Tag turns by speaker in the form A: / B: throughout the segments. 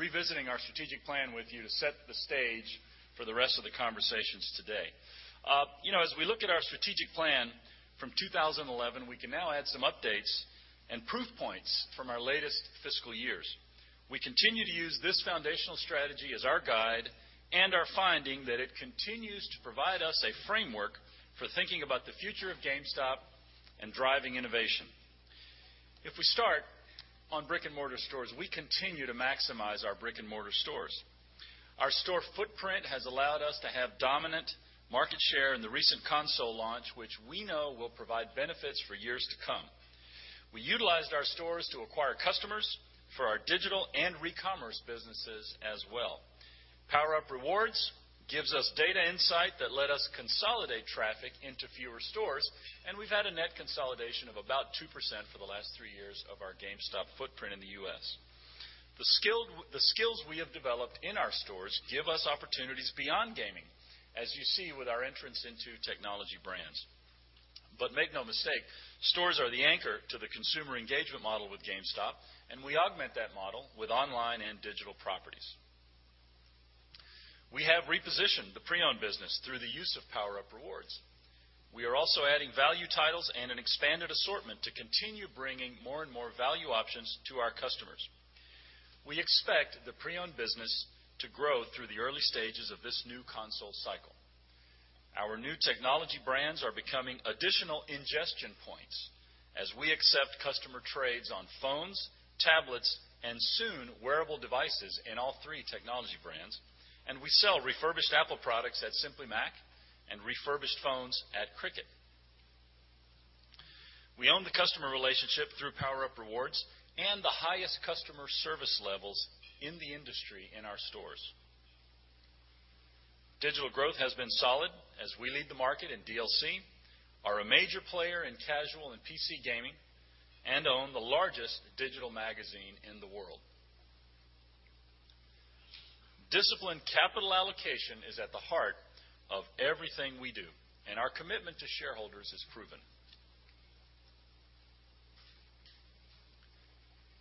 A: Revisiting our strategic plan with you to set the stage for the rest of the conversations today. As we look at our strategic plan from 2011, we can now add some updates and proof points from our latest fiscal years. We continue to use this foundational strategy as our guide and are finding that it continues to provide us a framework for thinking about the future of GameStop and driving innovation. If we start on brick-and-mortar stores, we continue to maximize our brick-and-mortar stores. Our store footprint has allowed us to have dominant market share in the recent console launch, which we know will provide benefits for years to come. We utilized our stores to acquire customers for our digital and recommerce businesses as well. PowerUp Rewards gives us data insight that let us consolidate traffic into fewer stores, and we've had a net consolidation of about 2% for the last three years of our GameStop footprint in the U.S. The skills we have developed in our stores give us opportunities beyond gaming, as you see with our entrance into technology brands. Make no mistake, stores are the anchor to the consumer engagement model with GameStop, and we augment that model with online and digital properties. We have repositioned the pre-owned business through the use of PowerUp Rewards. We are also adding value titles and an expanded assortment to continue bringing more and more value options to our customers. We expect the pre-owned business to grow through the early stages of this new console cycle. Our new technology brands are becoming additional ingestion points as we accept customer trades on phones, tablets, and soon wearable devices in all three technology brands, and we sell refurbished Apple products at Simply Mac and refurbished phones at Cricket. We own the customer relationship through PowerUp Rewards and the highest customer service levels in the industry in our stores. Digital growth has been solid as we lead the market in DLC, are a major player in casual and PC gaming, and own the largest digital magazine in the world. Disciplined capital allocation is at the heart of everything we do, and our commitment to shareholders is proven.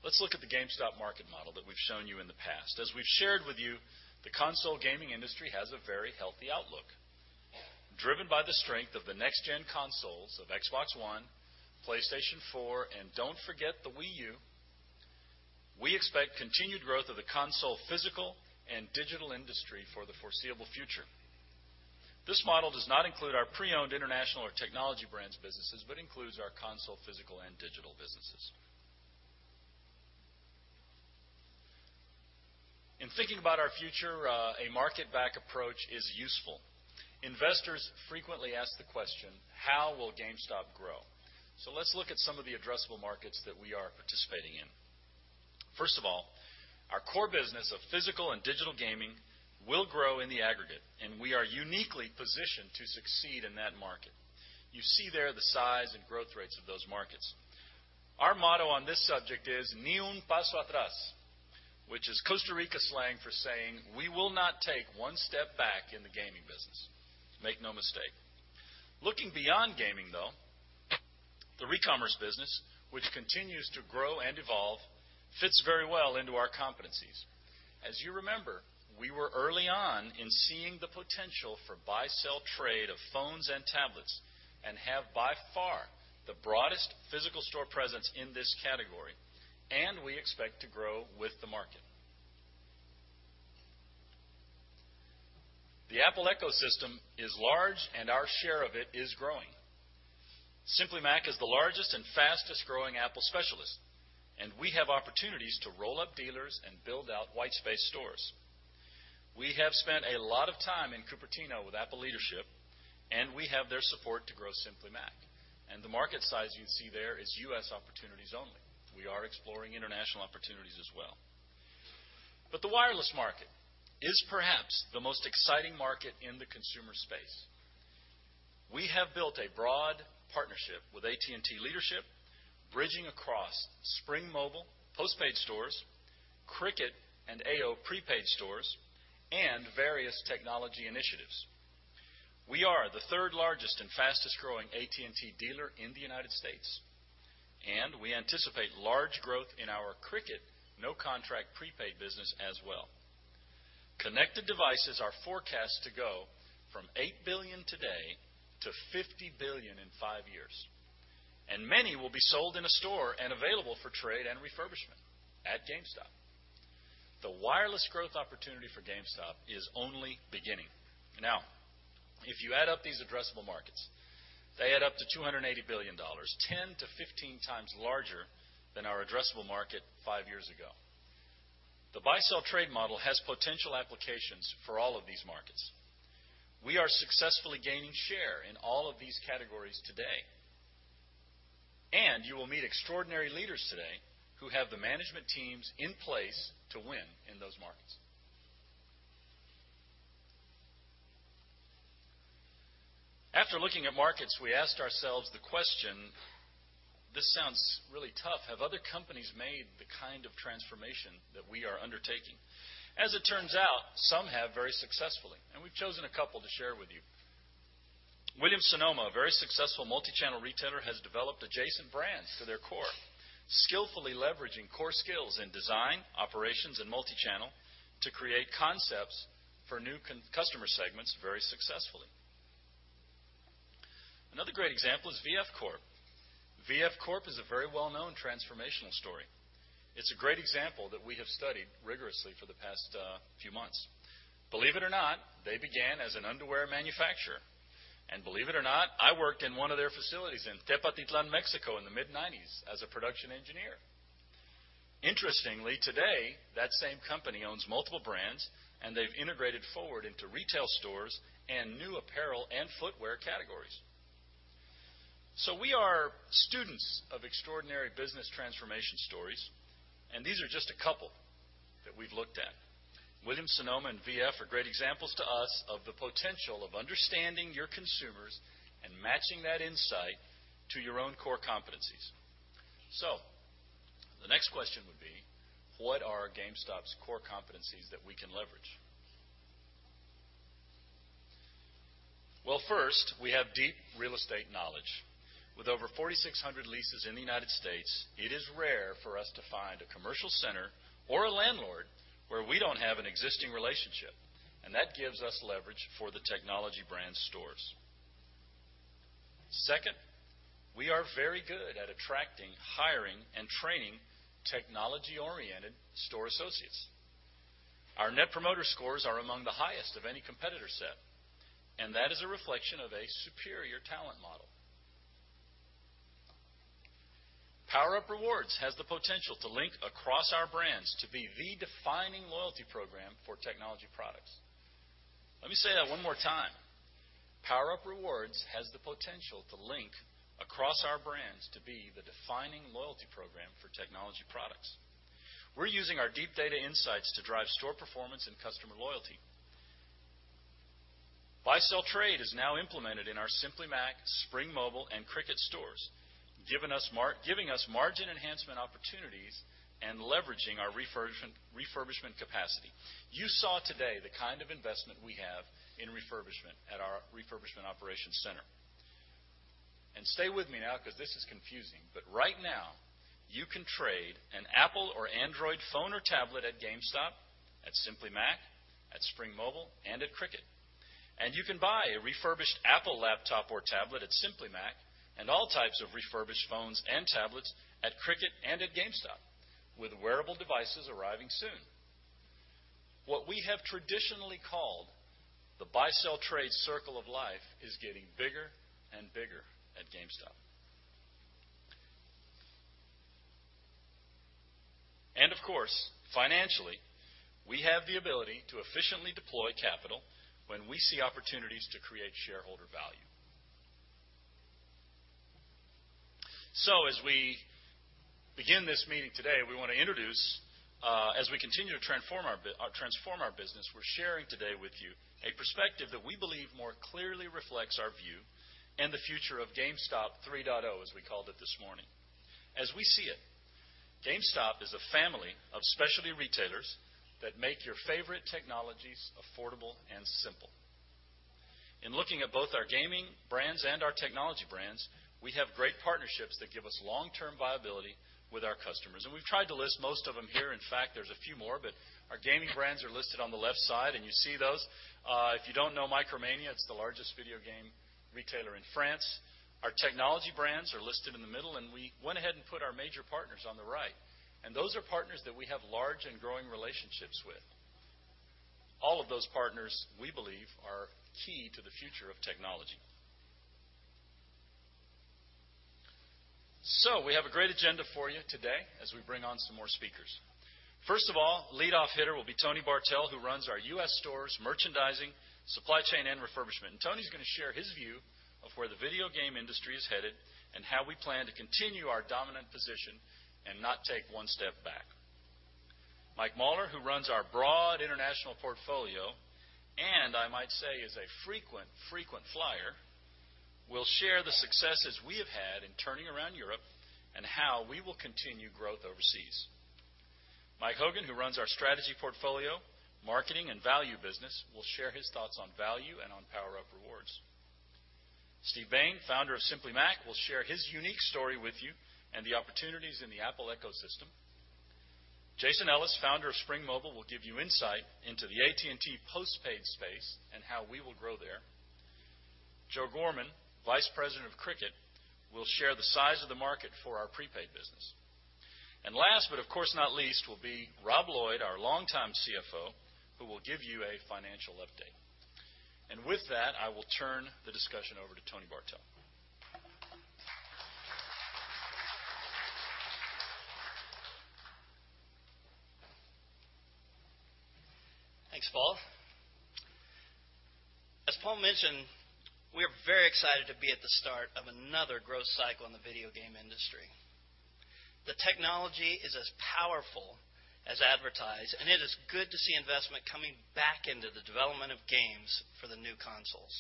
A: Let's look at the GameStop market model that we've shown you in the past. As we've shared with you, the console gaming industry has a very healthy outlook. Driven by the strength of the next gen consoles of Xbox One, PlayStation 4, and don't forget the Wii U, we expect continued growth of the console physical and digital industry for the foreseeable future. This model does not include our pre-owned international or technology brands businesses but includes our console physical and digital businesses. In thinking about our future, a market back approach is useful. Investors frequently ask the question: how will GameStop grow? Let's look at some of the addressable markets that we are participating in. First of all, our core business of physical and digital gaming will grow in the aggregate, and we are uniquely positioned to succeed in that market. You see there the size and growth rates of those markets. Our motto on this subject is, "Ni un paso atrás", which is Costa Rica slang for saying, we will not take one step back in the gaming business. Make no mistake. Looking beyond gaming, though, the recommerce business, which continues to grow and evolve, fits very well into our competencies. As you remember, we were early on in seeing the potential for buy-sell trade of phones and tablets and have by far the broadest physical store presence in this category, and we expect to grow with the market. The Apple ecosystem is large and our share of it is growing. Simply Mac is the largest and fastest growing Apple specialist, and we have opportunities to roll up dealers and build out white space stores. We have spent a lot of time in Cupertino with Apple leadership, and we have their support to grow Simply Mac. The market size you see there is U.S. opportunities only. We are exploring international opportunities as well. The wireless market is perhaps the most exciting market in the consumer space. We have built a broad partnership with AT&T leadership, bridging across Spring Mobile, postpaid stores, Cricket, and Aio prepaid stores, and various technology initiatives. We are the third largest and fastest growing AT&T dealer in the U.S., and we anticipate large growth in our Cricket no contract prepaid business as well. Connected devices are forecast to go from $8 billion today to $50 billion in five years, and many will be sold in a store and available for trade and refurbishment at GameStop. The wireless growth opportunity for GameStop is only beginning. If you add up these addressable markets, they add up to $280 billion, 10-15 times larger than our addressable market five years ago. The buy-sell trade model has potential applications for all of these markets. We are successfully gaining share in all of these categories today, and you will meet extraordinary leaders today who have the management teams in place to win in those markets. After looking at markets, we asked ourselves the question, this sounds really tough, have other companies made the kind of transformation that we are undertaking? As it turns out, some have very successfully, and we've chosen a couple to share with you. Williams-Sonoma, a very successful multi-channel retailer, has developed adjacent brands to their core, skillfully leveraging core skills in design, operations, and multi-channel to create concepts for new customer segments very successfully. Another great example is VF Corp. VF Corp is a very well-known transformational story. It's a great example that we have studied rigorously for the past few months. Believe it or not, they began as an underwear manufacturer, and believe it or not, I worked in one of their facilities in Tepotzotlán, Mexico, in the mid-1990s as a production engineer. Interestingly, today, that same company owns multiple brands, and they've integrated forward into retail stores and new apparel and footwear categories. We are students of extraordinary business transformation stories, and these are just a couple that we've looked at. Williams-Sonoma and VF are great examples to us of the potential of understanding your consumers and matching that insight to your own core competencies. The next question would be: what are GameStop's core competencies that we can leverage? Well, first, we have deep real estate knowledge. With over 4,600 leases in the United States, it is rare for us to find a commercial center or a landlord where we don't have an existing relationship, and that gives us leverage for the Technology Brands stores. Second, we are very good at attracting, hiring, and training technology-oriented store associates. Our net promoter scores are among the highest of any competitor set, and that is a reflection of a superior talent model. PowerUp Rewards has the potential to link across our brands to be the defining loyalty program for technology products. Let me say that one more time. PowerUp Rewards has the potential to link across our brands to be the defining loyalty program for technology products. We're using our deep data insights to drive store performance and customer loyalty. Buy/Sell/Trade is now implemented in our Simply Mac, Spring Mobile, and Cricket stores, giving us margin enhancement opportunities and leveraging our refurbishment capacity. You saw today the kind of investment we have in refurbishment at our Refurbishment Operations Center. Stay with me now because this is confusing, but right now, you can trade an Apple or Android phone or tablet at GameStop, at Simply Mac, at Spring Mobile, and at Cricket, and you can buy a refurbished Apple laptop or tablet at Simply Mac and all types of refurbished phones and tablets at Cricket and at GameStop, with wearable devices arriving soon. What we have traditionally called the Buy/Sell/Trade circle of life is getting bigger and bigger at GameStop. Financially, we have the ability to efficiently deploy capital when we see opportunities to create shareholder value. As we begin this meeting today, we want to introduce, as we continue to transform our business, we're sharing today with you a perspective that we believe more clearly reflects our view and the future of GameStop 3.0, as we called it this morning. As we see it, GameStop is a family of specialty retailers that make your favorite technologies affordable and simple. In looking at both our Gaming Brands and our Technology Brands, we have great partnerships that give us long-term viability with our customers, and we've tried to list most of them here. In fact, there's a few more, our Gaming Brands are listed on the left side, and you see those. If you don't know Micromania, it's the largest video game retailer in France. Our Technology Brands are listed in the middle, we went ahead and put our major partners on the right, and those are partners that we have large and growing relationships with. All of those partners, we believe, are key to the future of technology. We have a great agenda for you today as we bring on some more speakers. First of all, lead-off hitter will be Tony Bartel, who runs our U.S. stores, merchandising, supply chain, and refurbishment, Tony's going to share his view of where the video game industry is headed and how we plan to continue our dominant position and not take one step back. Mike Mauler, who runs our broad international portfolio, and I might say is a frequent flyer, will share the successes we have had in turning around Europe and how we will continue growth overseas. Mike Hogan, who runs our strategy portfolio, marketing, and value business, will share his thoughts on value and on PowerUp Rewards. Steve Bain, founder of Simply Mac, will share his unique story with you and the opportunities in the Apple ecosystem. Jason Ellis, founder of Spring Mobile, will give you insight into the AT&T postpaid space and how we will grow there. Joe Gorman, vice president of Cricket, will share the size of the market for our prepaid business. Last, but of course not least, will be Rob Lloyd, our longtime CFO, who will give you a financial update. With that, I will turn the discussion over to Tony Bartel.
B: Thanks, Paul. As Paul mentioned, we're very excited to be at the start of another growth cycle in the video game industry. The technology is as powerful as advertised, it is good to see investment coming back into the development of games for the new consoles.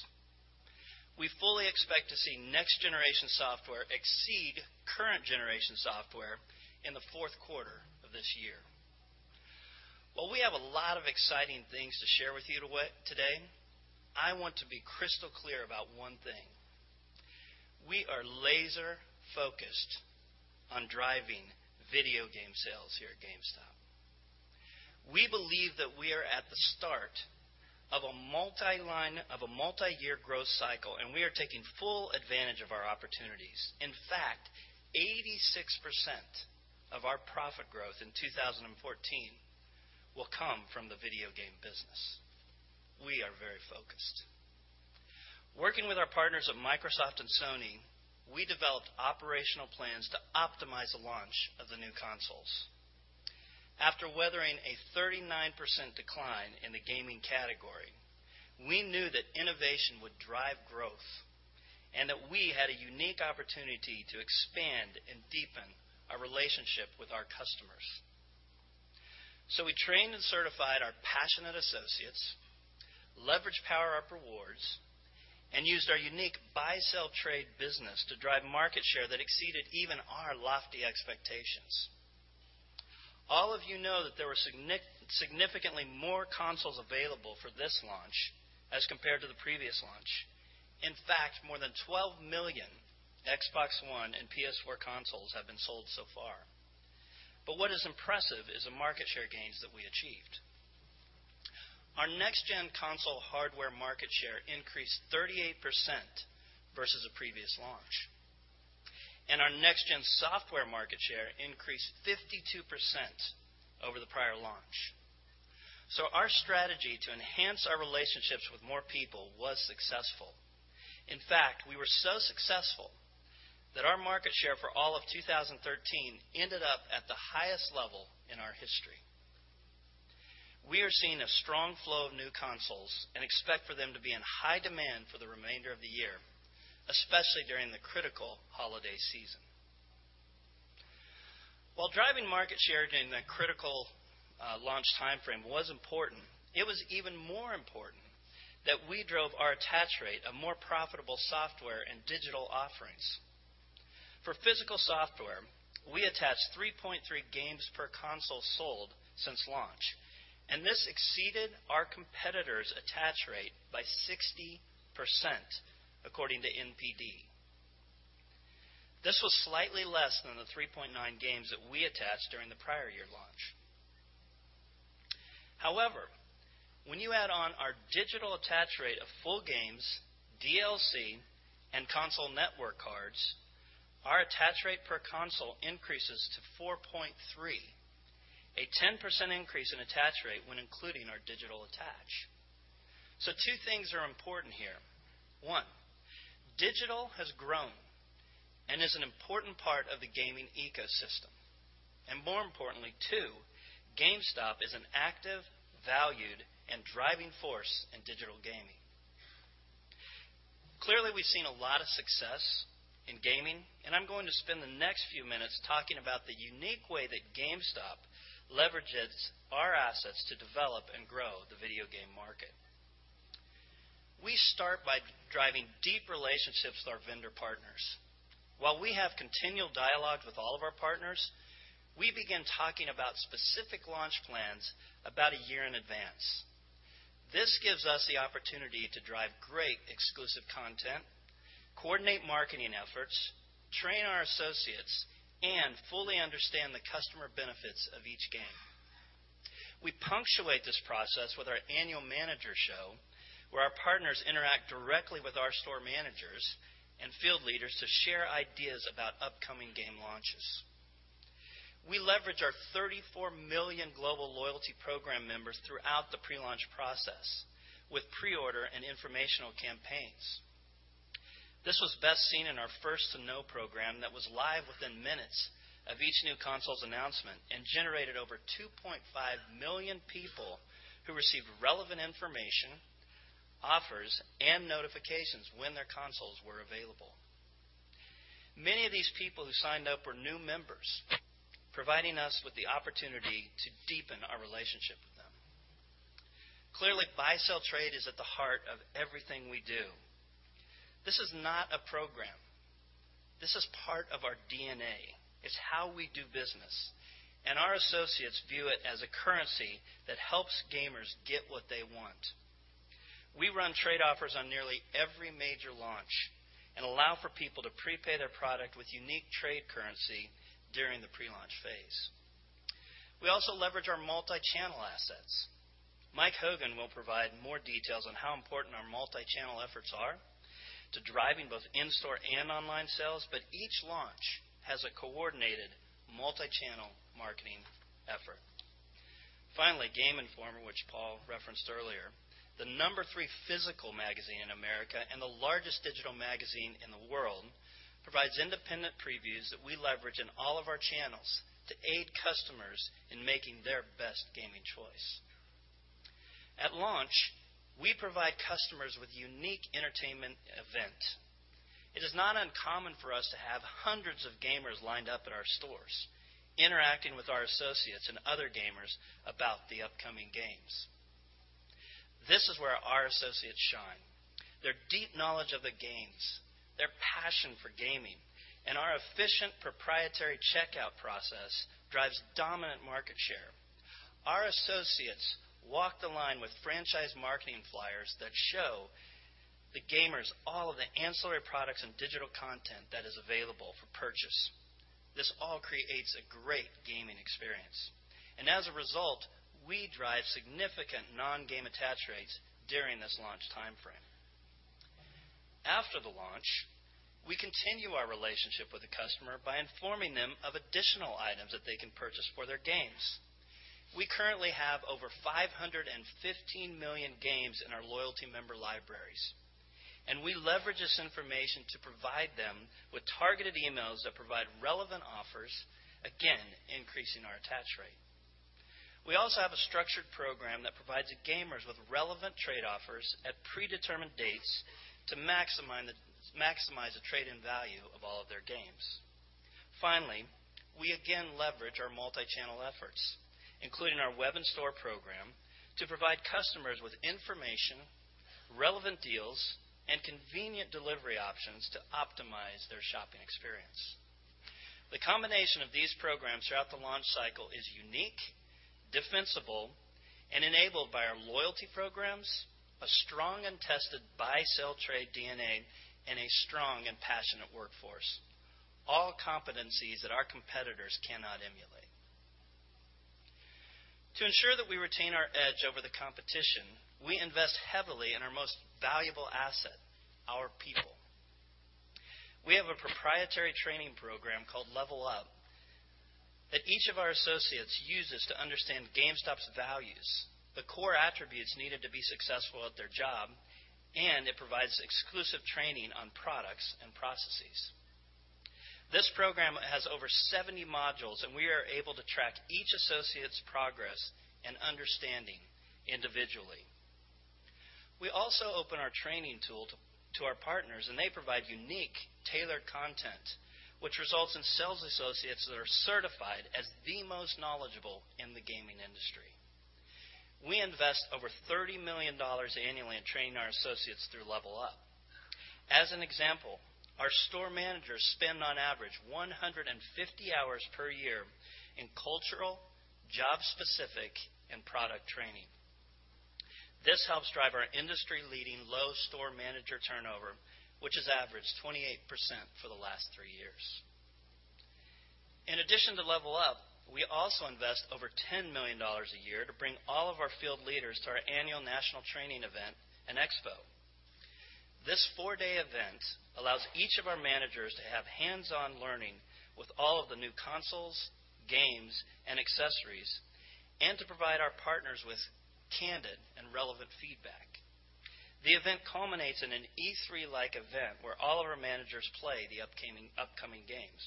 B: We fully expect to see next-generation software exceed current-generation software in the fourth quarter of this year. While we have a lot of exciting things to share with you today, I want to be crystal clear about one thing: we are laser-focused on driving video game sales here at GameStop. We believe that we are at the start of a multi-year growth cycle, we are taking full advantage of our opportunities. In fact, 86% of our profit growth in 2014 will come from the video game business. We are very focused. Working with our partners at Microsoft and Sony, we developed operational plans to optimize the launch of the new consoles. After weathering a 39% decline in the gaming category, we knew that innovation would drive growth we had a unique opportunity to expand and deepen our relationship with our customers. We trained and certified our passionate associates, leveraged PowerUp Rewards, used our unique buy-sell-trade business to drive market share that exceeded even our lofty expectations. All of you know that there were significantly more consoles available for this launch as compared to the previous launch. In fact, more than 12 million Xbox One and PS4 consoles have been sold so far. What is impressive is the market share gains that we achieved. Our next-gen console hardware market share increased 38% versus the previous launch, our next-gen software market share increased 52% over the prior launch. Our strategy to enhance our relationships with more people was successful. In fact, we were so successful that our market share for all of 2013 ended up at the highest level in our history. We are seeing a strong flow of new consoles expect for them to be in high demand for the remainder of the year, especially during the critical holiday season. While driving market share during the critical launch timeframe was important, it was even more important that we drove our attach rate of more profitable software and digital offerings. For physical software, we attached 3.3 games per console sold since launch, this exceeded our competitor's attach rate by 60%, according to NPD. This was slightly less than the 3.9 games that we attached during the prior year launch. However, when you add on our digital attach rate of full games, DLC, and console network cards, our attach rate per console increases to 4.3, a 10% increase in attach rate when including our digital attach. Two things are important here. One, digital has grown and is an important part of the gaming ecosystem, and more importantly, two, GameStop is an active, valued, and driving force in digital gaming. Clearly, we've seen a lot of success in gaming, and I'm going to spend the next few minutes talking about the unique way that GameStop leverages our assets to develop and grow the video game market. We start by driving deep relationships with our vendor partners. While we have continual dialogue with all of our partners, we begin talking about specific launch plans about one year in advance. This gives us the opportunity to drive great exclusive content, coordinate marketing efforts, train our associates, and fully understand the customer benefits of each game. We punctuate this process with our annual manager show, where our partners interact directly with our store managers and field leaders to share ideas about upcoming game launches. We leverage our 34 million global loyalty program members throughout the pre-launch process with pre-order and informational campaigns. This was best seen in our First to Know program that was live within minutes of each new console's announcement and generated over 2.5 million people who received relevant information, offers, and notifications when their consoles were available. Many of these people who signed up were new members, providing us with the opportunity to deepen our relationship with them. Clearly, buy-sell trade is at the heart of everything we do. This is not a program. This is part of our DNA. It's how we do business, and our associates view it as a currency that helps gamers get what they want. We run trade offers on nearly every major launch and allow for people to prepay their product with unique trade currency during the pre-launch phase. We also leverage our multi-channel assets. Mike Hogan will provide more details on how important our multi-channel efforts are to driving both in-store and online sales, but each launch has a coordinated multi-channel marketing effort. Finally, Game Informer, which Paul referenced earlier, the number three physical magazine in America and the largest digital magazine in the world, provides independent previews that we leverage in all of our channels to aid customers in making their best gaming choice. At launch, we provide customers with unique entertainment event. It is not uncommon for us to have hundreds of gamers lined up at our stores, interacting with our associates and other gamers about the upcoming games. This is where our associates shine. Their deep knowledge of the games, their passion for gaming, and our efficient proprietary checkout process drives dominant market share. Our associates walk the line with franchise marketing flyers that show the gamers all of the ancillary products and digital content that is available for purchase. This all creates a great gaming experience. As a result, we drive significant non-game attach rates during this launch timeframe. After the launch, we continue our relationship with the customer by informing them of additional items that they can purchase for their games. We currently have over 515 million games in our loyalty member libraries, and we leverage this information to provide them with targeted emails that provide relevant offers, again, increasing our attach rate. We also have a structured program that provides gamers with relevant trade offers at predetermined dates to maximize the trade-in value of all of their games. Finally, we again leverage our multi-channel efforts, including our web and store program, to provide customers with information, relevant deals, and convenient delivery options to optimize their shopping experience. The combination of these programs throughout the launch cycle is unique, defensible, and enabled by our loyalty programs, a strong and tested buy-sell trade DNA, and a strong and passionate workforce, all competencies that our competitors cannot emulate. To ensure that we retain our edge over the competition, we invest heavily in our most valuable asset, our people. We have a proprietary training program called Level Up that each of our associates uses to understand GameStop's values, the core attributes needed to be successful at their job, and it provides exclusive training on products and processes. This program has over 70 modules, and we are able to track each associate's progress and understanding individually. We also open our training tool to our partners, and they provide unique, tailored content, which results in sales associates that are certified as the most knowledgeable in the gaming industry. We invest over $30 million annually in training our associates through Level Up. As an example, our store managers spend, on average, 150 hours per year in cultural, job-specific, and product training. This helps drive our industry-leading low store manager turnover, which has averaged 28% for the last three years. In addition to Level Up, we also invest over $10 million a year to bring all of our field leaders to our annual national training event and expo. This four-day event allows each of our managers to have hands-on learning with all of the new consoles, games, and accessories, and to provide our partners with candid and relevant feedback. The event culminates in an E3-like event where all of our managers play the upcoming games.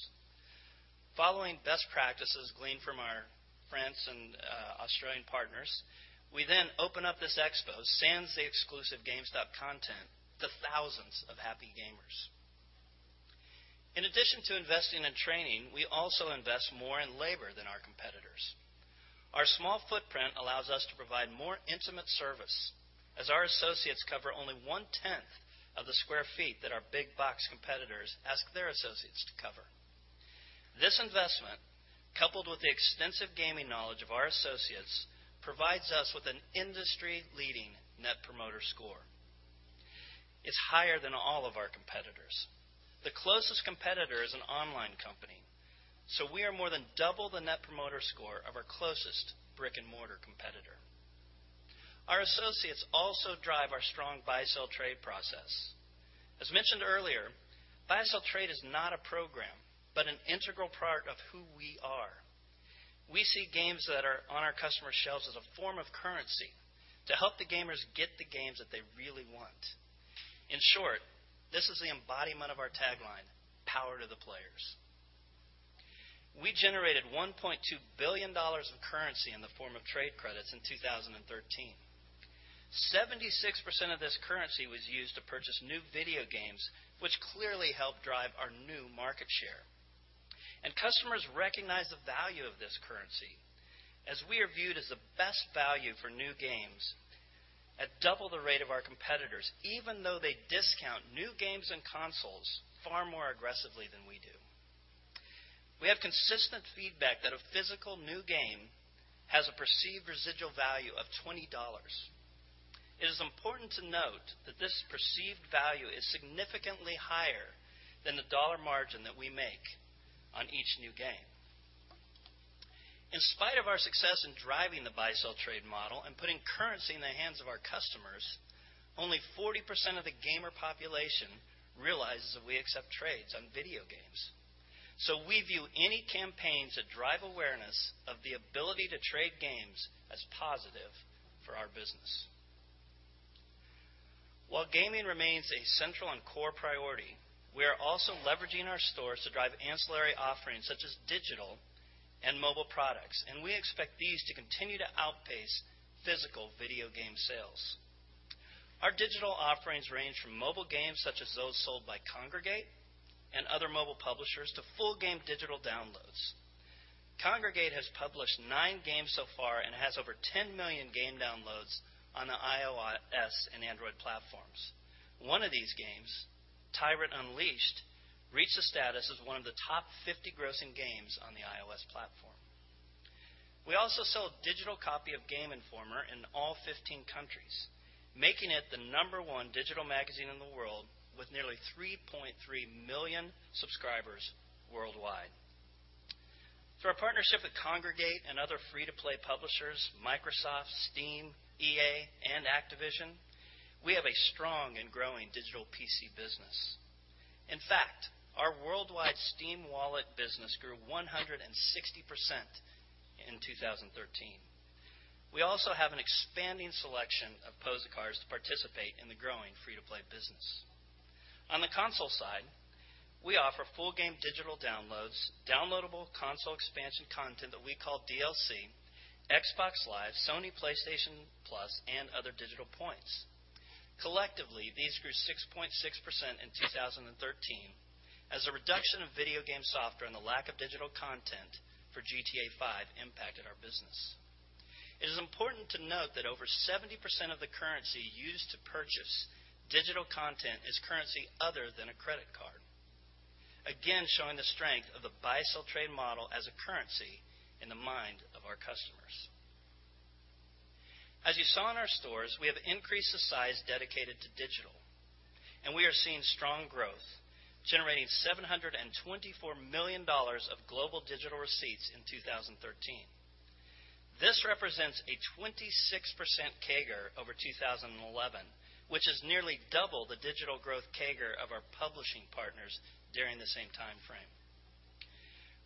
B: Following best practices gleaned from our France and Australian partners, we then open up this expo, sans the exclusive GameStop content, to thousands of happy gamers. In addition to investing in training, we also invest more in labor than our competitors. Our small footprint allows us to provide more intimate service, as our associates cover only one-tenth of the square feet that our big box competitors ask their associates to cover. This investment, coupled with the extensive gaming knowledge of our associates, provides us with an industry-leading net promoter score. It's higher than all of our competitors. The closest competitor is an online company, so we are more than double the net promoter score of our closest brick-and-mortar competitor. Our associates also drive our strong buy-sell trade process. As mentioned earlier, buy-sell trade is not a program but an integral part of who we are. We see games that are on our customers' shelves as a form of currency to help the gamers get the games that they really want. In short, this is the embodiment of our tagline, "Power to the players." We generated $1.2 billion of currency in the form of trade credits in 2013. 76% of this currency was used to purchase new video games, which clearly helped drive our new market share. Customers recognize the value of this currency, as we are viewed as the best value for new games at double the rate of our competitors, even though they discount new games and consoles far more aggressively than we do. We have consistent feedback that a physical new game has a perceived residual value of $20. It is important to note that this perceived value is significantly higher than the dollar margin that we make on each new game. In spite of our success in driving the buy-sell-trade model and putting currency in the hands of our customers, only 40% of the gamer population realizes that we accept trades on video games. We view any campaigns that drive awareness of the ability to trade games as positive for our business. While gaming remains a central and core priority, we are also leveraging our stores to drive ancillary offerings such as digital and mobile products, and we expect these to continue to outpace physical video game sales. Our digital offerings range from mobile games such as those sold by Kongregate and other mobile publishers to full game digital downloads. Kongregate has published nine games so far and has over 10 million game downloads on the iOS and Android platforms. One of these games, "Tyrant Unleashed," reached the status as one of the top 50 grossing games on the iOS platform. We also sell a digital copy of Game Informer in all 15 countries, making it the number one digital magazine in the world, with nearly 3.3 million subscribers worldwide. Through our partnership with Kongregate and other free-to-play publishers, Microsoft, Steam, EA, and Activision, we have a strong and growing digital PC business. In fact, our worldwide Steam Wallet business grew 160% in 2013. We also have an expanding selection of POSA cards to participate in the growing free-to-play business. On the console side, we offer full game digital downloads, downloadable console expansion content that we call DLC, Xbox Live, Sony PlayStation Plus, and other digital points. Collectively, these grew 6.6% in 2013 as a reduction of video game software and the lack of digital content for "GTA V" impacted our business. It is important to note that over 70% of the currency used to purchase digital content is currency other than a credit card, again, showing the strength of the buy-sell-trade model as a currency in the mind of our customers. As you saw in our stores, we have increased the size dedicated to digital, and we are seeing strong growth, generating $724 million of global digital receipts in 2013. This represents a 26% CAGR over 2011, which is nearly double the digital growth CAGR of our publishing partners during the same time frame.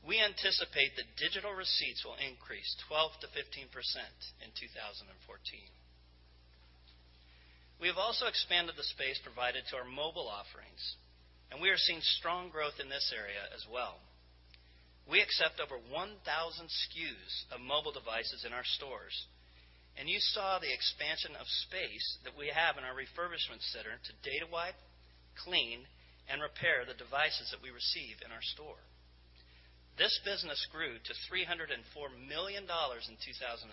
B: We anticipate that digital receipts will increase 12%-15% in 2014. We have also expanded the space provided to our mobile offerings, and we are seeing strong growth in this area as well. We accept over 1,000 SKUs of mobile devices in our stores, and you saw the expansion of space that we have in our refurbishment center to data wipe, clean, and repair the devices that we receive in our store. This business grew to $304 million in 2013,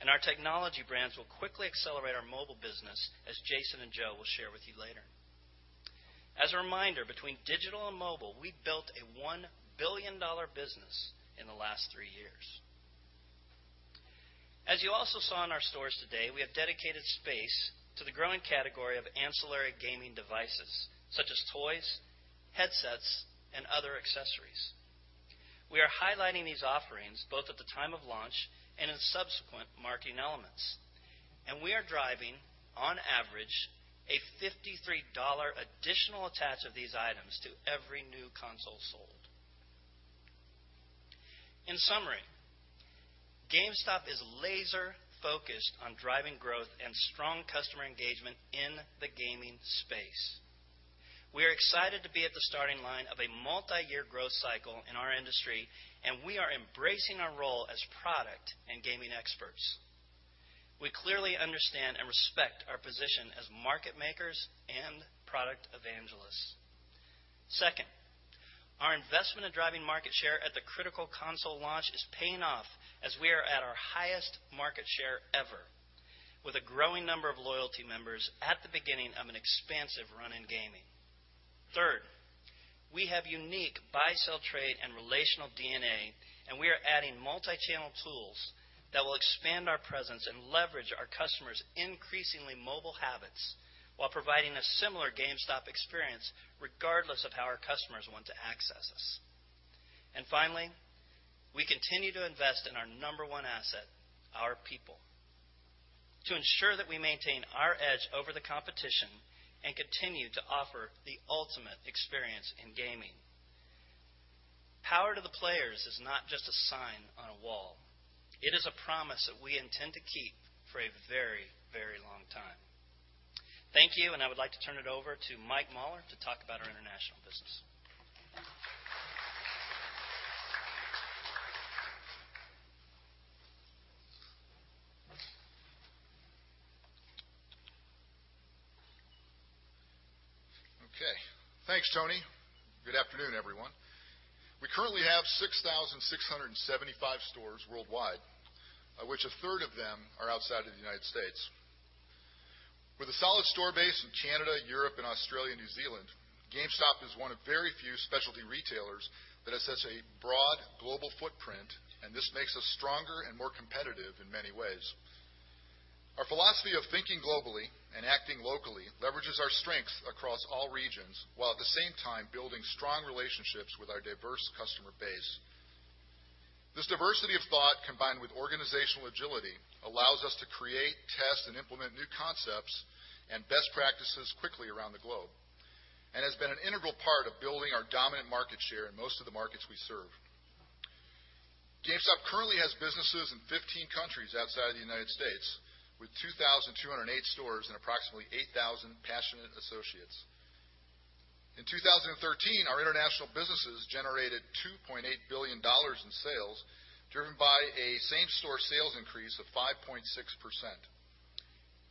B: and our technology brands will quickly accelerate our mobile business, as Jason and Joe will share with you later. As a reminder, between digital and mobile, we've built a $1 billion business in the last three years. As you also saw in our stores today, we have dedicated space to the growing category of ancillary gaming devices, such as toys, headsets, and other accessories. We are highlighting these offerings both at the time of launch and in subsequent marketing elements, and we are driving, on average, a $53 additional attach of these items to every new console sold. In summary, GameStop is laser-focused on driving growth and strong customer engagement in the gaming space. We are excited to be at the starting line of a multi-year growth cycle in our industry, and we are embracing our role as product and gaming experts. We clearly understand and respect our position as market makers and product evangelists. Second, our investment in driving market share at the critical console launch is paying off as we are at our highest market share ever, with a growing number of loyalty members at the beginning of an expansive run in gaming. Third, we have unique buy-sell-trade and relational DNA, and we are adding multi-channel tools that will expand our presence and leverage our customers' increasingly mobile habits while providing a similar GameStop experience, regardless of how our customers want to access us. Finally, we continue to invest in our number one asset, our people, to ensure that we maintain our edge over the competition and continue to offer the ultimate experience in gaming. Power to the Players is not just a sign on a wall. It is a promise that we intend to keep for a very long time. Thank you, and I would like to turn it over to Mike Mauler to talk about our international business.
C: Okay. Thanks, Tony. Good afternoon, everyone. We currently have 6,675 stores worldwide, of which a third of them are outside of the U.S. With a solid store base in Canada, Europe, and Australia, and New Zealand, GameStop is one of very few specialty retailers that has such a broad global footprint, and this makes us stronger and more competitive in many ways. Our philosophy of thinking globally and acting locally leverages our strengths across all regions, while at the same time building strong relationships with our diverse customer base. This diversity of thought, combined with organizational agility, allows us to create, test, and implement new concepts and best practices quickly around the globe and has been an integral part of building our dominant market share in most of the markets we serve. GameStop currently has businesses in 15 countries outside the U.S., with 2,208 stores and approximately 8,000 passionate associates. In 2013, our international businesses generated $2.8 billion in sales, driven by a same-store sales increase of 5.6%.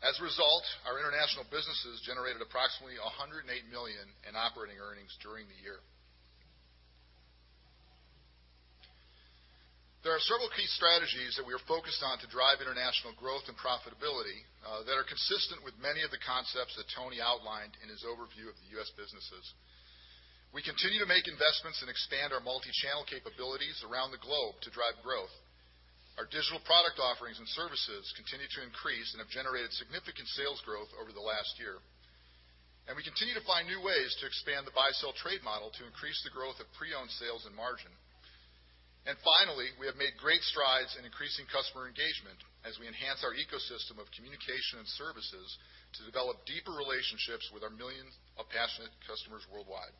C: As a result, our international businesses generated approximately $108 million in operating earnings during the year. There are several key strategies that we are focused on to drive international growth and profitability that are consistent with many of the concepts that Tony outlined in his overview of the U.S. businesses. We continue to make investments and expand our multi-channel capabilities around the globe to drive growth. Our digital product offerings and services continue to increase and have generated significant sales growth over the last year. We continue to find new ways to expand the buy-sell trade model to increase the growth of pre-owned sales and margin. Finally, we have made great strides in increasing customer engagement as we enhance our ecosystem of communication and services to develop deeper relationships with our millions of passionate customers worldwide.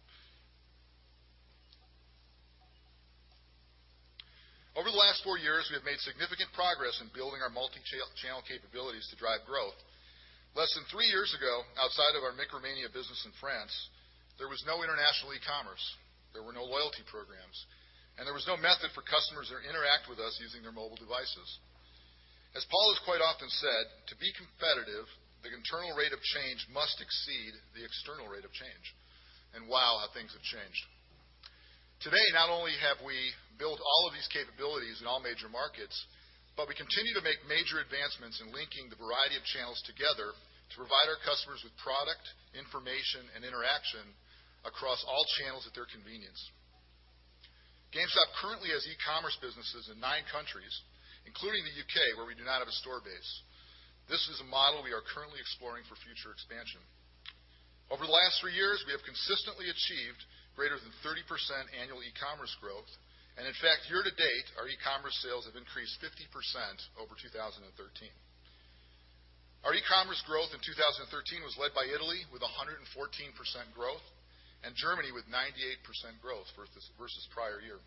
C: Over the last four years, we have made significant progress in building our multi-channel capabilities to drive growth. Less than three years ago, outside of our Micromania business in France, there was no international e-commerce, there were no loyalty programs, and there was no method for customers to interact with us using their mobile devices. As Paul has quite often said, "To be competitive, the internal rate of change must exceed the external rate of change." Wow, have things changed. Today, not only have we built all of these capabilities in all major markets, but we continue to make major advancements in linking the variety of channels together to provide our customers with product, information, and interaction across all channels at their convenience. GameStop currently has e-commerce businesses in nine countries, including the U.K., where we do not have a store base. This is a model we are currently exploring for future expansion. Over the last three years, we have consistently achieved greater than 30% annual e-commerce growth. In fact, year to date, our e-commerce sales have increased 50% over 2013. Our e-commerce growth in 2013 was led by Italy, with 114% growth, and Germany with 98% growth versus prior year.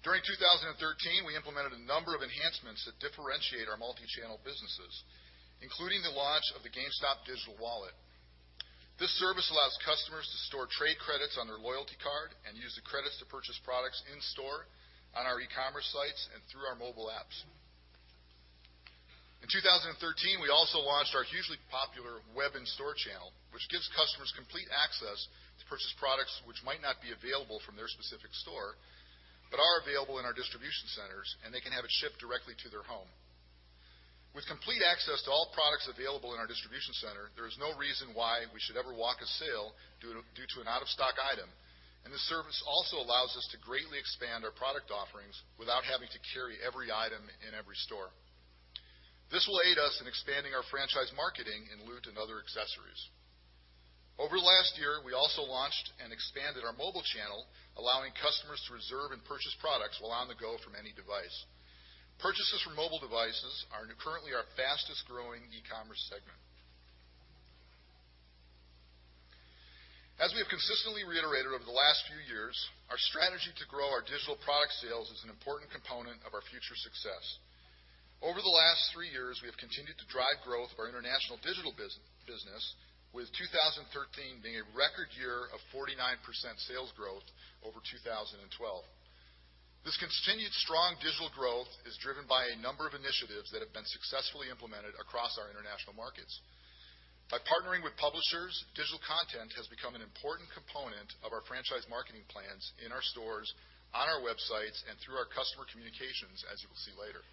C: During 2013, we implemented a number of enhancements that differentiate our multi-channel businesses, including the launch of the GameStop Digital Wallet. This service allows customers to store trade credits on their loyalty card and use the credits to purchase products in store, on our e-commerce sites, and through our mobile apps. In 2013, we also launched our hugely popular Web in-Store channel, which gives customers complete access to purchase products which might not be available from their specific store but are available in our distribution centers, and they can have it shipped directly to their home. With complete access to all products available in our distribution center, there is no reason why we should ever walk a sale due to an out-of-stock item. This service also allows us to greatly expand our product offerings without having to carry every item in every store. This will aid us in expanding our franchise marketing in loot and other accessories. Over last year, we also launched and expanded our mobile channel, allowing customers to reserve and purchase products while on the go from any device. Purchases from mobile devices are currently our fastest-growing e-commerce segment. As we have consistently reiterated over the last few years, our strategy to grow our digital product sales is an important component of our future success. Over the last three years, we have continued to drive growth of our international digital business, with 2013 being a record year of 49% sales growth over 2012. This continued strong digital growth is driven by a number of initiatives that have been successfully implemented across our international markets. By partnering with publishers, digital content has become an important component of our franchise marketing plans in our stores, on our websites, and through our customer communications, as you will see later.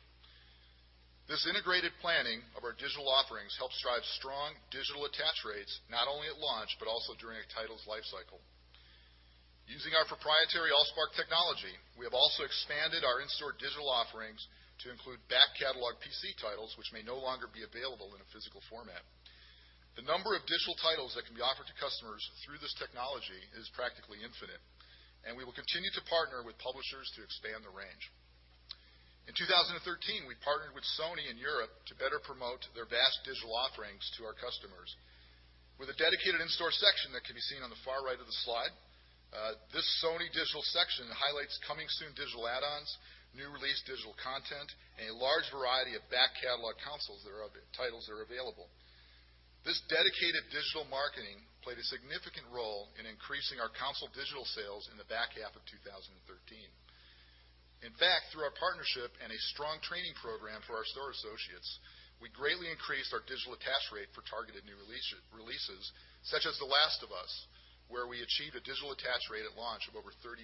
C: This integrated planning of our digital offerings helps drive strong digital attach rates not only at launch, but also during a title's life cycle. Using our proprietary AllSpark technology, we have also expanded our in-store digital offerings to include back catalog PC titles, which may no longer be available in a physical format. The number of digital titles that can be offered to customers through this technology is practically infinite, and we will continue to partner with publishers to expand the range. In 2013, we partnered with Sony in Europe to better promote their vast digital offerings to our customers. With a dedicated in-store section that can be seen on the far right of the slide, this Sony digital section highlights coming soon digital add-ons, new release digital content, and a large variety of back catalog titles that are available. This dedicated digital marketing played a significant role in increasing our console digital sales in the back half of 2013. In fact, through our partnership and a strong training program for our store associates, we greatly increased our digital attach rate for targeted new releases, such as The Last of Us, where we achieved a digital attach rate at launch of over 30%.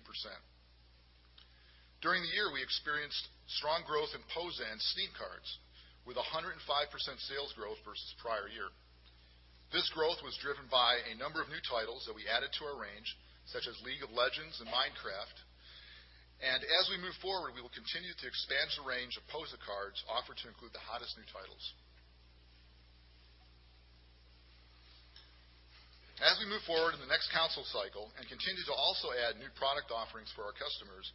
C: During the year, we experienced strong growth in POSA cards with 105% sales growth versus prior year. This growth was driven by a number of new titles that we added to our range, such as League of Legends and Minecraft. As we move forward, we will continue to expand the range of POSA cards offered to include the hottest new titles. As we move forward in the next console cycle and continue to also add new product offerings for our customers,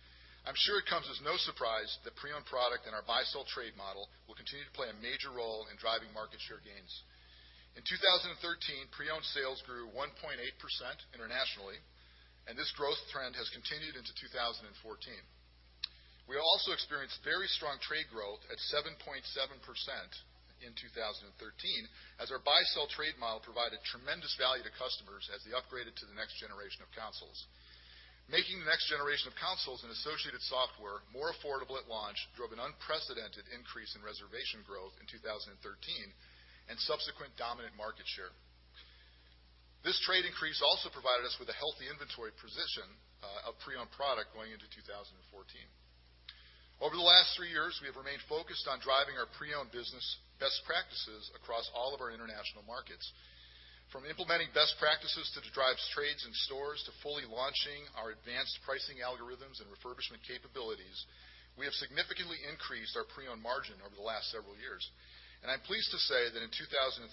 C: I'm sure it comes as no surprise that pre-owned product and our buy-sell trade model will continue to play a major role in driving market share gains. In 2013, pre-owned sales grew 1.8% internationally, and this growth trend has continued into 2014. We also experienced very strong trade growth at 7.7% in 2013. As our buy-sell trade model provided tremendous value to customers as they upgraded to the next generation of consoles. Making the next generation of consoles and associated software more affordable at launch drove an unprecedented increase in reservation growth in 2013 and subsequent dominant market share. This trade increase also provided us with a healthy inventory position of pre-owned product going into 2014. Over the last three years, we have remained focused on driving our pre-owned business best practices across all of our international markets. From implementing best practices to drive trades in stores to fully launching our advanced pricing algorithms and refurbishment capabilities, we have significantly increased our pre-owned margin over the last several years, and I am pleased to say that in 2013,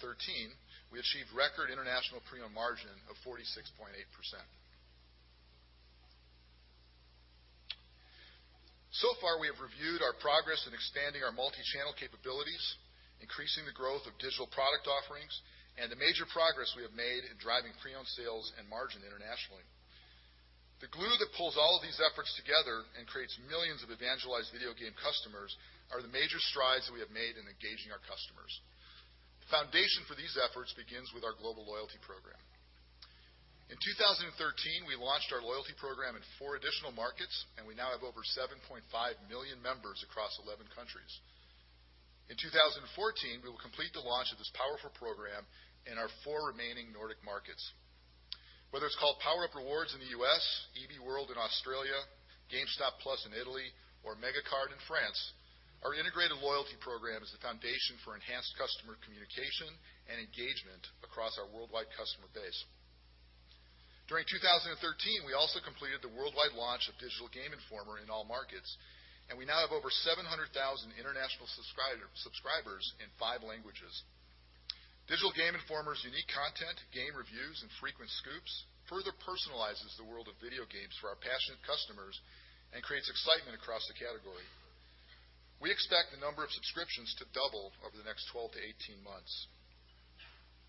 C: we achieved record international pre-owned margin of 46.8%. Far, we have reviewed our progress in expanding our multi-channel capabilities, increasing the growth of digital product offerings, and the major progress we have made in driving pre-owned sales and margin internationally. The glue that pulls all of these efforts together and creates millions of evangelized video game customers are the major strides that we have made in engaging our customers. The foundation for these efforts begins with our global loyalty program. In 2013, we launched our loyalty program in four additional markets, and we now have over 7.5 million members across 11 countries. In 2014, we will complete the launch of this powerful program in our four remaining Nordic markets. Whether it is called PowerUp Rewards in the U.S., EB World in Australia, GameStop + in Italy, or Mégacarte in France, our integrated loyalty program is the foundation for enhanced customer communication and engagement across our worldwide customer base. During 2013, we also completed the worldwide launch of Digital Game Informer in all markets, and we now have over 700,000 international subscribers in five languages. Digital Game Informer's unique content, game reviews, and frequent scoops further personalizes the world of video games for our passionate customers and creates excitement across the category. We expect the number of subscriptions to double over the next 12-18 months.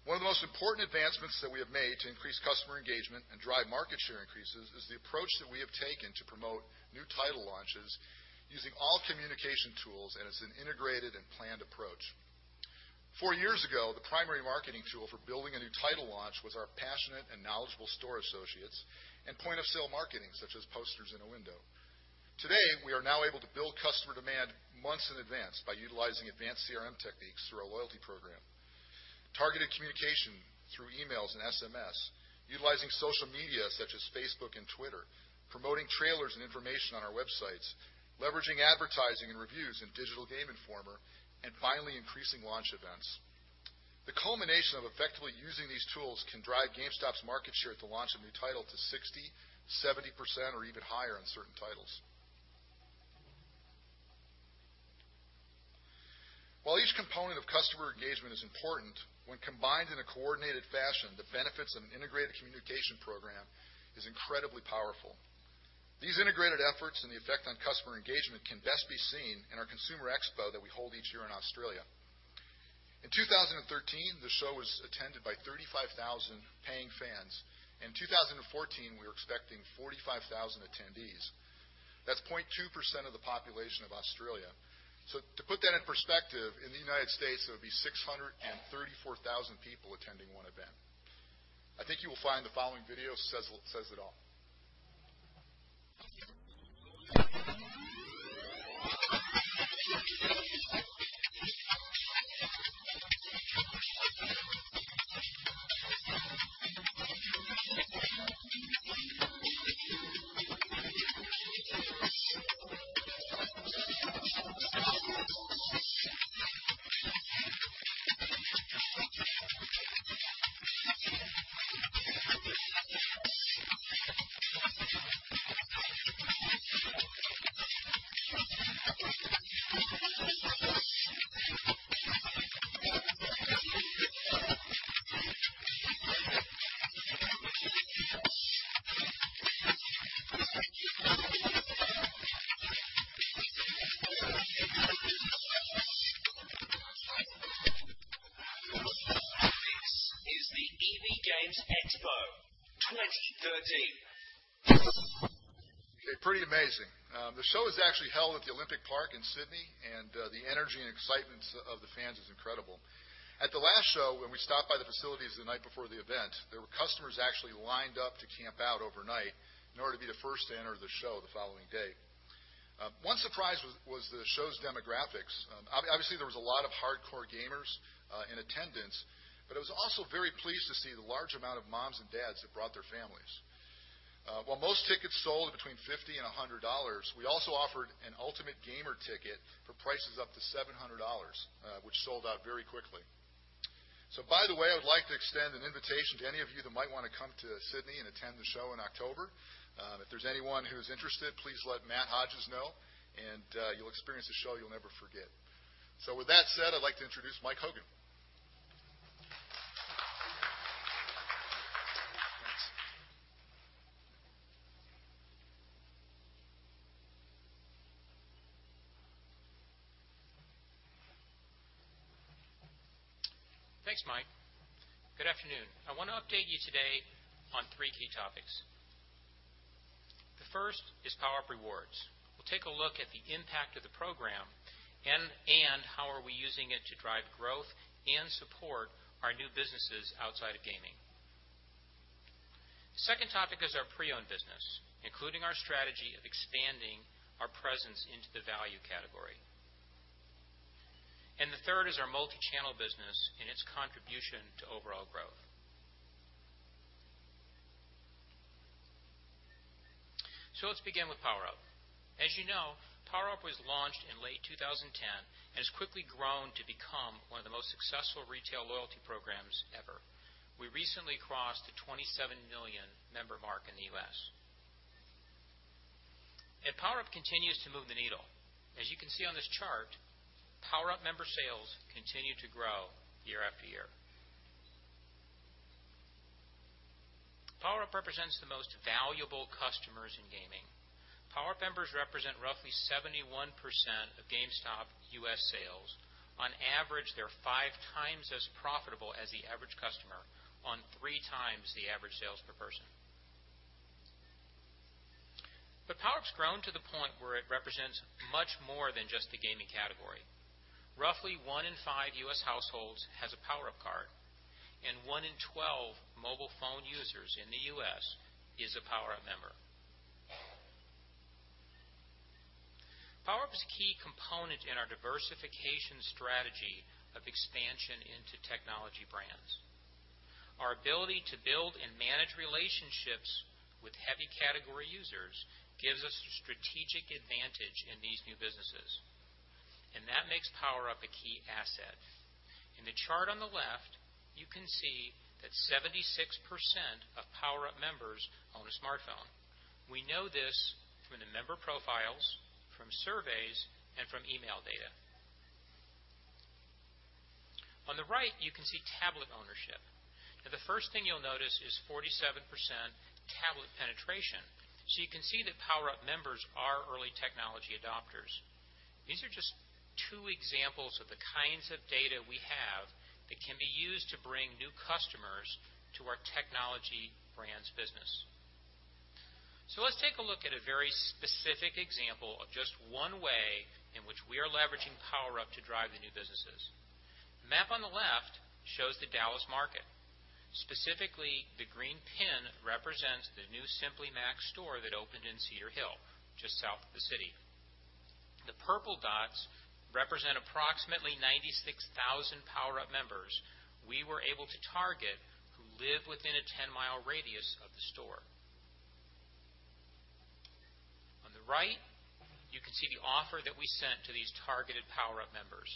C: One of the most important advancements that we have made to increase customer engagement and drive market share increases is the approach that we have taken to promote new title launches using all communication tools and as an integrated and planned approach. Four years ago, the primary marketing tool for building a new title launch was our passionate and knowledgeable store associates and point-of-sale marketing, such as posters in a window. Today, we are now able to build customer demand months in advance by utilizing advanced CRM techniques through our loyalty program, targeted communication through emails and SMS, utilizing social media such as Facebook and Twitter, promoting trailers and information on our websites, leveraging advertising and reviews in Digital Game Informer, and finally, increasing launch events. The culmination of effectively using these tools can drive GameStop's market share at the launch of new title to 60%, 70%, or even higher on certain titles. While each component of customer engagement is important, when combined in a coordinated fashion, the benefits of an integrated communication program is incredibly powerful. These integrated efforts and the effect on customer engagement can best be seen in our consumer expo that we hold each year in Australia. In 2013, the show was attended by 35,000 paying fans. In 2014, we were expecting 45,000 attendees. That is 0.2% of the population of Australia. To put that in perspective, in the U.S., that would be 634,000 people attending one event. I think you will find the following video says it all.
D: This is the EB Games Expo 2013.
C: Pretty amazing. The show is actually held at the Olympic Park in Sydney, the energy and excitement of the fans is incredible. At the last show, when we stopped by the facilities the night before the event, there were customers actually lined up to camp out overnight in order to be the first to enter the show the following day. One surprise was the show's demographics. Obviously, there was a lot of hardcore gamers in attendance, but I was also very pleased to see the large amount of moms and dads that brought their families. While most tickets sold between $50 and $100, we also offered an ultimate gamer ticket for prices up to $700, which sold out very quickly. By the way, I would like to extend an invitation to any of you that might want to come to Sydney and attend the show in October. If there's anyone who's interested, please let Matt Hodges know, you'll experience a show you'll never forget. With that said, I'd like to introduce Mike Hogan. Thanks.
E: Thanks, Mike. Good afternoon. I want to update you today on three key topics. The first is PowerUp Rewards. We'll take a look at the impact of the program and how are we using it to drive growth and support our new businesses outside of gaming. The second topic is our pre-owned business, including our strategy of expanding our presence into the value category. The third is our multi-channel business and its contribution to overall growth. Let's begin with PowerUp. As you know, PowerUp was launched in late 2010 and has quickly grown to become one of the most successful retail loyalty programs ever. We recently crossed the 27 million member mark in the U.S. PowerUp continues to move the needle. As you can see on this chart, PowerUp member sales continue to grow year after year. PowerUp represents the most valuable customers in gaming. PowerUp members represent roughly 71% of GameStop U.S. sales. On average, they're five times as profitable as the average customer on three times the average sales per person. But PowerUp's grown to the point where it represents much more than just the gaming category. Roughly one in five U.S. households has a PowerUp card, and one in 12 mobile phone users in the U.S. is a PowerUp member. PowerUp is a key component in our diversification strategy of expansion into Technology Brands. Our ability to build and manage relationships with heavy category users gives us strategic advantage in these new businesses. And that makes PowerUp a key asset. In the chart on the left, you can see that 76% of PowerUp members own a smartphone. We know this from the member profiles, from surveys, and from email data. On the right, you can see tablet ownership. The first thing you'll notice is 47% tablet penetration. You can see that PowerUp members are early technology adopters. These are just two examples of the kinds of data we have that can be used to bring new customers to our Technology Brands business. Let's take a look at a very specific example of just one way in which we are leveraging PowerUp to drive the new businesses. The map on the left shows the Dallas market. Specifically, the green pin represents the new Simply Mac store that opened in Cedar Hill, just south of the city. The purple dots represent approximately 96,000 PowerUp members we were able to target who live within a 10-mile radius of the store. On the right, you can see the offer that we sent to these targeted PowerUp members.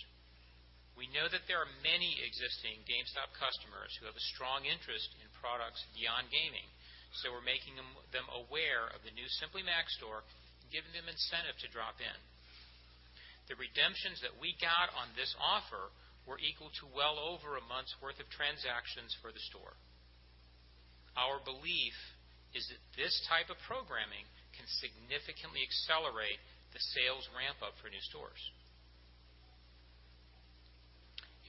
E: We know that there are many existing GameStop customers who have a strong interest in products beyond gaming, so we're making them aware of the new Simply Mac store and giving them incentive to drop in. The redemptions that we got on this offer were equal to well over a month's worth of transactions for the store. Our belief is that this type of programming can significantly accelerate the sales ramp-up for new stores.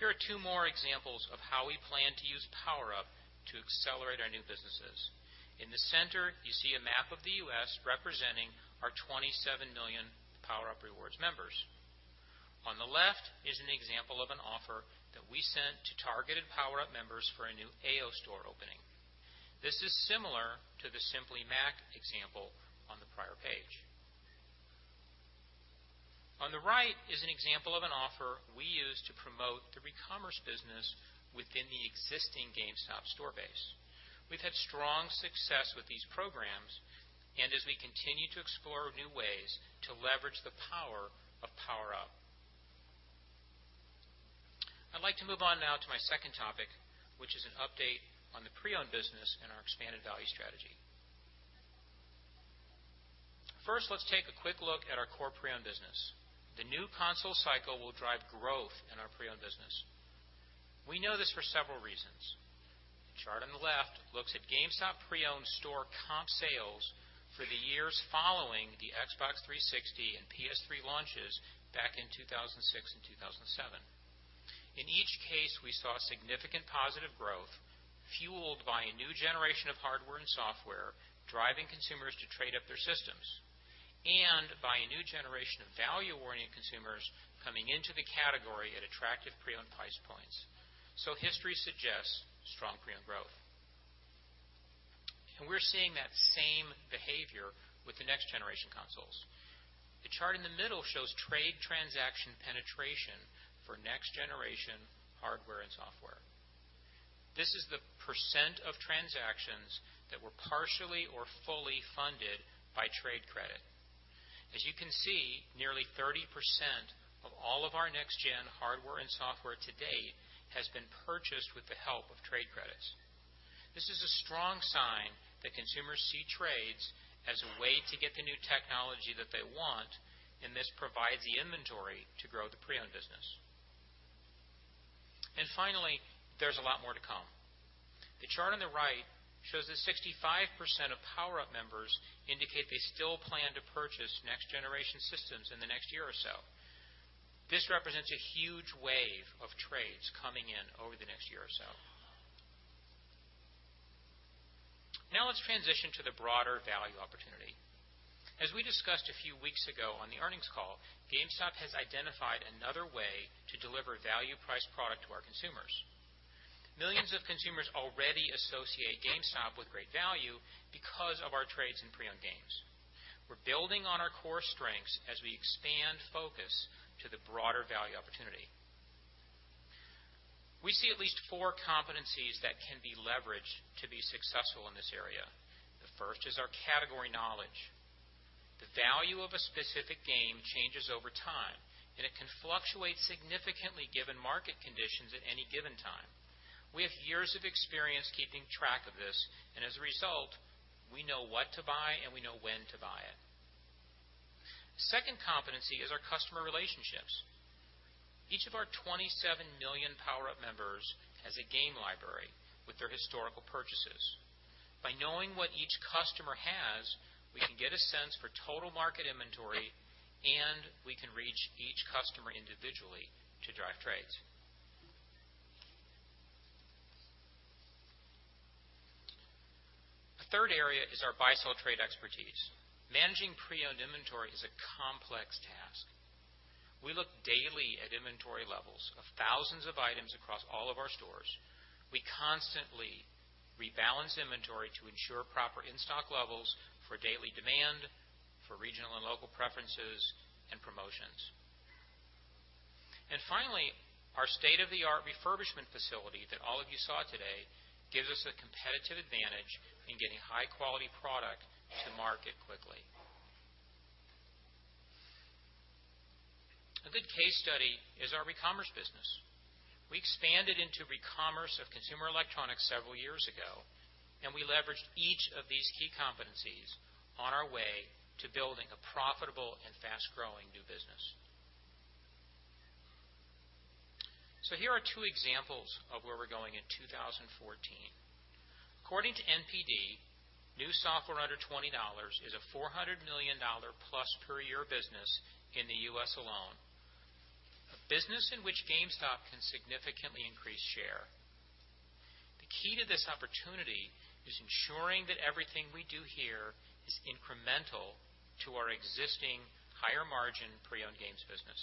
E: Here are two more examples of how we plan to use PowerUp to accelerate our new businesses. In the center, you see a map of the U.S. representing our 27 million PowerUp Rewards members. On the left is an example of an offer that we sent to targeted PowerUp members for a new Aio store opening. This is similar to the Simply Mac example on the prior page. On the right is an example of an offer we used to promote the re-commerce business within the existing GameStop store base. We've had strong success with these programs and as we continue to explore new ways to leverage the power of PowerUp. I'd like to move on now to my second topic, which is an update on the pre-owned business and our expanded value strategy. Let's take a quick look at our core pre-owned business. The new console cycle will drive growth in our pre-owned business. We know this for several reasons. The chart on the left looks at GameStop pre-owned store comp sales for the years following the Xbox 360 and PS3 launches back in 2006 and 2007. In each case, we saw significant positive growth fueled by a new generation of hardware and software driving consumers to trade up their systems and by a new generation of value-oriented consumers coming into the category at attractive pre-owned price points. History suggests strong pre-owned growth. We're seeing that same behavior with the next-generation consoles. The chart in the middle shows trade transaction penetration for next-generation hardware and software. This is the % of transactions that were partially or fully funded by trade credit. As you can see, nearly 30% of all of our next-gen hardware and software to date has been purchased with the help of trade credits. This is a strong sign that consumers see trades as a way to get the new technology that they want, and this provides the inventory to grow the pre-owned business. Finally, there's a lot more to come. The chart on the right shows that 65% of PowerUp members indicate they still plan to purchase next-generation systems in the next year or so. This represents a huge wave of trades coming in over the next year or so. Now let's transition to the broader value opportunity. As we discussed a few weeks ago on the earnings call, GameStop has identified another way to deliver value-priced product to our consumers. Millions of consumers already associate GameStop with great value because of our trade-ins pre-owned games. We're building on our core strengths as we expand focus to the broader value opportunity. We see at least four competencies that can be leveraged to be successful in this area. The first is our category knowledge. The value of a specific game changes over time, and it can fluctuate significantly given market conditions at any given time. We have years of experience keeping track of this. As a result, we know what to buy and we know when to buy it. Second competency is our customer relationships. Each of our 27 million PowerUp members has a game library with their historical purchases. By knowing what each customer has, we can get a sense for total market inventory. We can reach each customer individually to drive trades. A third area is our buy-sell trade expertise. Managing pre-owned inventory is a complex task. We look daily at inventory levels of thousands of items across all of our stores. We constantly rebalance inventory to ensure proper in-stock levels for daily demand, for regional and local preferences, promotions. Finally, our state-of-the-art refurbishment facility that all of you saw today gives us a competitive advantage in getting high-quality product to market quickly. A good case study is our recommerce business. We expanded into recommerce of consumer electronics several years ago. We leveraged each of these key competencies on our way to building a profitable and fast-growing new business. Here are two examples of where we're going in 2014. According to NPD, new software under $20 is a $400 million-plus per year business in the U.S. alone, a business in which GameStop can significantly increase share. The key to this opportunity is ensuring that everything we do here is incremental to our existing higher-margin pre-owned games business.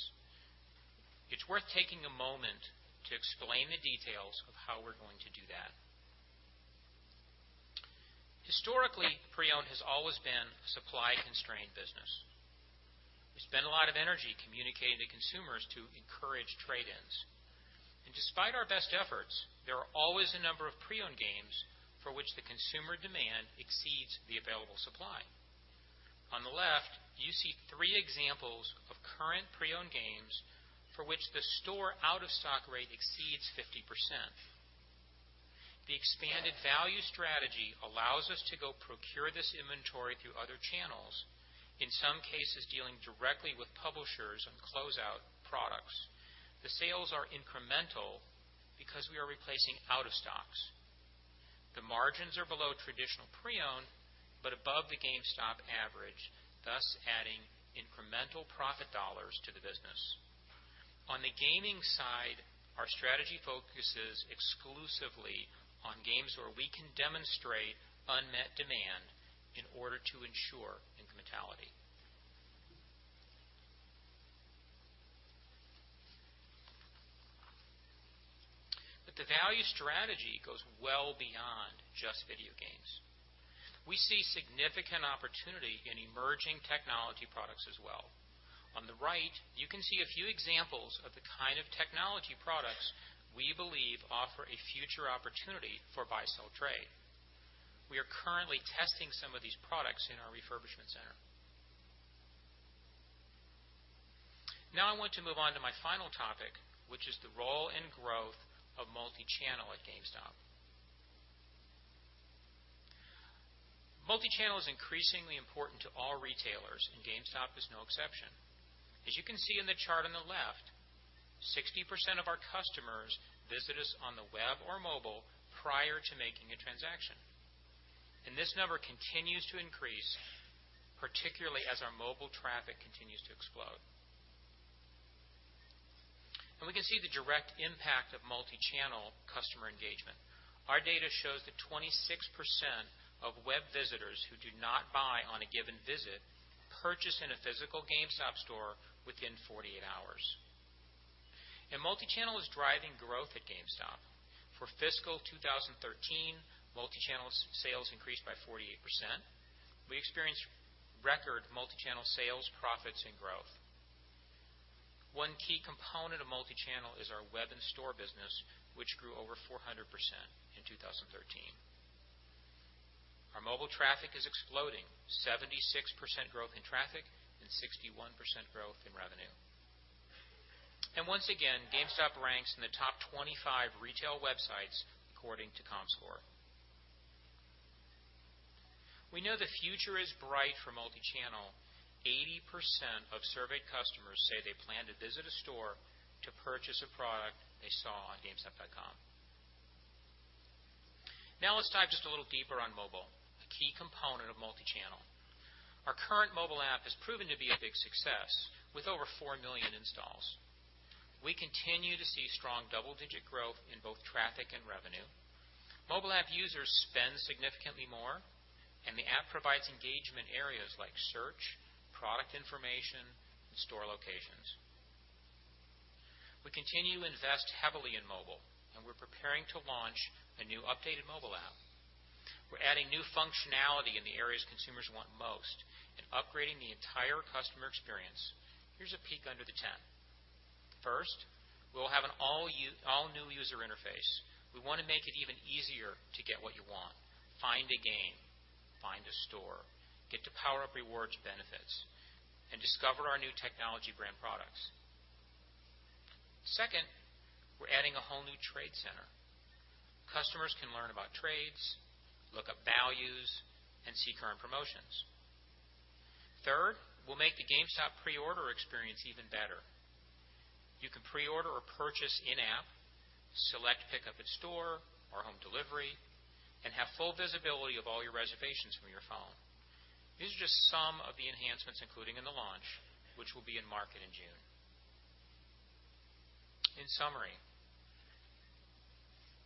E: It's worth taking a moment to explain the details of how we're going to do that. Historically, pre-owned has always been a supply-constrained business. We spend a lot of energy communicating to consumers to encourage trade-ins. Despite our best efforts, there are always a number of pre-owned games for which the consumer demand exceeds the available supply. On the left, you see three examples of current pre-owned games for which the store out-of-stock rate exceeds 50%. The expanded value strategy allows us to go procure this inventory through other channels, in some cases, dealing directly with publishers on closeout products. The sales are incremental because we are replacing out-of-stocks. The margins are below traditional pre-owned, but above the GameStop average, thus adding incremental profit dollars to the business. On the gaming side, our strategy focuses exclusively on games where we can demonstrate unmet demand in order to ensure incrementality. The value strategy goes well beyond just video games. We see significant opportunity in emerging technology products as well. On the right, you can see a few examples of the kind of technology products we believe offer a future opportunity for buy-sell trade. We are currently testing some of these products in our refurbishment center. I want to move on to my final topic, which is the role and growth of multi-channel at GameStop. Multi-channel is increasingly important to all retailers, and GameStop is no exception. As you can see in the chart on the left, 60% of our customers visit us on the web or mobile prior to making a transaction. This number continues to increase, particularly as our mobile traffic continues to explode. We can see the direct impact of multi-channel customer engagement. Our data shows that 26% of web visitors who do not buy on a given visit purchase in a physical GameStop store within 48 hours. Multi-channel is driving growth at GameStop. For fiscal 2013, multi-channel sales increased by 48%. We experienced record multi-channel sales, profits, and growth. One key component of multi-channel is our web and store business, which grew over 400% in 2013. Our mobile traffic is exploding, 76% growth in traffic and 61% growth in revenue. Once again, GameStop ranks in the top 25 retail websites according to Comscore. We know the future is bright for multi-channel. 80% of surveyed customers say they plan to visit a store to purchase a product they saw on gamestop.com. Let's dive just a little deeper on mobile, a key component of multi-channel. Our current mobile app has proven to be a big success with over 4 million installs. We continue to see strong double-digit growth in both traffic and revenue. Mobile app users spend significantly more, and the app provides engagement areas like search, product information, and store locations. We continue to invest heavily in mobile, and we are preparing to launch a new updated mobile app. We are adding new functionality in the areas consumers want most and upgrading the entire customer experience. Here is a peek under the tent. First, we will have an all-new user interface. We want to make it even easier to get what you want, find a game, find a store, get to PowerUp Rewards benefits, and discover our new technology brand products. Second, we are adding a whole new trade center. Customers can learn about trades, look up values, and see current promotions. Third, we will make the GameStop pre-order experience even better. You can pre-order or purchase in-app, select pickup in-store or home delivery, and have full visibility of all your reservations from your phone. These are just some of the enhancements included in the launch, which will be in market in June. In summary,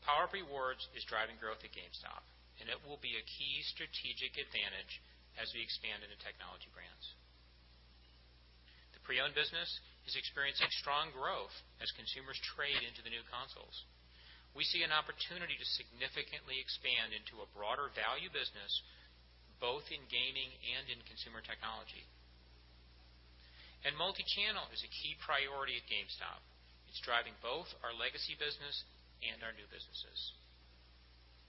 E: PowerUp Rewards is driving growth at GameStop, and it will be a key strategic advantage as we expand into Technology Brands. The pre-owned business is experiencing strong growth as consumers trade into the new consoles. We see an opportunity to significantly expand into a broader value business, both in gaming and in consumer technology. Multi-channel is a key priority at GameStop. It's driving both our legacy business and our new businesses.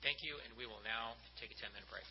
E: Thank you, and we will now take a 10-minute break.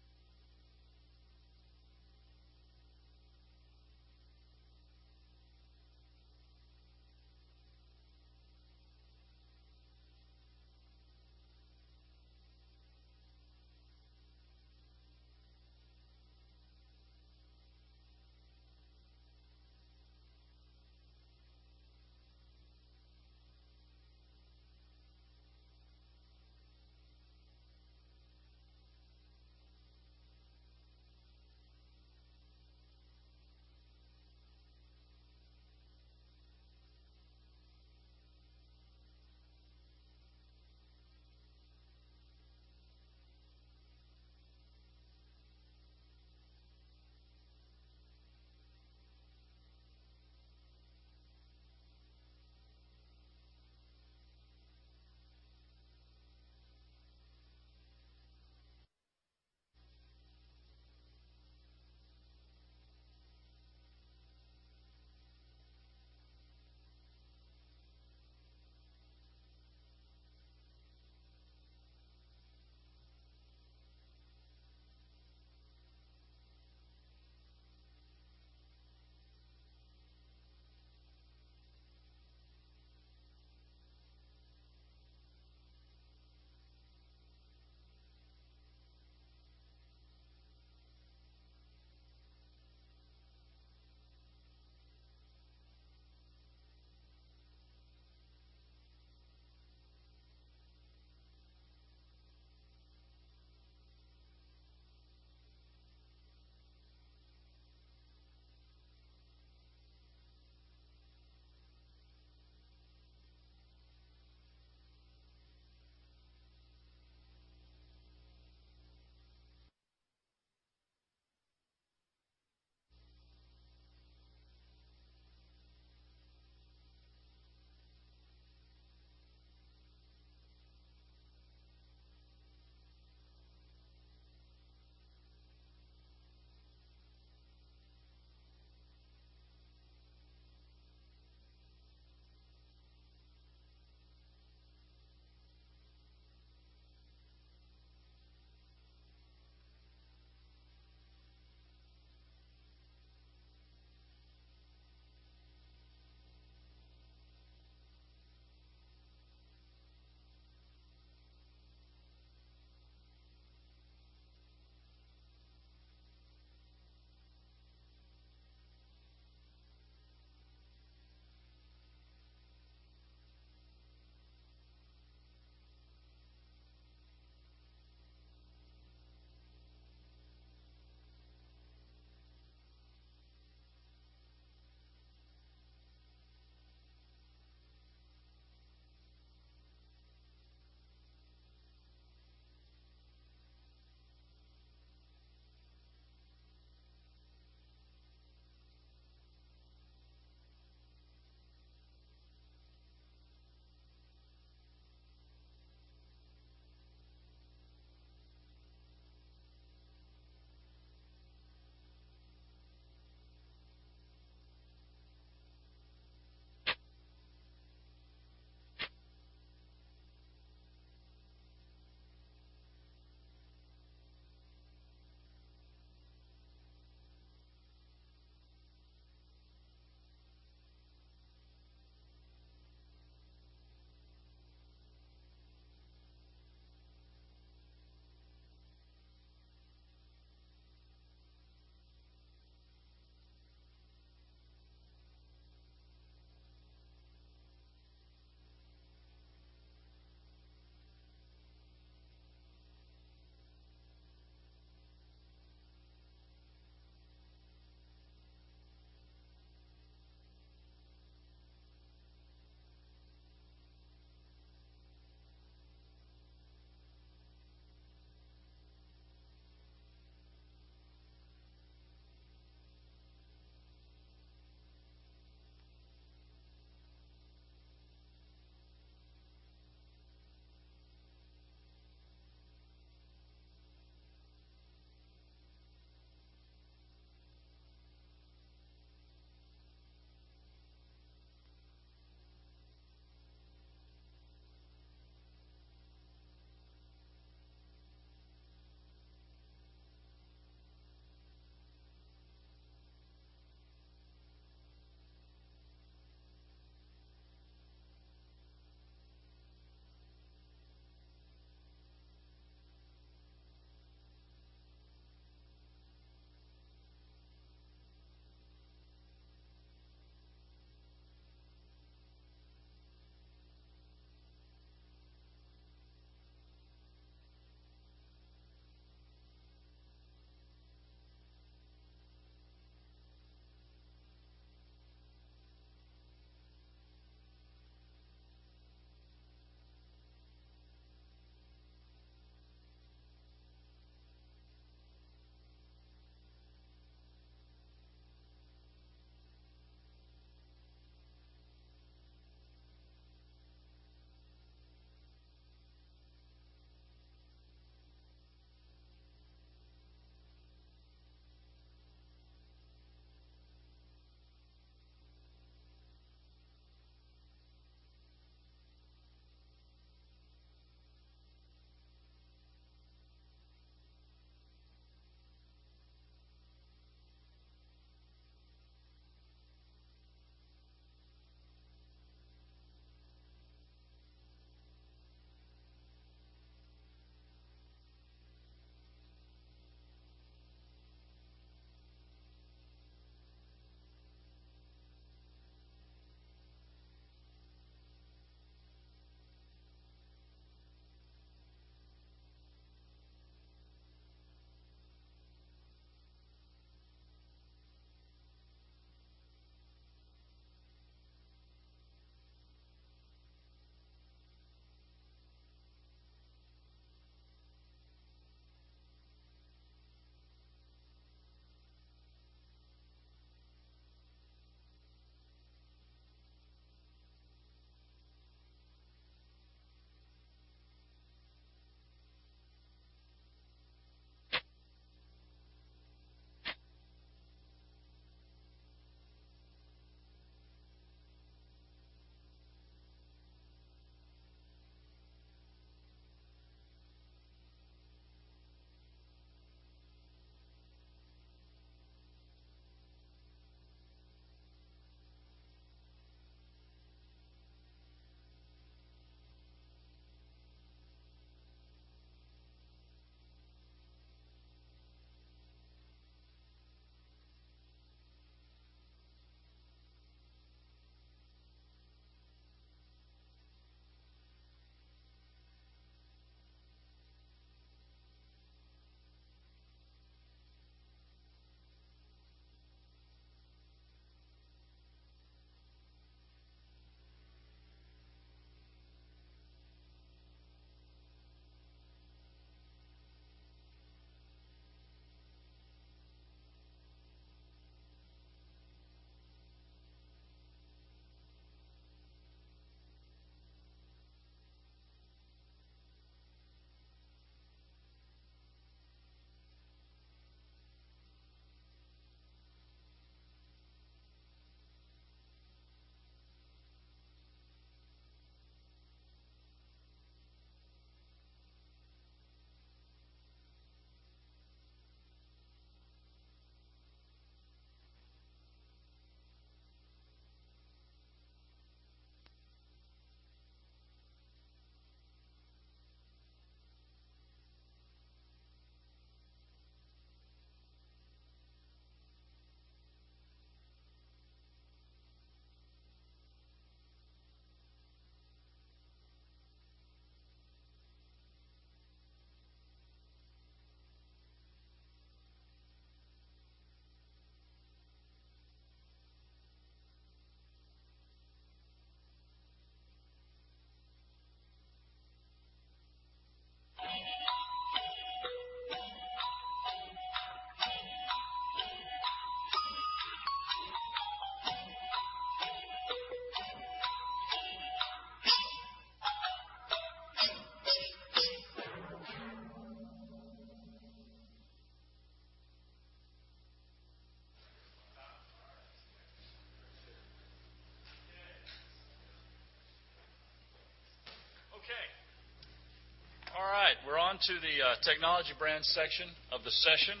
A: Okay. All right. We're on to the Technology Brands section of the session.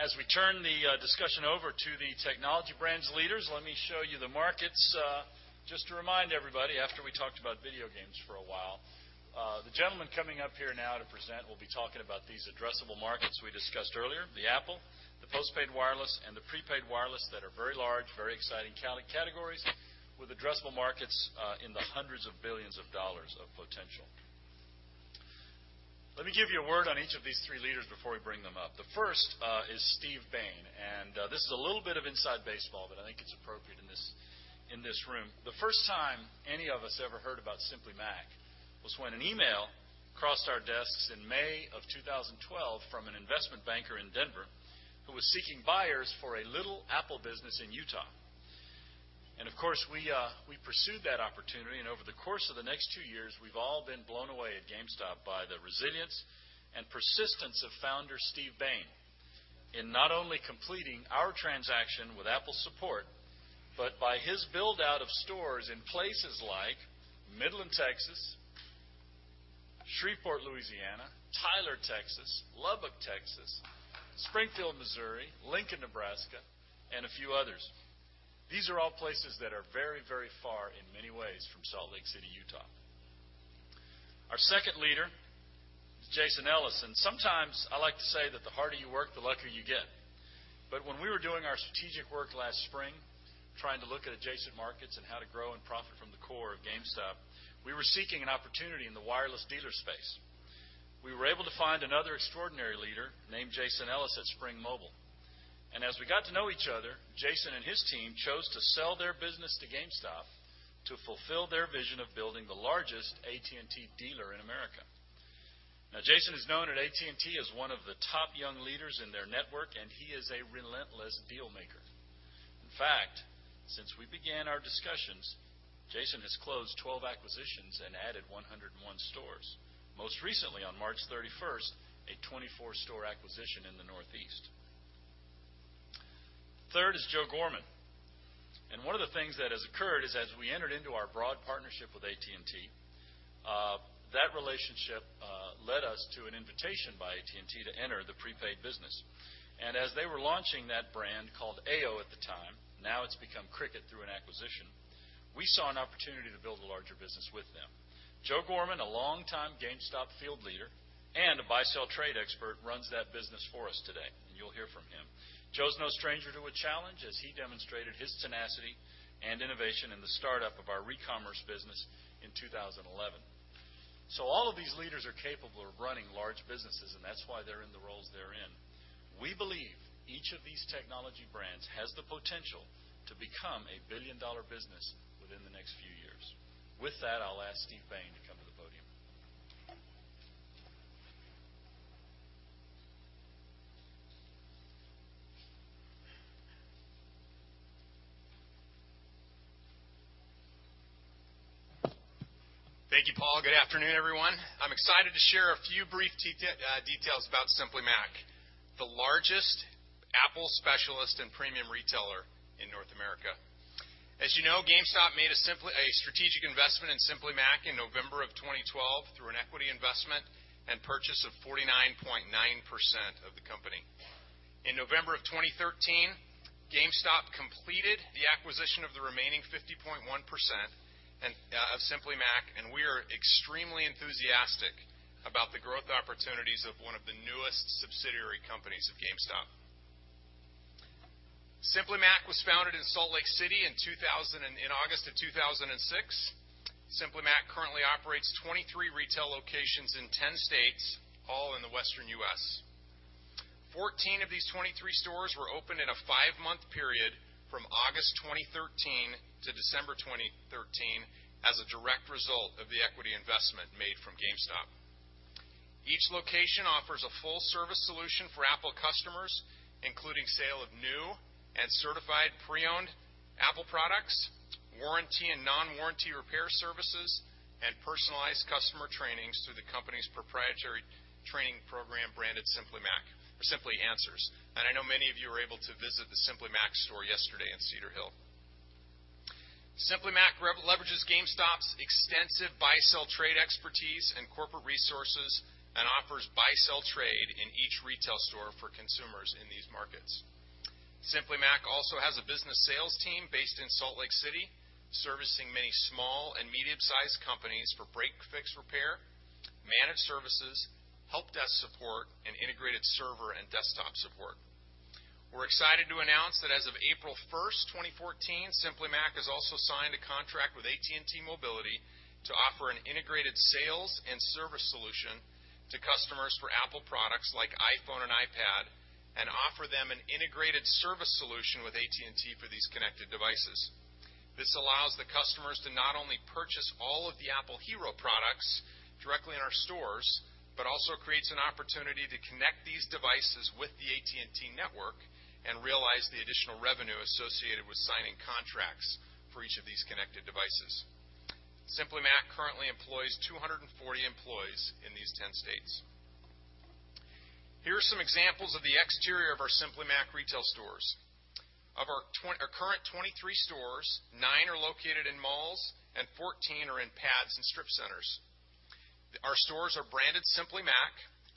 A: As we turn the discussion over to the Technology Brands leaders, let me show you the markets, just to remind everybody after we talked about video games for a while. The gentleman coming up here now to present will be talking about these addressable markets we discussed earlier, the Apple, the postpaid wireless, and the prepaid wireless that are very large, very exciting categories with addressable markets in the hundreds of billions of dollars of potential. Let me give you a word on each of these three leaders before we bring them up. The first is Steve Bain, and this is a little bit of inside baseball, but I think it's appropriate in this room. The first time any of us ever heard about Simply Mac was when an email crossed our desks in May of 2012 from an investment banker in Denver who was seeking buyers for a little Apple business in Utah. Of course, we pursued that opportunity, and over the course of the next two years, we've all been blown away at GameStop by the resilience and persistence of founder Steve Bain in not only completing our transaction with Apple support, but by his build-out of stores in places like Midland, Texas, Shreveport, Louisiana, Tyler, Texas, Lubbock, Texas, Springfield, Missouri, Lincoln, Nebraska, and a few others. These are all places that are very far in many ways from Salt Lake City, Utah. Our second leader is Jason Ellis. Sometimes I like to say that the harder you work, the luckier you get. When we were doing our strategic work last spring, trying to look at adjacent markets and how to grow and profit from the core of GameStop, we were seeking an opportunity in the wireless dealer space. We were able to find another extraordinary leader named Jason Ellis at Spring Mobile. As we got to know each other, Jason and his team chose to sell their business to GameStop to fulfill their vision of building the largest AT&T dealer in America. Now, Jason is known at AT&T as one of the top young leaders in their network, and he is a relentless deal maker. In fact, since we began our discussions, Jason has closed 12 acquisitions and added 101 stores, most recently on March 31st, a 24-store acquisition in the Northeast. Third is Joe Gorman. One of the things that has occurred is as we entered into our broad partnership with AT&T, that relationship led us to an invitation by AT&T to enter the prepaid business. As they were launching that brand called Aio at the time, now it's become Cricket through an acquisition, we saw an opportunity to build a larger business with them. Joe Gorman, a longtime GameStop field leader and a buy-sell trade expert, runs that business for us today, and you'll hear from him. Joe's no stranger to a challenge as he demonstrated his tenacity and innovation in the startup of our recommerce business in 2011. All of these leaders are capable of running large businesses, and that's why they're in the roles they're in. We believe each of these technology brands has the potential to become a billion-dollar business within the next few years. With that, I'll ask Steve Bain to come to the podium.
F: Thank you, Paul. Good afternoon, everyone. I'm excited to share a few brief details about Simply Mac, the largest Apple specialist and premium retailer in North America. As you know, GameStop made a strategic investment in Simply Mac in November of 2012 through an equity investment and purchase of 49.9% of the company. In November of 2013, GameStop completed the acquisition of the remaining 50.1% of Simply Mac, and we are extremely enthusiastic about the growth opportunities of one of the newest subsidiary companies of GameStop. Simply Mac was founded in Salt Lake City in August of 2006. Simply Mac currently operates 23 retail locations in 10 states, all in the Western U.S. 14 of these 23 stores were opened in a five-month period from August 2013 to December 2013 as a direct result of the equity investment made from GameStop. Each location offers a full-service solution for Apple customers, including sale of new and certified pre-owned Apple products, warranty and non-warranty repair services, and personalized customer trainings through the company's proprietary training program branded Simply Answers. I know many of you were able to visit the Simply Mac store yesterday in Cedar Hill. Simply Mac leverages GameStop's extensive buy-sell trade expertise and corporate resources and offers buy-sell trade in each retail store for consumers in these markets. Simply Mac also has a business sales team based in Salt Lake City, servicing many small and medium-sized companies for break-fix repair, managed services, help desk support, and integrated server and desktop support. We're excited to announce that as of April 1st, 2014, Simply Mac has also signed a contract with AT&T Mobility to offer an integrated sales and service solution to customers for Apple products like iPhone and iPad and offer them an integrated service solution with AT&T for these connected devices. This allows the customers to not only purchase all of the Apple hero products directly in our stores, but also creates an opportunity to connect these devices with the AT&T network and realize the additional revenue associated with signing contracts for each of these connected devices. Simply Mac currently employs 240 employees in these 10 states. Here are some examples of the exterior of our Simply Mac retail stores. Of our current 23 stores, nine are located in malls and 14 are in pads and strip centers. Our stores are branded Simply Mac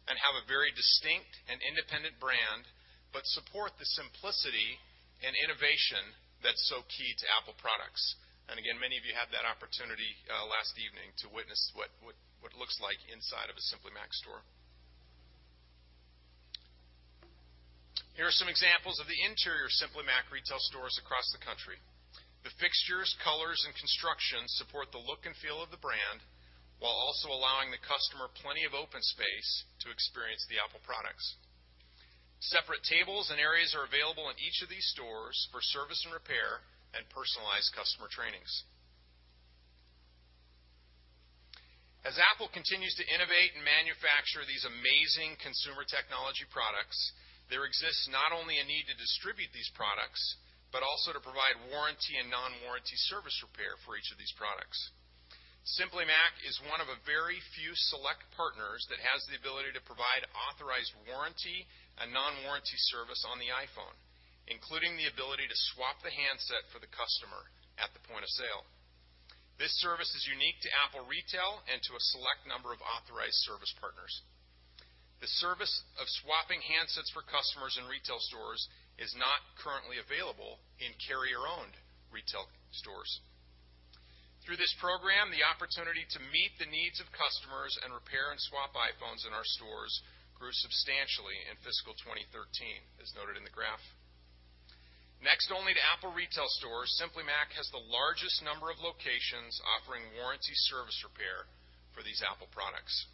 F: and have a very distinct and independent brand, but support the simplicity and innovation that's so key to Apple products. Many of you had that opportunity last evening to witness what it looks like inside of a Simply Mac store. Here are some examples of the interior Simply Mac retail stores across the country. The fixtures, colors, and construction support the look and feel of the brand while also allowing the customer plenty of open space to experience the Apple products. Separate tables and areas are available in each of these stores for service and repair and personalized customer trainings. As Apple continues to innovate and manufacture these amazing consumer technology products, there exists not only a need to distribute these products, but also to provide warranty and non-warranty service repair for each of these products. Simply Mac is one of a very few select partners that has the ability to provide authorized warranty and non-warranty service on the iPhone, including the ability to swap the handset for the customer at the point of sale. This service is unique to Apple Retail and to a select number of authorized service partners. The service of swapping handsets for customers in retail stores is not currently available in carrier-owned retail stores. Through this program, the opportunity to meet the needs of customers and repair and swap iPhones in our stores grew substantially in fiscal 2013, as noted in the graph. Next only to Apple Retail stores, Simply Mac has the largest number of locations offering warranty service repair for these Apple products.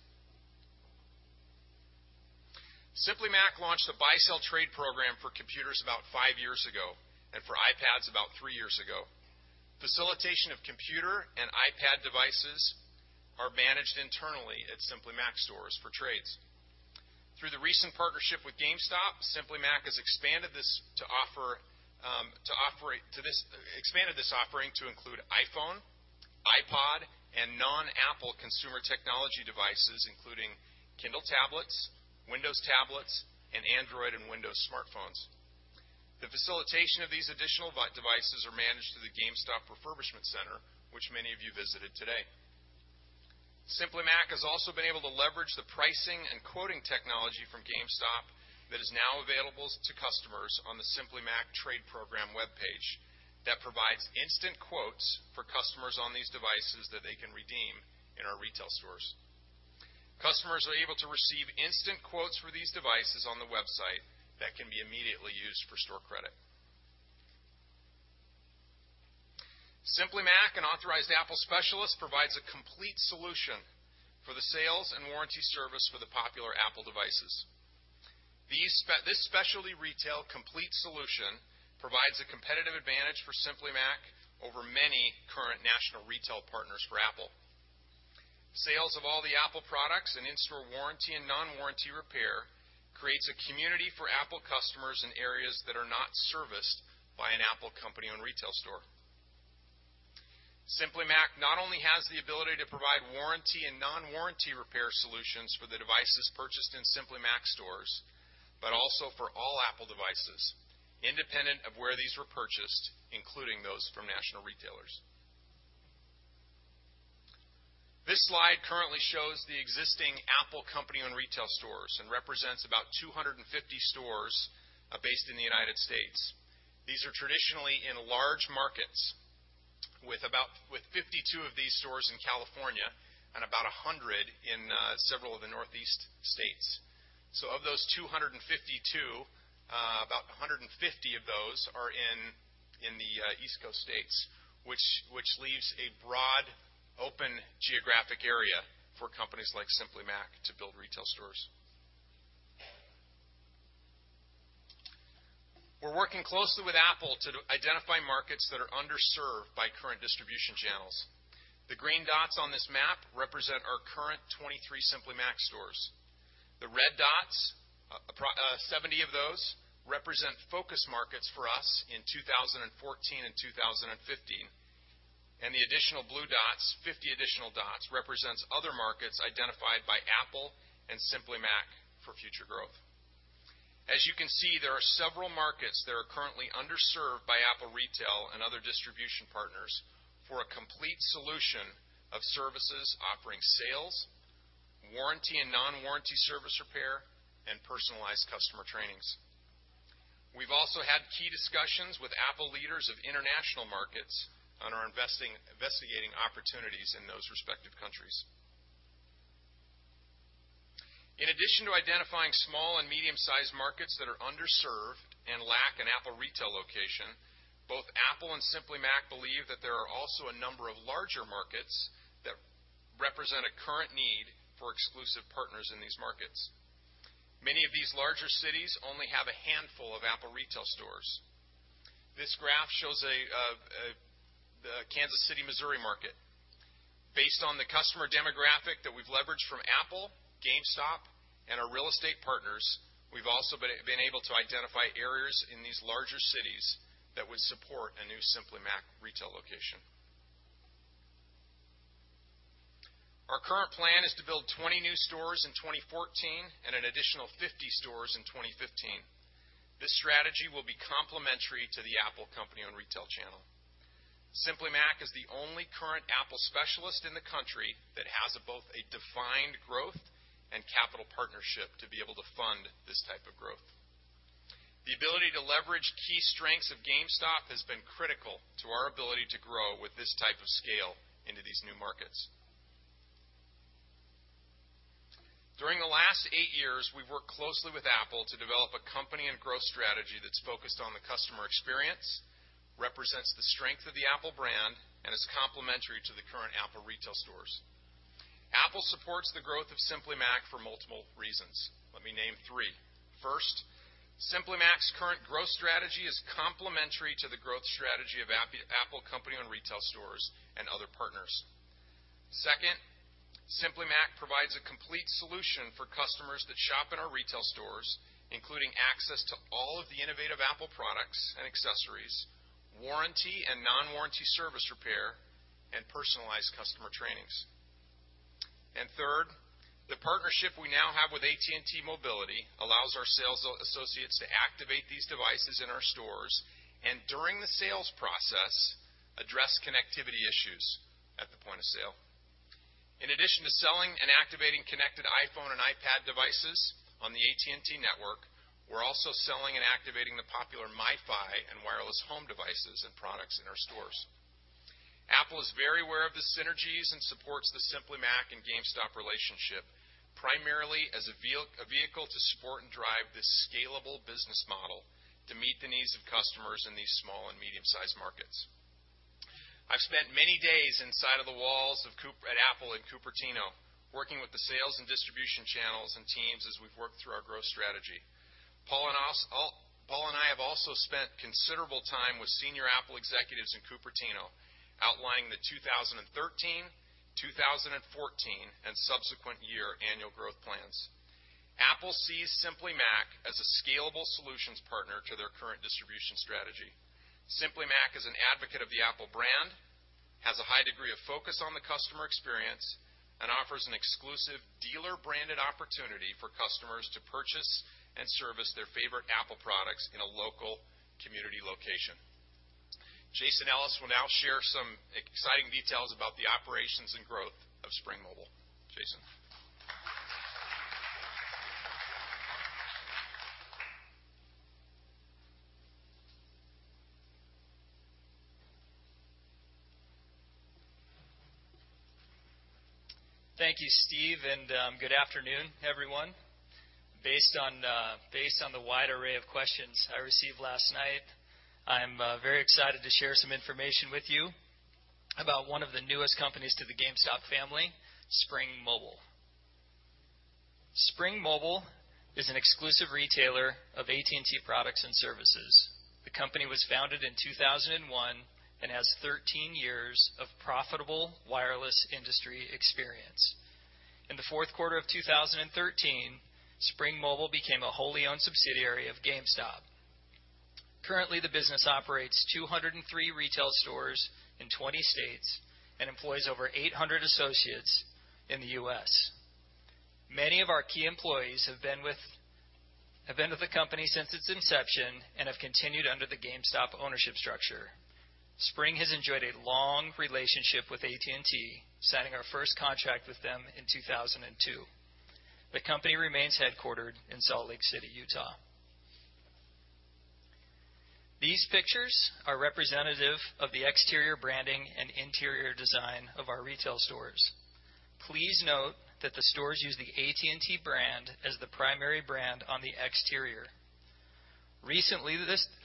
F: Simply Mac launched the buy-sell trade program for computers about five years ago and for iPads about three years ago. Facilitation of computer and iPad devices are managed internally at Simply Mac stores for trades. Through the recent partnership with GameStop, Simply Mac has expanded this offering to include iPhone, iPod, and non-Apple consumer technology devices, including Kindle tablets, Windows tablets, and Android and Windows smartphones. The facilitation of these additional devices are managed through the GameStop Refurbishment Center, which many of you visited today. Simply Mac has also been able to leverage the pricing and quoting technology from GameStop that is now available to customers on the Simply Mac Trade Program webpage that provides instant quotes for customers on these devices that they can redeem in our retail stores. Customers are able to receive instant quotes for these devices on the website that can be immediately used for store credit. Simply Mac, an authorized Apple specialist, provides a complete solution for the sales and warranty service for the popular Apple devices. This specialty retail complete solution provides a competitive advantage for Simply Mac over many current national retail partners for Apple. Sales of all the Apple products and in-store warranty and non-warranty repair creates a community for Apple customers in areas that are not serviced by an Apple company-owned retail store. Simply Mac not only has the ability to provide warranty and non-warranty repair solutions for the devices purchased in Simply Mac stores, but also for all Apple devices, independent of where these were purchased, including those from national retailers. This slide currently shows the existing Apple company-owned retail stores and represents about 250 stores based in the United States. These are traditionally in large markets, with 52 of these stores in California and about 100 in several of the Northeast states. Of those 252, about 150 of those are in the East Coast states, which leaves a broad open geographic area for companies like Simply Mac to build retail stores. We're working closely with Apple to identify markets that are underserved by current distribution channels. The green dots on this map represent our current 23 Simply Mac stores. The red dots, 70 of those, represent focus markets for us in 2014 and 2015. The additional blue dots, 50 additional dots, represents other markets identified by Apple and Simply Mac for future growth. As you can see, there are several markets that are currently underserved by Apple Retail and other distribution partners for a complete solution of services offering sales, warranty and non-warranty service repair, and personalized customer trainings. We've also had key discussions with Apple leaders of international markets and are investigating opportunities in those respective countries. In addition to identifying small and medium-sized markets that are underserved and lack an Apple Retail location, both Apple and Simply Mac believe that there are also a number of larger markets that represent a current need for exclusive partners in these markets. Many of these larger cities only have a handful of Apple Retail stores. This graph shows the Kansas City, Missouri market. Based on the customer demographic that we've leveraged from Apple, GameStop, and our real estate partners, we've also been able to identify areas in these larger cities that would support a new Simply Mac retail location. Our current plan is to build 20 new stores in 2014 and an additional 50 stores in 2015. This strategy will be complementary to the Apple company-owned retail channel. Simply Mac is the only current Apple specialist in the country that has both a defined growth and capital partnership to be able to fund this type of growth. The ability to leverage key strengths of GameStop has been critical to our ability to grow with this type of scale into these new markets. During the last 8 years, we've worked closely with Apple to develop a company and growth strategy that's focused on the customer experience, represents the strength of the Apple brand, and is complementary to the current Apple Retail stores. Apple supports the growth of Simply Mac for multiple reasons. Let me name three. First, Simply Mac's current growth strategy is complementary to the growth strategy of Apple company-owned retail stores and other partners. Second, Simply Mac provides a complete solution for customers that shop in our retail stores, including access to all of the innovative Apple products and accessories, warranty and non-warranty service repair, and personalized customer trainings. Third, the partnership we now have with AT&T Mobility allows our sales associates to activate these devices in our stores, and during the sales process, address connectivity issues at the point of sale. In addition to selling and activating connected iPhone and iPad devices on the AT&T network, we're also selling and activating the popular MiFi and wireless home devices and products in our stores. Apple is very aware of the synergies and supports the Simply Mac and GameStop relationship, primarily as a vehicle to support and drive this scalable business model to meet the needs of customers in these small and medium-sized markets. I've spent many days inside of the walls at Apple in Cupertino, working with the sales and distribution channels and teams as we've worked through our growth strategy. Paul and I have also spent considerable time with senior Apple executives in Cupertino, outlining the 2013, 2014, and subsequent year annual growth plans. Apple sees Simply Mac as a scalable solutions partner to their current distribution strategy. Simply Mac is an advocate of the Apple brand, has a high degree of focus on the customer experience, and offers an exclusive dealer-branded opportunity for customers to purchase and service their favorite Apple products in a local community location. Jason Ellis will now share some exciting details about the operations and growth of Spring Mobile. Jason.
G: Thank you, Steve. Good afternoon, everyone. Based on the wide array of questions I received last night, I'm very excited to share some information with you about one of the newest companies to the GameStop family, Spring Mobile. Spring Mobile is an exclusive retailer of AT&T products and services. The company was founded in 2001 and has 13 years of profitable wireless industry experience. In the fourth quarter of 2013, Spring Mobile became a wholly owned subsidiary of GameStop. Currently, the business operates 203 retail stores in 20 states and employs over 800 associates in the U.S. Many of our key employees have been with the company since its inception and have continued under the GameStop ownership structure. Spring has enjoyed a long relationship with AT&T, signing our first contract with them in 2002. The company remains headquartered in Salt Lake City, Utah. These pictures are representative of the exterior branding and interior design of our retail stores. Please note that the stores use the AT&T brand as the primary brand on the exterior. Recently,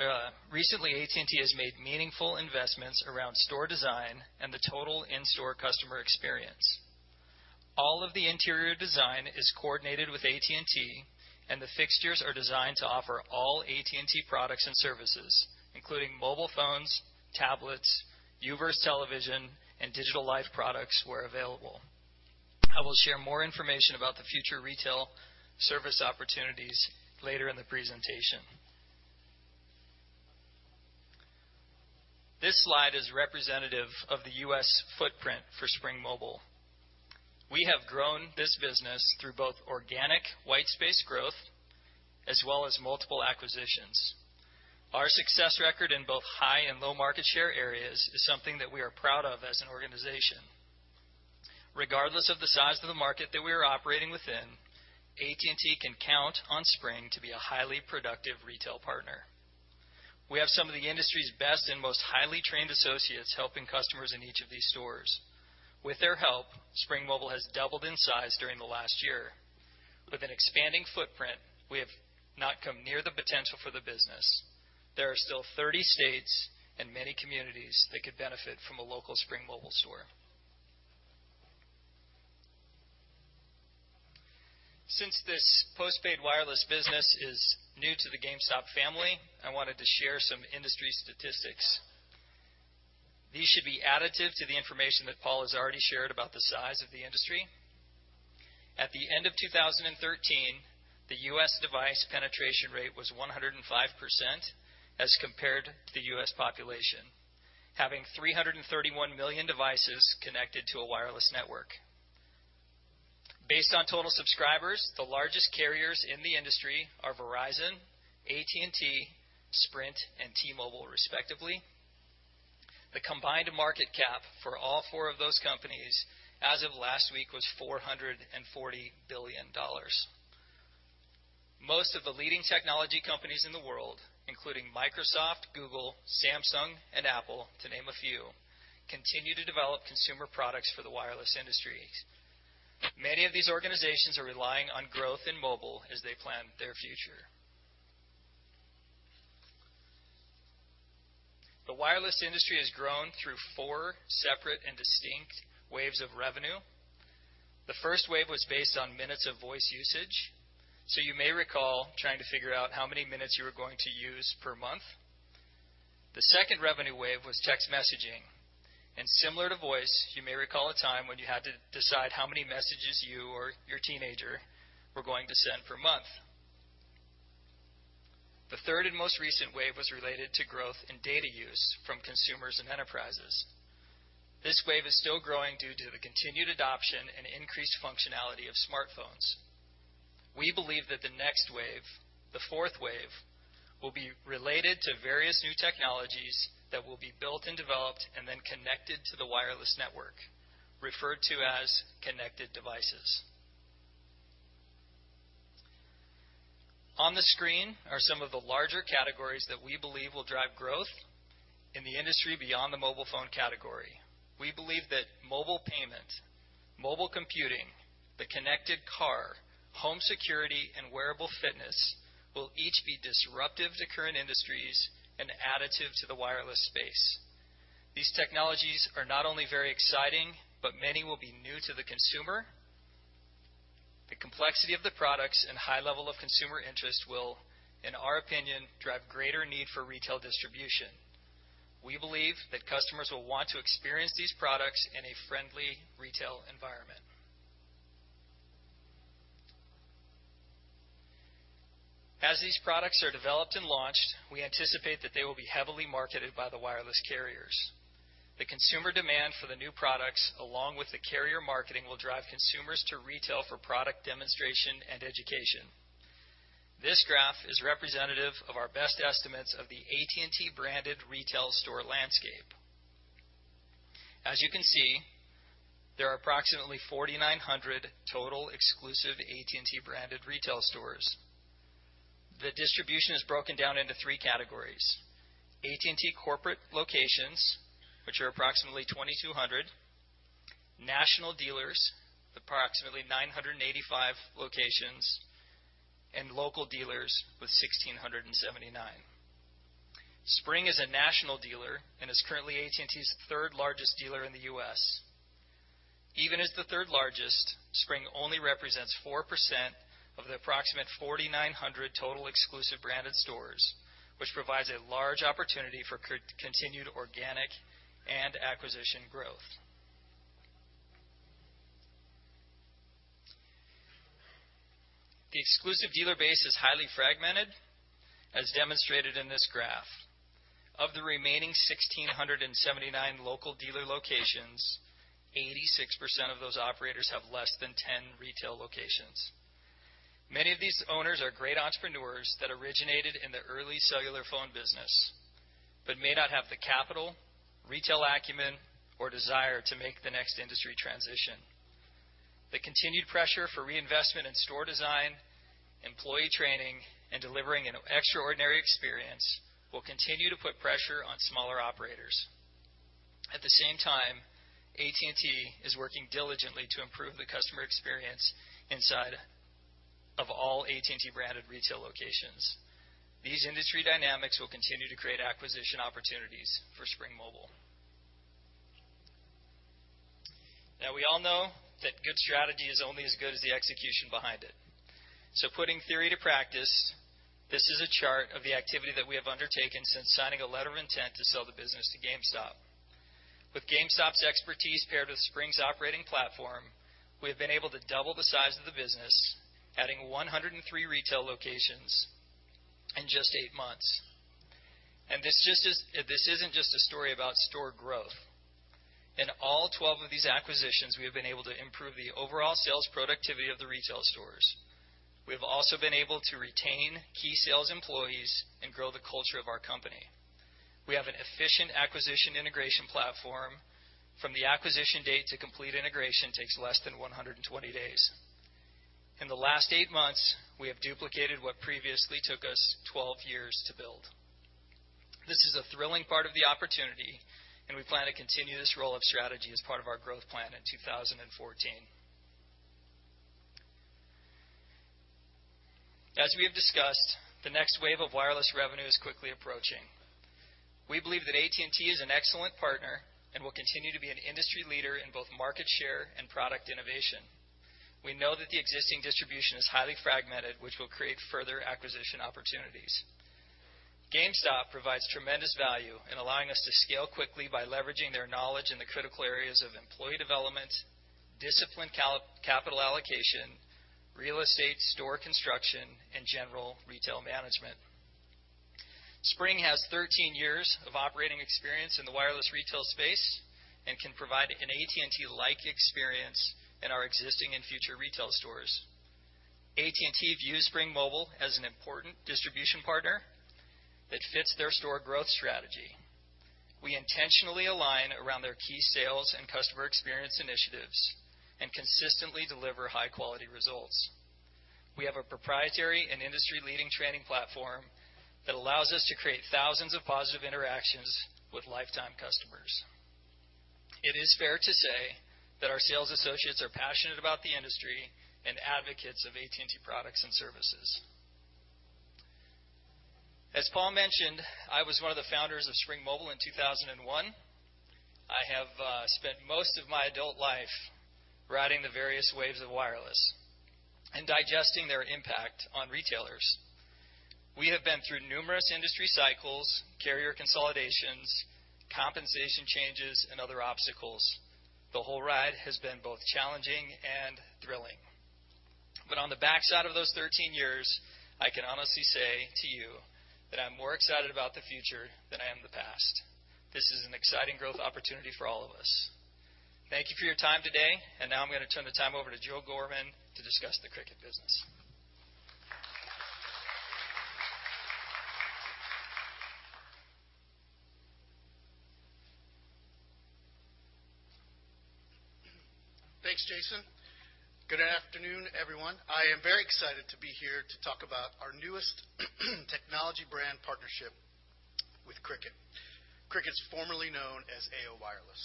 G: AT&T has made meaningful investments around store design and the total in-store customer experience. All of the interior design is coordinated with AT&T, and the fixtures are designed to offer all AT&T products and services, including mobile phones, tablets, U-verse television, and Digital Life products, where available. I will share more information about the future retail service opportunities later in the presentation. This slide is representative of the U.S. footprint for Spring Mobile. We have grown this business through both organic white space growth as well as multiple acquisitions. Our success record in both high and low market share areas is something that we are proud of as an organization. Regardless of the size of the market that we are operating within, AT&T can count on Spring to be a highly productive retail partner. We have some of the industry's best and most highly trained associates helping customers in each of these stores. With their help, Spring Mobile has doubled in size during the last year. With an expanding footprint, we have not come near the potential for the business. There are still 30 states and many communities that could benefit from a local Spring Mobile store. Since this post-paid wireless business is new to the GameStop family, I wanted to share some industry statistics. These should be additive to the information that Paul has already shared about the size of the industry. At the end of 2013, the U.S. device penetration rate was 105% as compared to the U.S. population, having 331 million devices connected to a wireless network. Based on total subscribers, the largest carriers in the industry are Verizon, AT&T, Sprint, and T-Mobile, respectively. The combined market cap for all four of those companies as of last week was $440 billion. Most of the leading technology companies in the world, including Microsoft, Google, Samsung, and Apple, to name a few, continue to develop consumer products for the wireless industry. Many of these organizations are relying on growth in mobile as they plan their future. The wireless industry has grown through four separate and distinct waves of revenue. The first wave was based on minutes of voice usage. You may recall trying to figure out how many minutes you were going to use per month. The second revenue wave was text messaging, and similar to voice, you may recall a time when you had to decide how many messages you or your teenager were going to send per month. The third and most recent wave was related to growth in data use from consumers and enterprises. This wave is still growing due to the continued adoption and increased functionality of smartphones. We believe that the next wave, the fourth wave, will be related to various new technologies that will be built and developed and then connected to the wireless network, referred to as connected devices. On the screen are some of the larger categories that we believe will drive growth in the industry beyond the mobile phone category. We believe that mobile payment, mobile computing, the connected car, home security, and wearable fitness will each be disruptive to current industries and additive to the wireless space. These technologies are not only very exciting, but many will be new to the consumer. The complexity of the products and high level of consumer interest will, in our opinion, drive greater need for retail distribution. We believe that customers will want to experience these products in a friendly retail environment. As these products are developed and launched, we anticipate that they will be heavily marketed by the wireless carriers. The consumer demand for the new products, along with the carrier marketing, will drive consumers to retail for product demonstration and education. This graph is representative of our best estimates of the AT&T-branded retail store landscape. As you can see, there are approximately 4,900 total exclusive AT&T-branded retail stores. The distribution is broken down into three categories: AT&T corporate locations, which are approximately 2,200, national dealers, approximately 985 locations, and local dealers with 1,679. Spring is a national dealer and is currently AT&T's third-largest dealer in the U.S. Even as the third largest, Spring only represents 4% of the approximate 4,900 total exclusive branded stores, which provides a large opportunity for continued organic and acquisition growth. The exclusive dealer base is highly fragmented, as demonstrated in this graph. Of the remaining 1,679 local dealer locations, 86% of those operators have less than 10 retail locations. Many of these owners are great entrepreneurs that originated in the early cellular phone business but may not have the capital, retail acumen, or desire to make the next industry transition. The continued pressure for reinvestment in store design, employee training, and delivering an extraordinary experience will continue to put pressure on smaller operators. At the same time, AT&T is working diligently to improve the customer experience inside of all AT&T-branded retail locations. These industry dynamics will continue to create acquisition opportunities for Spring Mobile. We all know that good strategy is only as good as the execution behind it. Putting theory to practice, this is a chart of the activity that we have undertaken since signing a letter of intent to sell the business to GameStop. With GameStop's expertise paired with Spring's operating platform, we have been able to double the size of the business, adding 103 retail locations in just eight months. This isn't just a story about store growth. In all 12 of these acquisitions, we have been able to improve the overall sales productivity of the retail stores. We have also been able to retain key sales employees and grow the culture of our company. We have an efficient acquisition integration platform. From the acquisition date to complete integration takes less than 120 days. In the last eight months, we have duplicated what previously took us 12 years to build. This is a thrilling part of the opportunity. We plan to continue this roll-up strategy as part of our growth plan in 2014. As we have discussed, the next wave of wireless revenue is quickly approaching. We believe that AT&T is an excellent partner and will continue to be an industry leader in both market share and product innovation. We know that the existing distribution is highly fragmented, which will create further acquisition opportunities. GameStop provides tremendous value in allowing us to scale quickly by leveraging their knowledge in the critical areas of employee development, disciplined capital allocation, real estate store construction, and general retail management. Spring has 13 years of operating experience in the wireless retail space and can provide an AT&T-like experience in our existing and future retail stores. AT&T views Spring Mobile as an important distribution partner that fits their store growth strategy. We intentionally align around their key sales and customer experience initiatives and consistently deliver high-quality results. We have a proprietary and industry-leading training platform that allows us to create thousands of positive interactions with lifetime customers. It is fair to say that our sales associates are passionate about the industry and advocates of AT&T products and services. As Paul mentioned, I was one of the founders of Spring Mobile in 2001. I have spent most of my adult life riding the various waves of wireless and digesting their impact on retailers. We have been through numerous industry cycles, carrier consolidations, compensation changes, and other obstacles. The whole ride has been both challenging and thrilling. On the backside of those 13 years, I can honestly say to you that I'm more excited about the future than I am the past. This is an exciting growth opportunity for all of us. Thank you for your time today. Now I'm going to turn the time over to Joe Gorman to discuss the Cricket business.
H: Thanks, Jason. Good afternoon, everyone. I am very excited to be here to talk about our newest technology brand partnership with Cricket. Cricket is formerly known as Aio Wireless.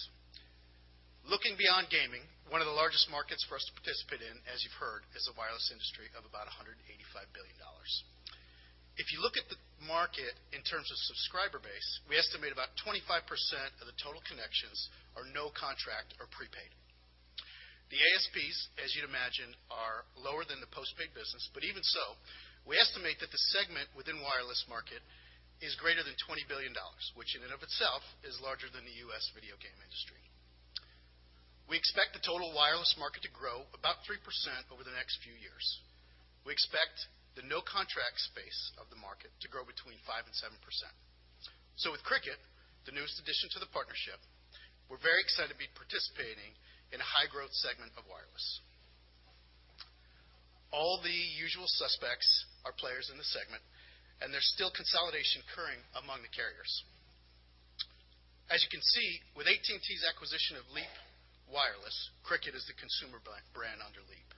H: Looking beyond gaming, one of the largest markets for us to participate in, as you've heard, is the wireless industry of about $185 billion. If you look at the market in terms of subscriber base, we estimate about 25% of the total connections are no contract or prepaid. The ASPs, as you'd imagine, are lower than the postpaid business, but even so, we estimate that the segment within wireless market is greater than $20 billion, which in and of itself is larger than the U.S. video game industry. We expect the total wireless market to grow about 3% over the next few years. We expect the no-contract space of the market to grow between 5% and 7%. With Cricket, the newest addition to the partnership, we're very excited to be participating in a high-growth segment of wireless. All the usual suspects are players in this segment, and there's still consolidation occurring among the carriers. As you can see, with AT&T's acquisition of Leap Wireless, Cricket is the consumer brand under Leap.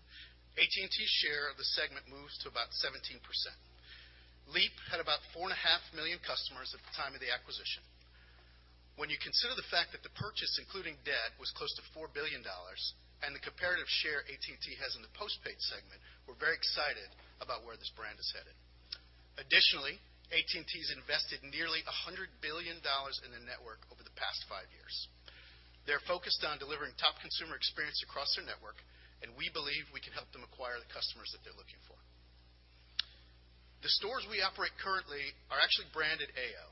H: AT&T's share of the segment moves to about 17%. Leap had about four and a half million customers at the time of the acquisition. When you consider the fact that the purchase, including debt, was close to $4 billion and the comparative share AT&T has in the postpaid segment, we're very excited about where this brand is headed. Additionally, AT&T's invested nearly $100 billion in the network over the past five years. They're focused on delivering top consumer experience across their network. We believe we can help them acquire the customers that they're looking for. The stores we operate currently are actually branded Aio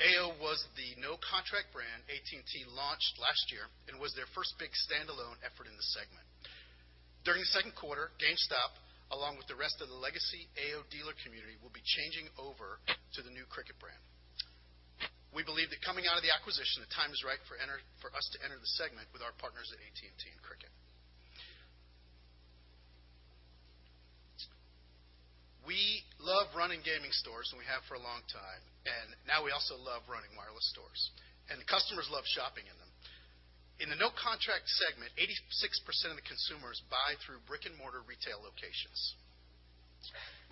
H: .Aio was the no-contract brand AT&T launched last year and was their first big standalone effort in this segment. During the second quarter, GameStop, along with the rest of the legacy Aio dealer community, will be changing over to the new Cricket brand. We believe that coming out of the acquisition, the time is right for us to enter the segment with our partners at AT&T and Cricket. We love running gaming stores, and we have for a long time. Now we also love running wireless stores, and the customers love shopping in them. In the no-contract segment, 86% of the consumers buy through brick-and-mortar retail locations.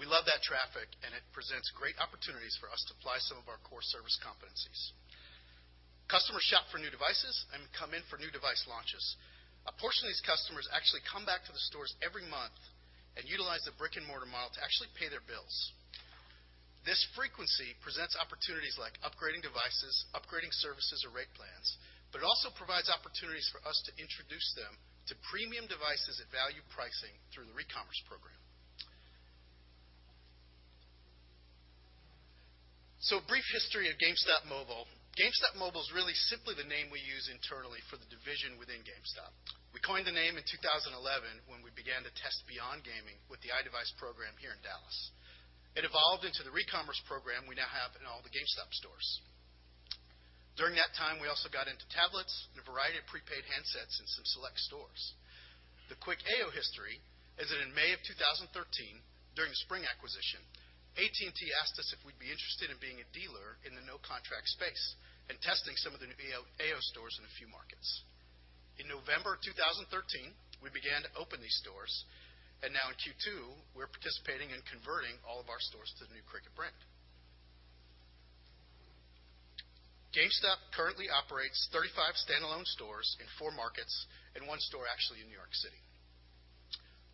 H: We love that traffic. It presents great opportunities for us to apply some of our core service competencies. Customers shop for new devices and come in for new device launches. A portion of these customers actually come back to the stores every month and utilize the brick-and-mortar model to actually pay their bills. This frequency presents opportunities like upgrading devices, upgrading services or rate plans. It also provides opportunities for us to introduce them to premium devices at value pricing through the recommerce program. A brief history of GameStop Mobile. GameStop Mobile is really simply the name we use internally for the division within GameStop. We coined the name in 2011 when we began to test beyond gaming with the iDevice program here in Dallas. It evolved into the recommerce program we now have in all the GameStop stores. During that time, we also got into tablets and a variety of prepaid handsets in some select stores. The quick AO history is that in May of 2013, during the Spring acquisition, AT&T asked us if we'd be interested in being a dealer in the no-contract space and testing some of the new AO stores in a few markets. In November of 2013, we began to open these stores. Now in Q2, we're participating in converting all of our stores to the new Cricket brand. GameStop currently operates 35 standalone stores in four markets and one store actually in New York City.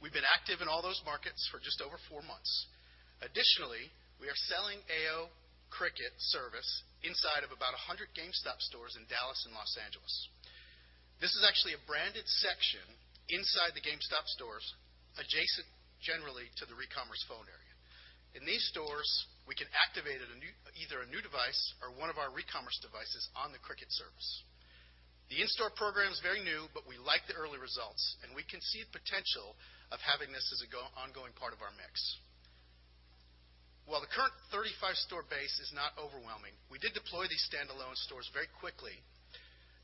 H: We've been active in all those markets for just over four months. We are selling AO Cricket service inside of about 100 GameStop stores in Dallas and Los Angeles. This is actually a branded section inside the GameStop stores, adjacent generally to the recommerce phone area. In these stores, we can activate either a new device or one of our recommerce devices on the Cricket service. The in-store program is very new. We like the early results, and we can see the potential of having this as an ongoing part of our mix. While the current 35-store base is not overwhelming, we did deploy these standalone stores very quickly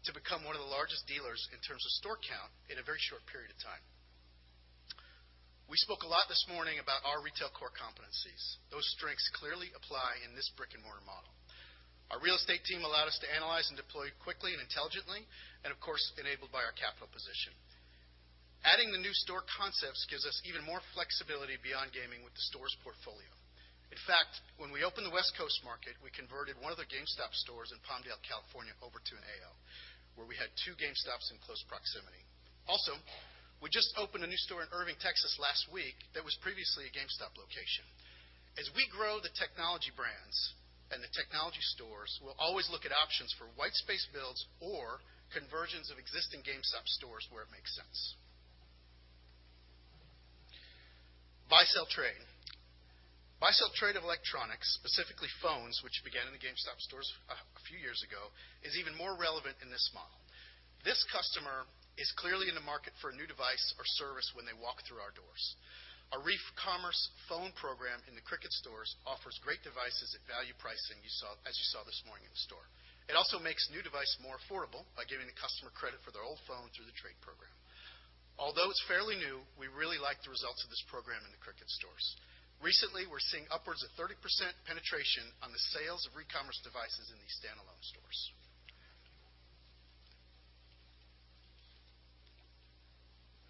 H: to become one of the largest dealers in terms of store count in a very short period of time. We spoke a lot this morning about our retail core competencies. Those strengths clearly apply in this brick-and-mortar model. Our real estate team allowed us to analyze and deploy quickly and intelligently. Of course, enabled by our capital position. Adding the new store concepts gives us even more flexibility beyond gaming with the stores portfolio. In fact, when we opened the West Coast market, we converted one of the GameStop stores in Palmdale, California, over to an AO, where we had two GameStop stores in close proximity. We just opened a new store in Irving, Texas, last week that was previously a GameStop location. As we grow the Technology Brands and the technology stores, we will always look at options for white space builds or conversions of existing GameStop stores where it makes sense. Buy, sell, trade. Buy, sell, trade of electronics, specifically phones, which began in the GameStop stores a few years ago, is even more relevant in this model. This customer is clearly in the market for a new device or service when they walk through our doors. Our recommerce phone program in the Cricket stores offers great devices at value pricing, as you saw this morning in the store. It also makes new devices more affordable by giving the customer credit for their old phone through the trade program. Although it is fairly new, we really like the results of this program in the Cricket stores. Recently, we are seeing upwards of 30% penetration on the sales of recommerce devices in these standalone stores.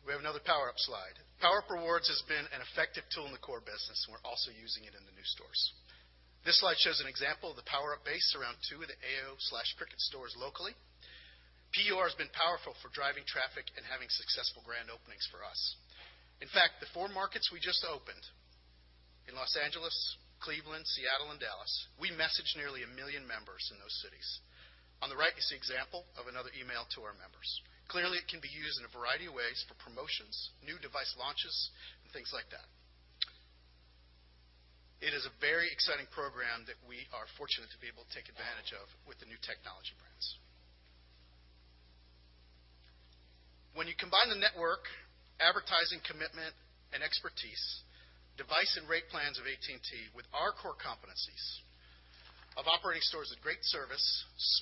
H: We have another PowerUp slide. PowerUp Rewards has been an effective tool in the core business, we are also using it in the new stores. This slide shows an example of the PowerUp base around two of the AO/Cricket stores locally. PUR has been powerful for driving traffic and having successful grand openings for us. In fact, the four markets we just opened in Los Angeles, Cleveland, Seattle, and Dallas, we messaged nearly 1 million members in those cities. On the right, you see an example of another email to our members. Clearly, it can be used in a variety of ways for promotions, new device launches, and things like that. It is a very exciting program that we are fortunate to be able to take advantage of with the new Technology Brands. When you combine the network, advertising commitment, and expertise, device and rate plans of AT&T with our core competencies of operating stores with great service,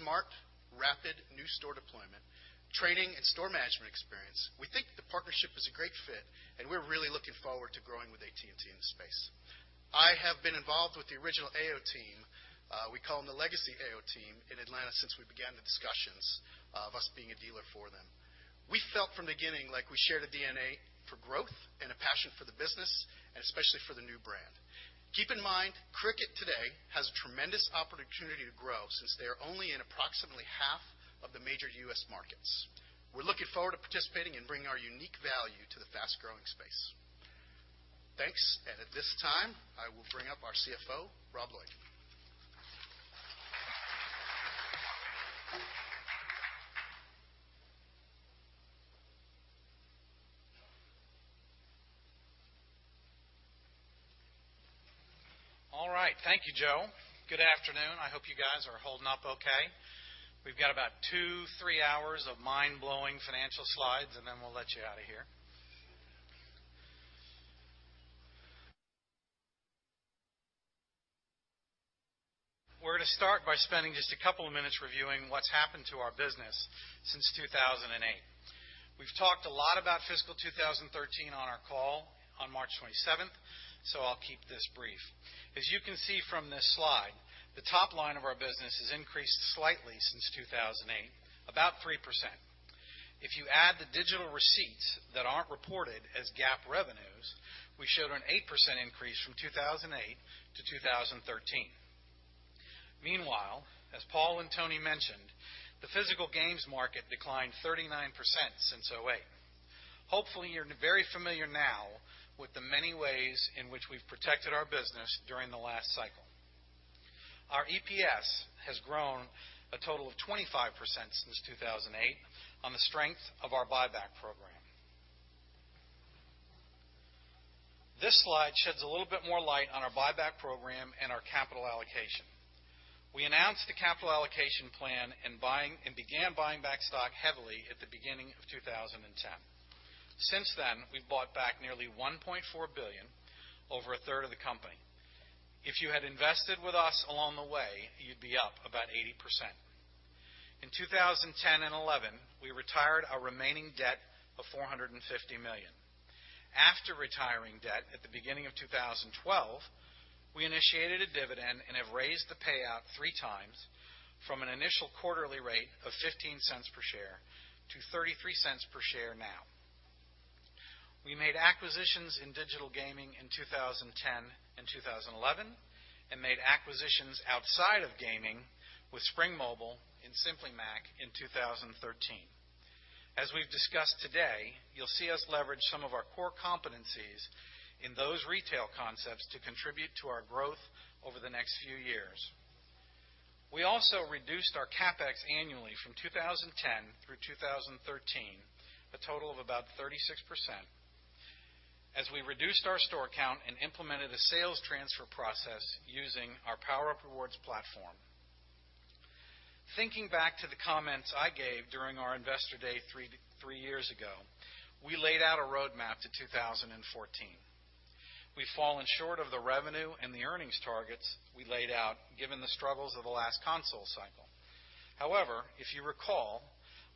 H: smart, rapid new store deployment, training, and store management experience, we think the partnership is a great fit and we are really looking forward to growing with AT&T in this space. I have been involved with the original AO team, we call them the legacy AO team, in Atlanta since we began the discussions of us being a dealer for them. We felt from the beginning like we shared a DNA for growth and a passion for the business, and especially for the new brand. Keep in mind, Cricket today has a tremendous opportunity to grow since they are only in approximately half of the major U.S. markets. We are looking forward to participating and bringing our unique value to the fast-growing space. Thanks. At this time, I will bring up our CFO, Rob Lloyd.
I: All right. Thank you, Joe. Good afternoon. I hope you guys are holding up okay. We've got about two, three hours of mind-blowing financial slides, and then we'll let you out of here. We're going to start by spending just a couple of minutes reviewing what's happened to our business since 2008. We've talked a lot about fiscal 2013 on our call on March 27th, so I'll keep this brief. As you can see from this slide, the top line of our business has increased slightly since 2008, about 3%. If you add the digital receipts that aren't reported as GAAP revenues, we showed an 8% increase from 2008 to 2013. Meanwhile, as Paul and Tony mentioned, the physical games market declined 39% since 2008. Hopefully, you're very familiar now with the many ways in which we've protected our business during the last cycle. Our EPS has grown a total of 25% since 2008 on the strength of our buyback program. This slide sheds a little bit more light on our buyback program and our capital allocation. We announced the capital allocation plan and began buying back stock heavily at the beginning of 2010. Since then, we've bought back nearly $1.4 billion, over a third of the company. If you had invested with us along the way, you'd be up about 80%. In 2010 and 2011, we retired our remaining debt of $450 million. After retiring debt at the beginning of 2012, we initiated a dividend and have raised the payout three times from an initial quarterly rate of $0.15 per share to $0.33 per share now. We made acquisitions in digital gaming in 2010 and 2011 and made acquisitions outside of gaming with Spring Mobile and Simply Mac in 2013. As we've discussed today, you'll see us leverage some of our core competencies in those retail concepts to contribute to our growth over the next few years. We also reduced our CapEx annually from 2010 through 2013, a total of about 36%, as we reduced our store count and implemented a sales transfer process using our PowerUp Rewards platform. Thinking back to the comments I gave during our Investor Day three years ago, we laid out a roadmap to 2014. We've fallen short of the revenue and the earnings targets we laid out given the struggles of the last console cycle. However, if you recall,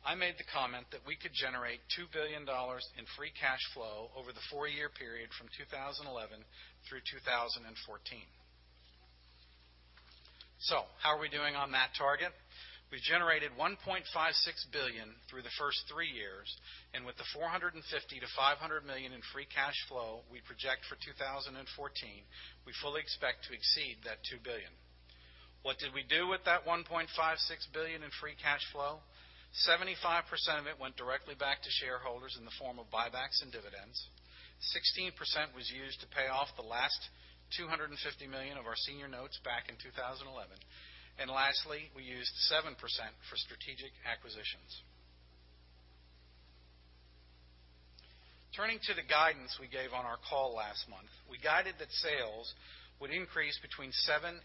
I: I made the comment that we could generate $2 billion in free cash flow over the four-year period from 2011 through 2014. How are we doing on that target? We've generated $1.56 billion through the first three years, and with the $450 million-$500 million in free cash flow we project for 2014, we fully expect to exceed that $2 billion. What did we do with that $1.56 billion in free cash flow? 75% of it went directly back to shareholders in the form of buybacks and dividends. 16% was used to pay off the last $250 million of our senior notes back in 2011. Lastly, we used 7% for strategic acquisitions. Turning to the guidance we gave on our call last month, we guided that sales would increase between 7%-10%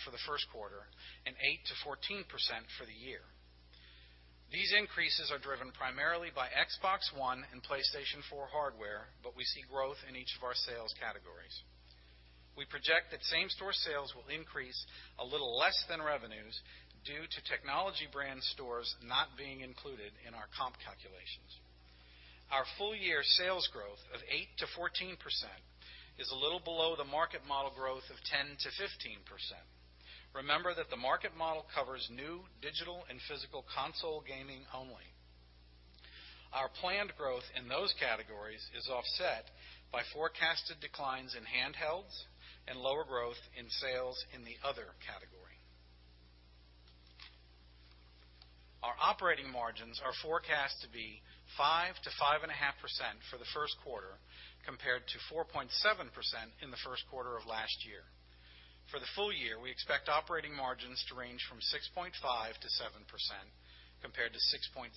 I: for the first quarter and 8%-14% for the year. These increases are driven primarily by Xbox One and PlayStation 4 hardware, but we see growth in each of our sales categories. We project that same-store sales will increase a little less than revenues due to Technology Brands stores not being included in our comp calculations. Our full-year sales growth of 8%-14% is a little below the market model growth of 10%-15%. Remember that the market model covers new digital and physical console gaming only. Our planned growth in those categories is offset by forecasted declines in handhelds and lower growth in sales in the other category. Our operating margins are forecast to be 5%-5.5% for the first quarter, compared to 4.7% in the first quarter of last year. For the full year, we expect operating margins to range from 6.5%-7%, compared to 6.3%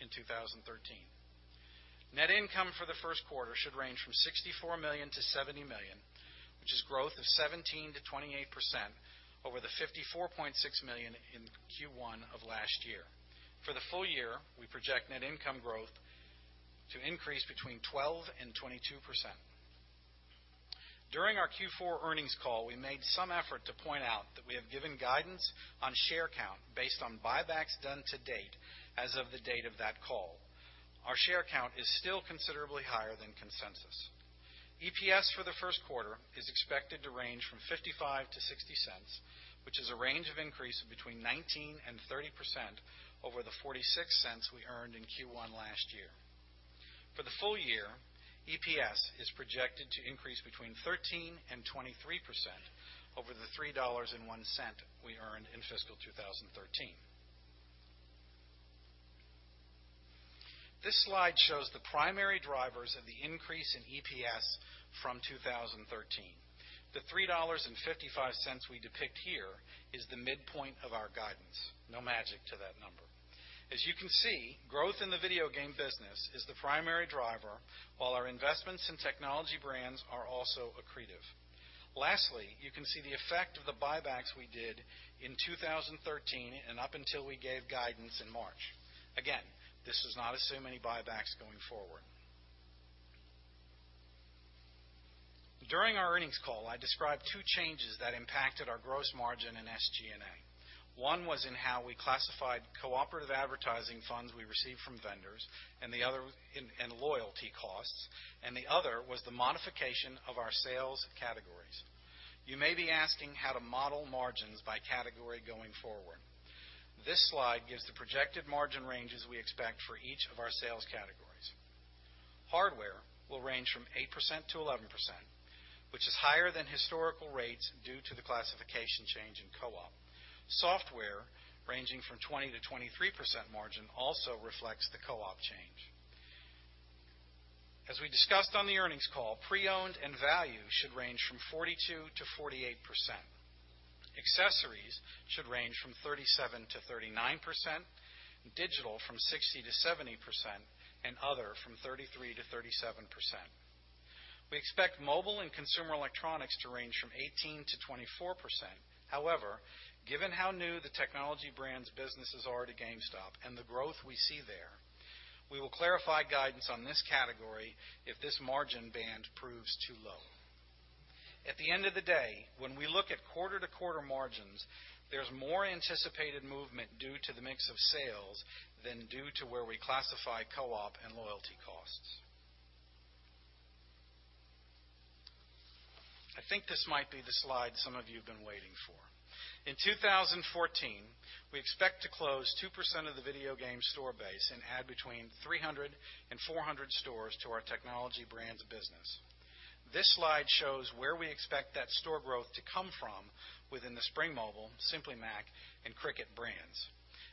I: in 2013. Net income for the first quarter should range from $64 million-$70 million, which is growth of 17%-28% over the $54.6 million in Q1 of last year. For the full year, we project net income growth to increase between 12% and 22%. During our Q4 earnings call, we made some effort to point out that we have given guidance on share count based on buybacks done to date as of the date of that call. Our share count is still considerably higher than consensus. EPS for the first quarter is expected to range from $0.55-$0.60, which is a range of increase of between 19% and 30% over the $0.46 we earned in Q1 last year. For the full year, EPS is projected to increase between 13% and 23% over the $3.01 we earned in fiscal 2013. This slide shows the primary drivers of the increase in EPS from 2013. The $3.55 we depict here is the midpoint of our guidance. No magic to that number. As you can see, growth in the video game business is the primary driver, while our investments in Technology Brands are also accretive. Lastly, you can see the effect of the buybacks we did in 2013 and up until we gave guidance in March. Again, this does not assume any buybacks going forward. During our earnings call, I described two changes that impacted our gross margin and SG&A. One was in how we classified cooperative advertising funds we received from vendors and loyalty costs, and the other was the modification of our sales categories. You may be asking how to model margins by category going forward. This slide gives the projected margin ranges we expect for each of our sales categories. Hardware will range from 8%-11%, which is higher than historical rates due to the classification change in co-op. Software, ranging from 20%-23% margin, also reflects the co-op change. As we discussed on the earnings call, pre-owned and value should range from 42%-48%. Accessories should range from 37%-39%, digital from 60%-70%, and other from 33%-37%. We expect mobile and consumer electronics to range from 18%-24%. However, given how new the Technology Brands businesses are to GameStop and the growth we see there, we will clarify guidance on this category if this margin band proves too low. At the end of the day, when we look at quarter-to-quarter margins, there's more anticipated movement due to the mix of sales than due to where we classify co-op and loyalty costs. I think this might be the slide some of you have been waiting for. In 2014, we expect to close 2% of the video game store base and add between 300 and 400 stores to our Technology Brands business. This slide shows where we expect that store growth to come from within the Spring Mobile, Simply Mac, and Cricket brands.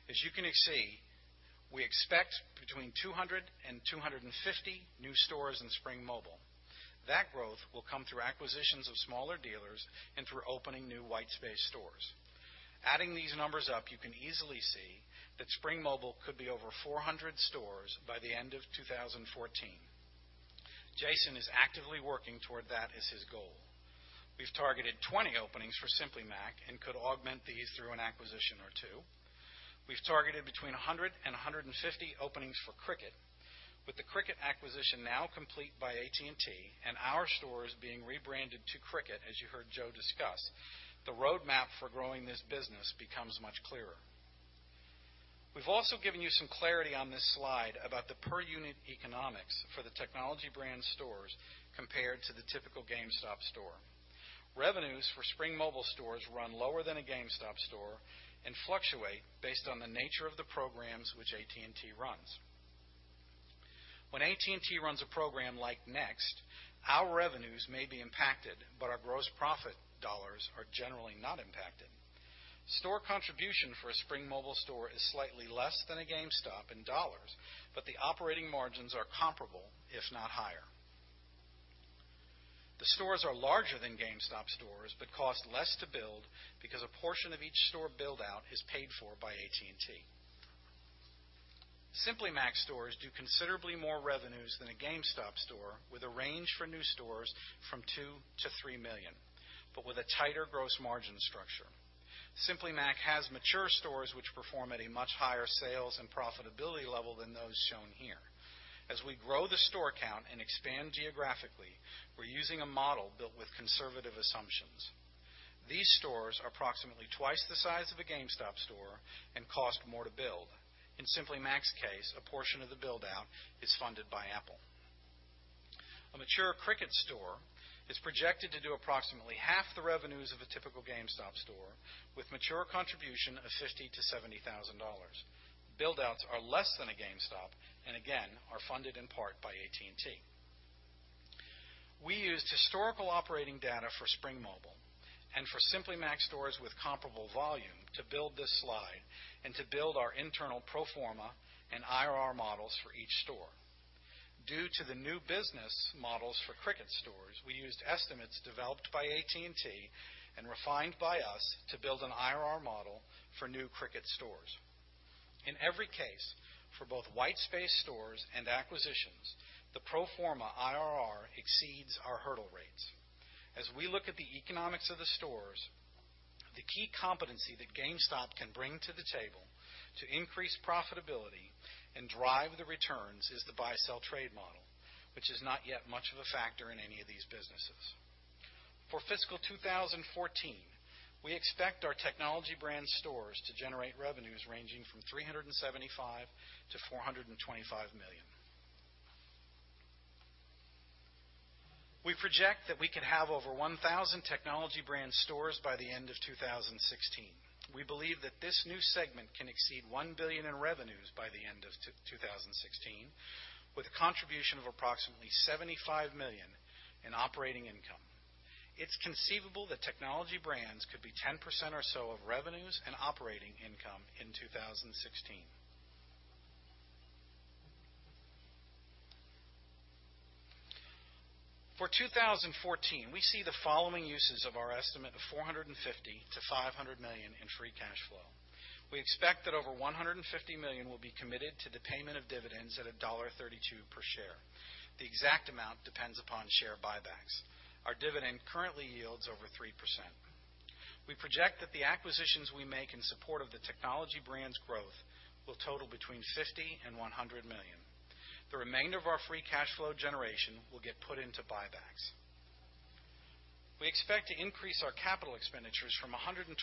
I: As you can see, we expect between 200 and 250 new stores in Spring Mobile. That growth will come through acquisitions of smaller dealers and through opening new white space stores. Adding these numbers up, you can easily see that Spring Mobile could be over 400 stores by the end of 2014. Jason is actively working toward that as his goal. We've targeted 20 openings for Simply Mac and could augment these through an acquisition or two. We've targeted between 100 and 150 openings for Cricket. With the Cricket acquisition now complete by AT&T and our stores being rebranded to Cricket, as you heard Joe discuss, the roadmap for growing this business becomes much clearer. We've also given you some clarity on this slide about the per unit economics for the Technology Brands stores compared to the typical GameStop store. Revenues for Spring Mobile stores run lower than a GameStop store and fluctuate based on the nature of the programs which AT&T runs. When AT&T runs a program like Next, our revenues may be impacted, but our gross profit dollars are generally not impacted. Store contribution for a Spring Mobile store is slightly less than a GameStop in dollars, but the operating margins are comparable, if not higher. The stores are larger than GameStop stores but cost less to build because a portion of each store build-out is paid for by AT&T. Simply Mac stores do considerably more revenues than a GameStop store, with a range for new stores from two to three million, but with a tighter gross margin structure. Simply Mac has mature stores which perform at a much higher sales and profitability level than those shown here. As we grow the store count and expand geographically, we're using a model built with conservative assumptions. These stores are approximately twice the size of a GameStop store and cost more to build. In Simply Mac's case, a portion of the build-out is funded by Apple. A mature Cricket store is projected to do approximately half the revenues of a typical GameStop store, with mature contribution of $50,000-$70,000. Build-outs are less than a GameStop, and again, are funded in part by AT&T. We used historical operating data for Spring Mobile and for Simply Mac stores with comparable volume to build this slide and to build our internal pro forma and IRR models for each store. Due to the new business models for Cricket stores, we used estimates developed by AT&T and refined by us to build an IRR model for new Cricket stores. In every case, for both white space stores and acquisitions, the pro forma IRR exceeds our hurdle rates. As we look at the economics of the stores, the key competency that GameStop can bring to the table to increase profitability and drive the returns is the buy-sell trade model, which is not yet much of a factor in any of these businesses. For fiscal 2014, we expect our Technology Brands stores to generate revenues ranging from $375 million-$425 million. We project that we could have over 1,000 Technology Brands stores by the end of 2016. We believe that this new segment can exceed $1 billion in revenues by the end of 2016, with a contribution of approximately $75 million in operating income. It's conceivable that Technology Brands could be 10% or so of revenues and operating income in 2016. For 2014, we see the following uses of our estimate of $450 million-$500 million in free cash flow. We expect that over $150 million will be committed to the payment of dividends at $1.32 per share. The exact amount depends upon share buybacks. Our dividend currently yields over 3%. We project that the acquisitions we make in support of the Technology Brands' growth will total between $50 million and $100 million. The remainder of our free cash flow generation will get put into buybacks. We expect to increase our capital expenditures from $125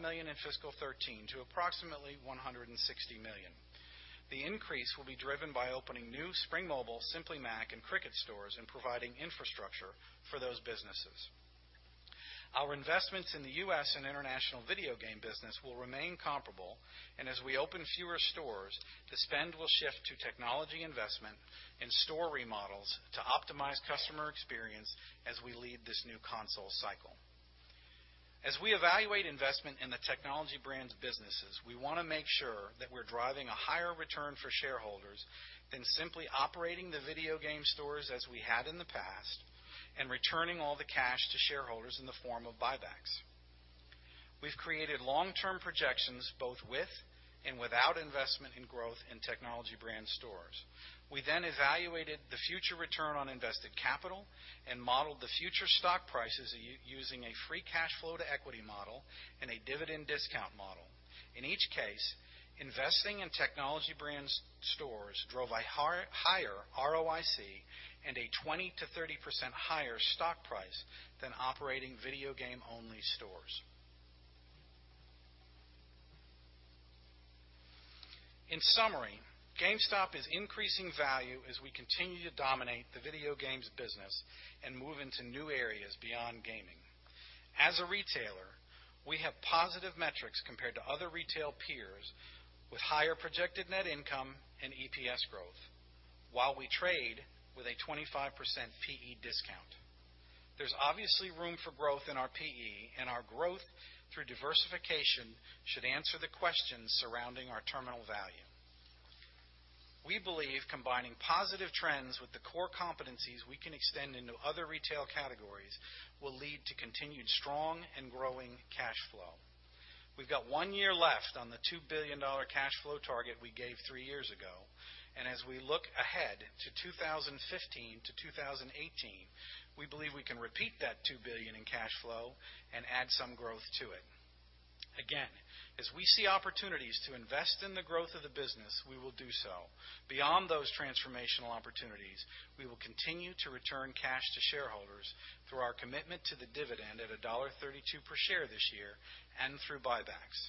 I: million in fiscal 2013 to approximately $160 million. The increase will be driven by opening new Spring Mobile, Simply Mac, and Cricket stores and providing infrastructure for those businesses. Our investments in the U.S. and international video game business will remain comparable, and as we open fewer stores, the spend will shift to technology investment and store remodels to optimize customer experience as we lead this new console cycle. As we evaluate investment in the Technology Brands businesses, we want to make sure that we're driving a higher return for shareholders than simply operating the video game stores as we had in the past and returning all the cash to shareholders in the form of buybacks. We've created long-term projections both with and without investment in growth in Technology Brands stores. We evaluated the future return on invested capital and modeled the future stock prices using a free cash flow to equity model and a dividend discount model. In each case, investing in Technology Brands stores drove a higher ROIC and a 20%-30% higher stock price than operating video game-only stores. In summary, GameStop is increasing value as we continue to dominate the video games business and move into new areas beyond gaming. As a retailer, we have positive metrics compared to other retail peers, with higher projected net income and EPS growth while we trade with a 25% PE discount. There's obviously room for growth in our PE, and our growth through diversification should answer the questions surrounding our terminal value. We believe combining positive trends with the core competencies we can extend into other retail categories will lead to continued strong and growing cash flow. We've got one year left on the $2 billion cash flow target we gave three years ago. As we look ahead to 2015-2018, we believe we can repeat that $2 billion in cash flow and add some growth to it. As we see opportunities to invest in the growth of the business, we will do so. Beyond those transformational opportunities, we will continue to return cash to shareholders through our commitment to the dividend at $1.32 per share this year and through buybacks.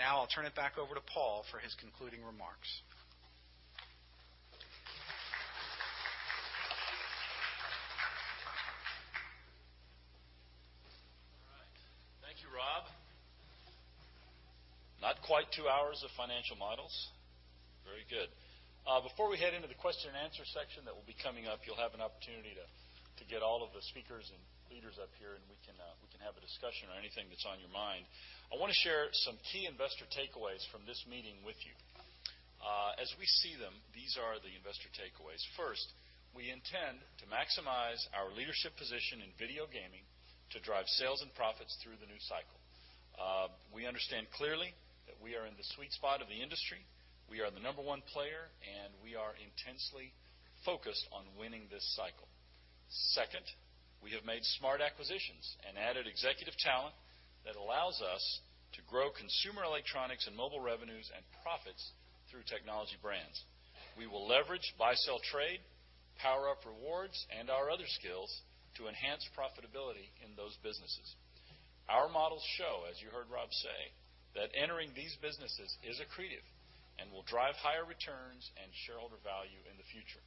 I: I'll turn it back over to Paul for his concluding remarks.
A: All right. Thank you, Rob. Not quite two hours of financial models. Very good. Before we head into the question and answer section that will be coming up, you will have an opportunity to get all of the speakers and leaders up here, and we can have a discussion or anything that is on your mind. I want to share some key investor takeaways from this meeting with you. As we see them, these are the investor takeaways. First, we intend to maximize our leadership position in video gaming to drive sales and profits through the new cycle. We understand clearly that we are in the sweet spot of the industry. We are the number one player, and we are intensely focused on winning this cycle. Second, we have made smart acquisitions and added executive talent that allows us to grow consumer electronics and mobile revenues and profits through Technology Brands. We will leverage buy-sell trade, PowerUp Rewards, and our other skills to enhance profitability in those businesses. Our models show, as you heard Rob say, that entering these businesses is accretive and will drive higher returns and shareholder value in the future.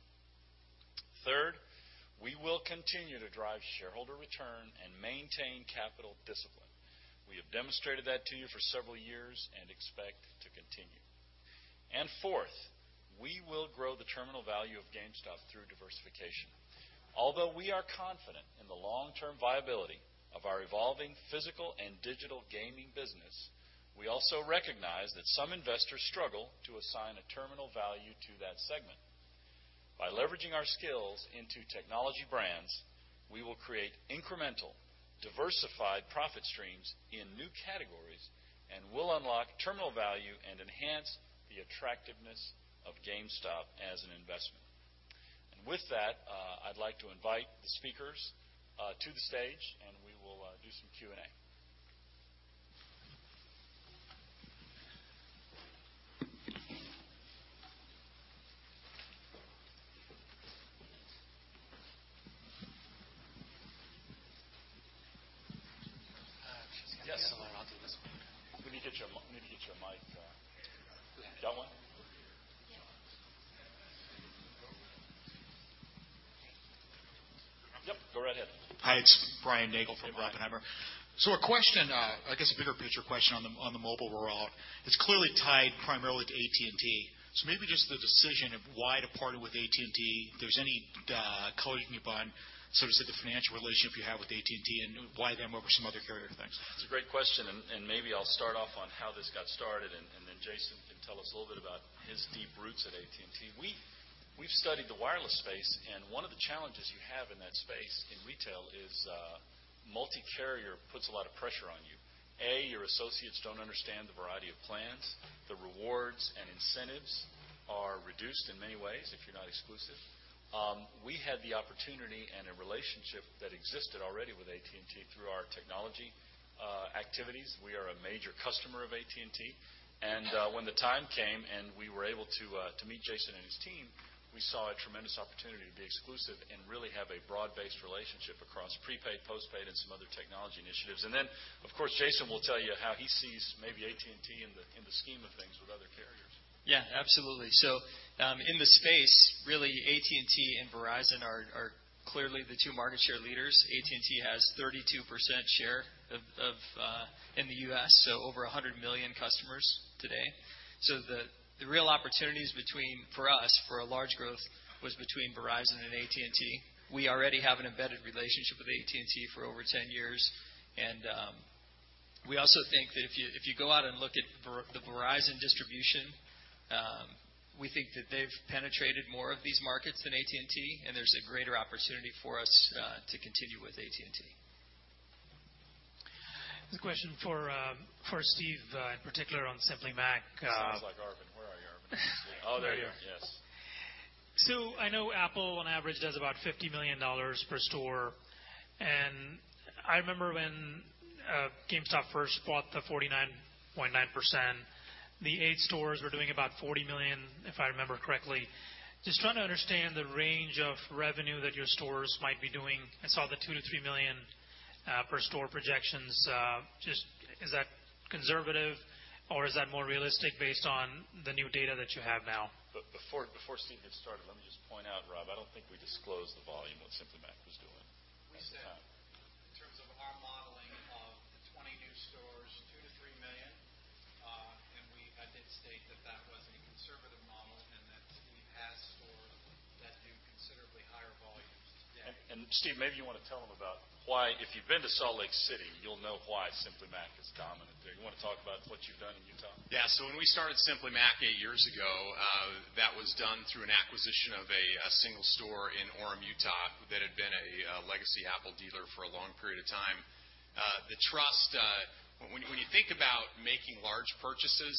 A: Third, we will continue to drive shareholder return and maintain capital discipline. We have demonstrated that to you for several years and expect to continue. Fourth, we will grow the terminal value of GameStop through diversification. Although we are confident in the long-term viability of our evolving physical and digital gaming business, we also recognize that some investors struggle to assign a terminal value to that segment. By leveraging our skills into Technology Brands, we will create incremental, diversified profit streams in new categories and will unlock terminal value and enhance the attractiveness of GameStop as an investment. With that, I would like to invite the speakers to the stage, and we will do some Q&A.
J: She has got somewhere. I will do this one.
A: We need to get you a mic. You don't want one?
J: Yeah.
A: Yep, go right ahead.
J: Hi, it's Brian Nagel from Oppenheimer. A question, I guess a bigger picture question on the mobile rollout. It's clearly tied primarily to AT&T. Maybe just the decision of why to partner with AT&T, if there's any color you can give on the financial relationship you have with AT&T, and why them over some other carrier. Thanks.
A: It's a great question. Maybe I'll start off on how this got started, and then Jason can tell us a little bit about his deep roots at AT&T. We've studied the wireless space. One of the challenges you have in that space in retail is multi-carrier puts a lot of pressure on you. A. Your associates don't understand the variety of plans. The rewards and incentives are reduced in many ways if you're not exclusive. We had the opportunity and a relationship that existed already with AT&T through our technology activities. We are a major customer of AT&T. When the time came and we were able to meet Jason and his team, we saw a tremendous opportunity to be exclusive and really have a broad-based relationship across prepaid, postpaid, and some other technology initiatives. Jason will tell you how he sees maybe AT&T in the scheme of things with other carriers.
G: Yeah, absolutely. In the space, really, AT&T and Verizon are clearly the two market share leaders. AT&T has 32% share in the U.S., over 100 million customers today. The real opportunities for us for a large growth was between Verizon and AT&T. We already have an embedded relationship with AT&T for over 10 years, and we also think that if you go out and look at the Verizon distribution, we think that they've penetrated more of these markets than AT&T, and there's a greater opportunity for us to continue with AT&T.
J: This question for Steve, in particular on Simply Mac.
A: Sounds like Arvind. Where are you, Arvind? There you are. Yes.
J: I know Apple on average does about $50 million per store, and I remember when GameStop first bought the 49.9%, the eight stores were doing about $40 million, if I remember correctly. Just trying to understand the range of revenue that your stores might be doing. I saw the $2 million-$3 million per store projections. Just is that conservative, or is that more realistic based on the new data that you have now?
A: Before Steve gets started, let me just point out, Rob, I don't think we disclosed the volume what Simply Mac was doing at the time.
F: We said in terms of our modeling of the 20 new stores, $2 million-$3 million, I did state that was a conservative model and that we have stores that do considerably higher volumes today.
A: Steve, maybe you want to tell them about why, if you've been to Salt Lake City, you'll know why Simply Mac is dominant there. You want to talk about what you've done in Utah?
F: Yeah. When we started Simply Mac eight years ago, that was done through an acquisition of a single store in Orem, Utah, that had been a legacy Apple dealer for a long period of time. The trust, when you think about making large purchases,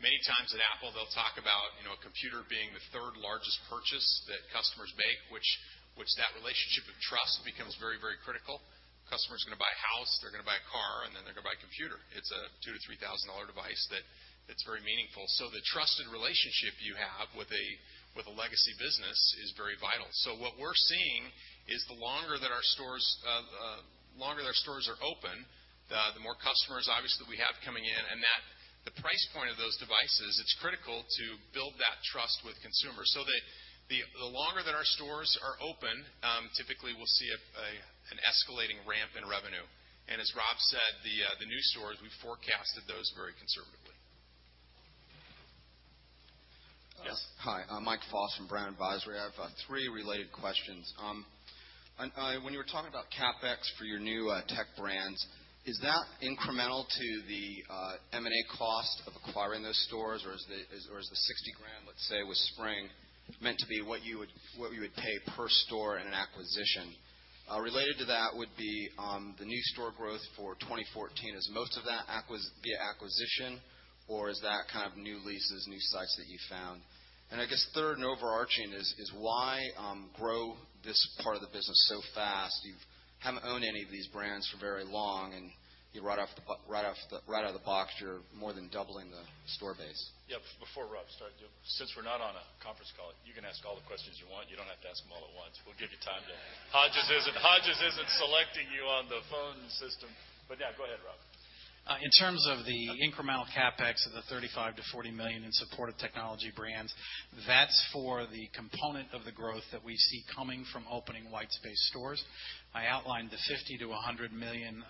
F: many times at Apple, they'll talk about a computer being the third-largest purchase that customers make, which that relationship of trust becomes very critical. Customers are going to buy a house, they're going to buy a car, and then they're going to buy a computer. It's a $2,000-$3,000 device that's very meaningful. The trusted relationship you have with a legacy business is very vital. What we're seeing Is the longer that our stores are open, the more customers, obviously, we have coming in, and that the price point of those devices, it's critical to build that trust with consumers. The longer that our stores are open, typically we'll see an escalating ramp in revenue. As Rob said, the new stores, we forecasted those very conservatively. Yes.
K: Hi, Michael Foss from Brown Advisory. I have three related questions. When you were talking about CapEx for your new tech brands, is that incremental to the M&A cost of acquiring those stores? Or is the $60,000, let's say with Spring, meant to be what you would pay per store in an acquisition? Related to that would be the new store growth for 2014. Is most of that via acquisition, or is that kind of new leases, new sites that you found? I guess third and overarching is why grow this part of the business so fast? You haven't owned any of these brands for very long, and right out of the box, you're more than doubling the store base.
A: Yeah. Before Rob starts, since we're not on a conference call, you can ask all the questions you want. You don't have to ask them all at once. We'll give you time to Hodges isn't selecting you on the phone system. Yeah, go ahead, Rob.
I: In terms of the incremental CapEx of the $35 million-$40 million in support of Technology Brands, that's for the component of the growth that we see coming from opening white space stores. I outlined the $50 million-$100 million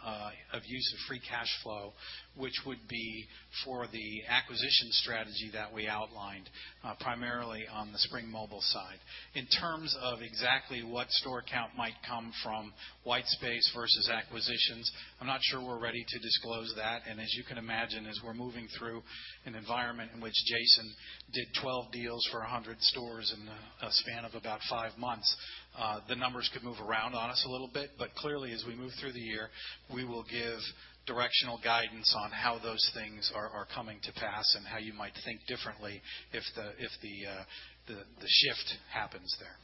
I: of use of free cash flow, which would be for the acquisition strategy that we outlined, primarily on the Spring Mobile side. In terms of exactly what store count might come from white space versus acquisitions, I'm not sure we're ready to disclose that. As you can imagine, as we're moving through an environment in which Jason did 12 deals for 100 stores in a span of about five months, the numbers could move around on us a little bit. Clearly, as we move through the year, we will give directional guidance on how those things are coming to pass and how you might think differently if the shift happens there.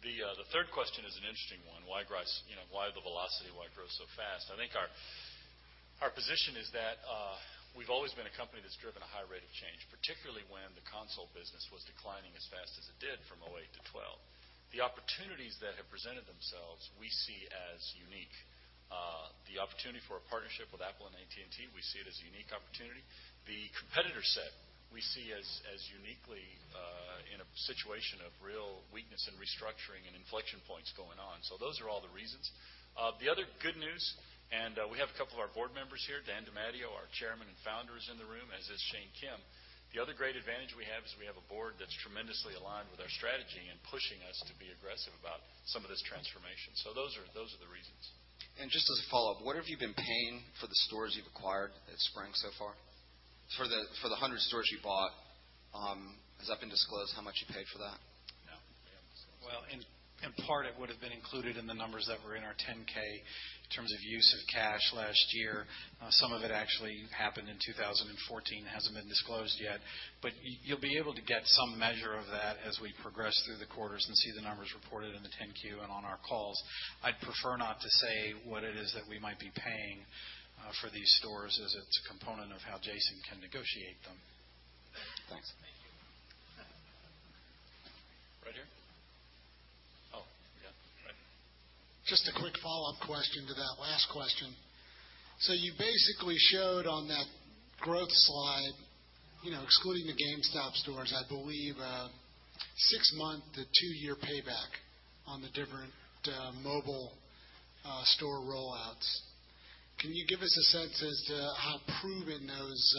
A: The third question is an interesting one. Why the velocity? Why grow so fast? I think our position is that we've always been a company that's driven a high rate of change, particularly when the console business was declining as fast as it did from 2008 to 2012. The opportunities that have presented themselves, we see as unique. The opportunity for a partnership with Apple and AT&T, we see it as a unique opportunity. The competitor set, we see as uniquely in a situation of real weakness and restructuring and inflection points going on. Those are all the reasons. The other good news, we have a couple of our board members here, Daniel DeMatteo, our Chairman and founder is in the room, as is Shane Kim. The other great advantage we have is we have a board that's tremendously aligned with our strategy and pushing us to be aggressive about some of this transformation. Those are the reasons.
K: What have you been paying for the stores you've acquired at Spring so far? For the 100 stores you bought, has that been disclosed how much you paid for that?
A: No, we haven't disclosed that.
I: Well, in part, it would've been included in the numbers that were in our 10-K in terms of use of cash last year. Some of it actually happened in 2014, hasn't been disclosed yet. You'll be able to get some measure of that as we progress through the quarters and see the numbers reported in the 10-Q and on our calls. I'd prefer not to say what it is that we might be paying for these stores as it's a component of how Jason can negotiate them.
K: Thanks.
A: Right here. Oh, yeah. Right here.
L: Just a quick follow-up question to that last question. You basically showed on that growth slide, excluding the GameStop stores, I believe, a 6-month to 2-year payback on the different mobile store rollouts. Can you give us a sense as to how proven those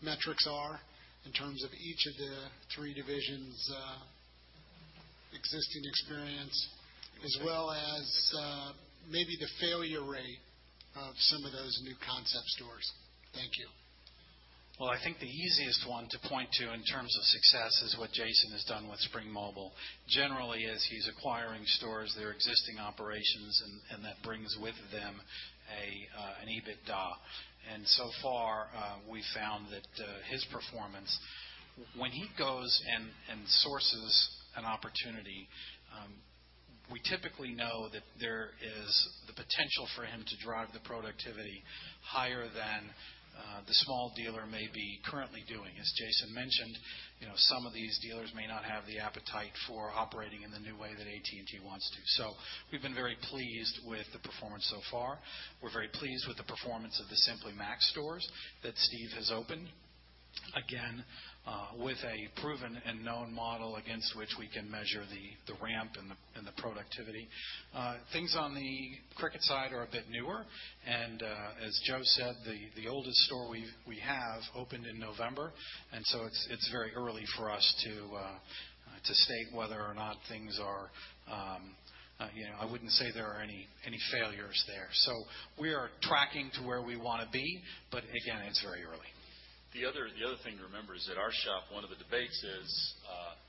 L: metrics are in terms of each of the 3 divisions' existing experience, as well as maybe the failure rate of some of those new concept stores? Thank you.
I: I think the easiest one to point to in terms of success is what Jason has done with Spring Mobile. Generally, as he's acquiring stores, their existing operations, and that brings with them an EBITDA. So far, we've found that his performance, when he goes and sources an opportunity, we typically know that there is the potential for him to drive the productivity higher than the small dealer may be currently doing. As Jason mentioned, some of these dealers may not have the appetite for operating in the new way that AT&T wants to. We've been very pleased with the performance so far. We're very pleased with the performance of the Simply Mac stores that Steve has opened, again, with a proven and known model against which we can measure the ramp and the productivity. Things on the Cricket side are a bit newer. As Joe said, the oldest store we have opened in November, and so it's very early for us to state whether or not I wouldn't say there are any failures there. We are tracking to where we want to be, but again, it's very early.
A: The other thing to remember is at our shop, one of the debates is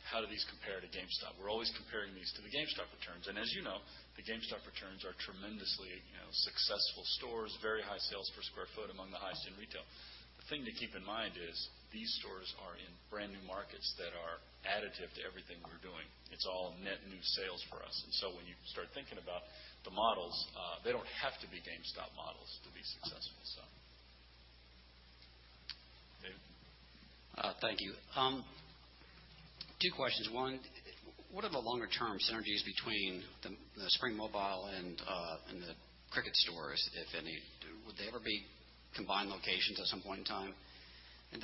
A: how do these compare to GameStop? We're always comparing these to the GameStop returns. As you know, the GameStop returns are tremendously successful stores, very high sales per sq ft, among the highest in retail. The thing to keep in mind is these stores are in brand-new markets that are additive to everything we're doing. It's all net new sales for us. When you start thinking about the models, they don't have to be GameStop models to be successful. Dave?
L: Thank you. Two questions. One, what are the longer-term synergies between the Spring Mobile and the Cricket stores, if any? Would they ever be combined locations at some point in time?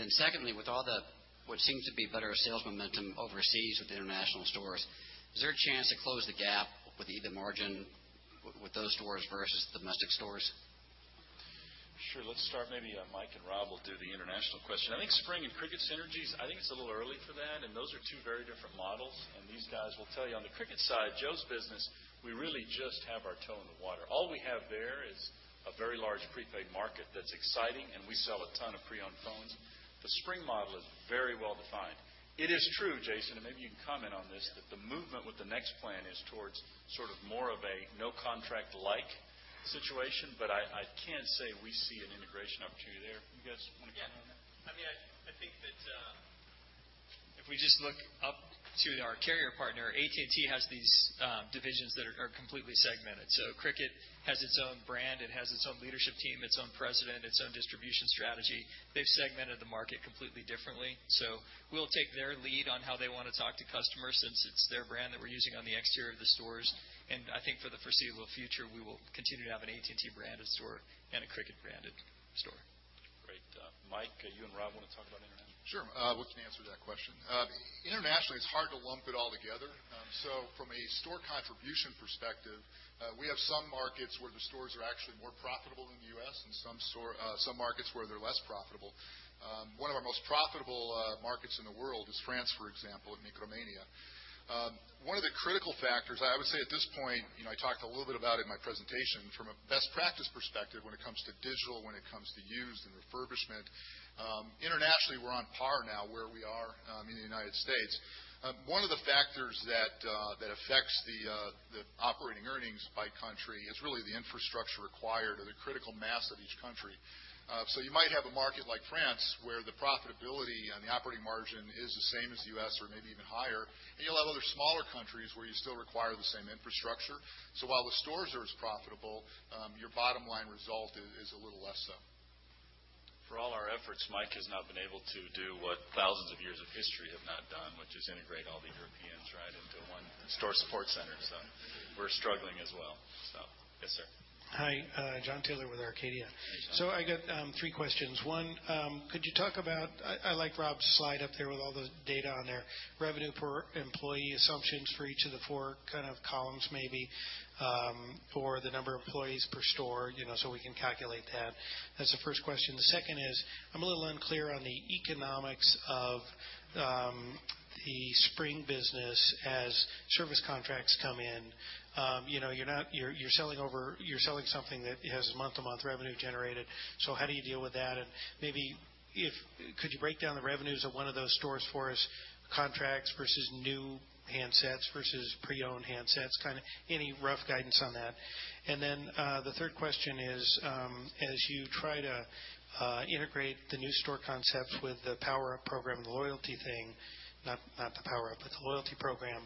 L: Secondly, with all the, what seems to be better sales momentum overseas with the international stores, is there a chance to close the gap with either margin with those stores versus domestic stores?
A: Sure. Let's start maybe, Mike and Rob will do the international question. I think Spring and Cricket synergies, I think it's a little early for that. Those are two very different models. These guys will tell you, on the Cricket side, Joe's business, we really just have our toe in the water. All we have there is a very large prepaid market that's exciting, and we sell a ton of pre-owned phones. The Spring model is very well-defined. It is true, Jason, maybe you can comment on this, that the movement with the next plan is towards sort of more of a no-contract-like situation. I can't say we see an integration opportunity there. You guys want to comment on that?
G: Yeah. I think that if we just look up to our carrier partner, AT&T has these divisions that are completely segmented. Cricket has its own brand, it has its own leadership team, its own president, its own distribution strategy. They've segmented the market completely differently. We'll take their lead on how they want to talk to customers since it's their brand that we're using on the exterior of the stores. I think for the foreseeable future, we will continue to have an AT&T-branded store and a Cricket-branded store.
A: Great. Mike, you and Rob want to talk about international?
C: Sure. We can answer that question. Internationally, it's hard to lump it all together. From a store contribution perspective, we have some markets where the stores are actually more profitable than the U.S. and some markets where they're less profitable. One of our most profitable markets in the world is France, for example, with Micromania. One of the critical factors, I would say at this point, I talked a little bit about in my presentation, from a best practice perspective, when it comes to digital, when it comes to used and refurbishment, internationally, we're on par now where we are in the U.S. One of the factors that affects the operating earnings by country is really the infrastructure required or the critical mass of each country. You might have a market like France, where the profitability and the operating margin is the same as the U.S. or maybe even higher, and you'll have other smaller countries where you still require the same infrastructure. While the stores are as profitable, your bottom-line result is a little less so.
A: For all our efforts, Mike has now been able to do what thousands of years of history have not done, which is integrate all the Europeans, right, into one store support center. We're struggling as well. Yes, sir.
M: Hi, John Taylor with Arcadia.
A: Hey, John.
M: I got three questions. One, could you talk about, I like Rob's slide up there with all the data on there, revenue per employee assumptions for each of the four kind of columns, maybe, for the number of employees per store, so we can calculate that. That's the first question. The second is, I'm a little unclear on the economics of the Spring business as service contracts come in. You're selling something that has month-to-month revenue generated. How do you deal with that? Maybe, could you break down the revenues of one of those stores for us, contracts versus new handsets versus pre-owned handsets, kind of any rough guidance on that? The third question is, as you try to integrate the new store concepts with the PowerUp program and the loyalty thing, not the PowerUp, but the loyalty program,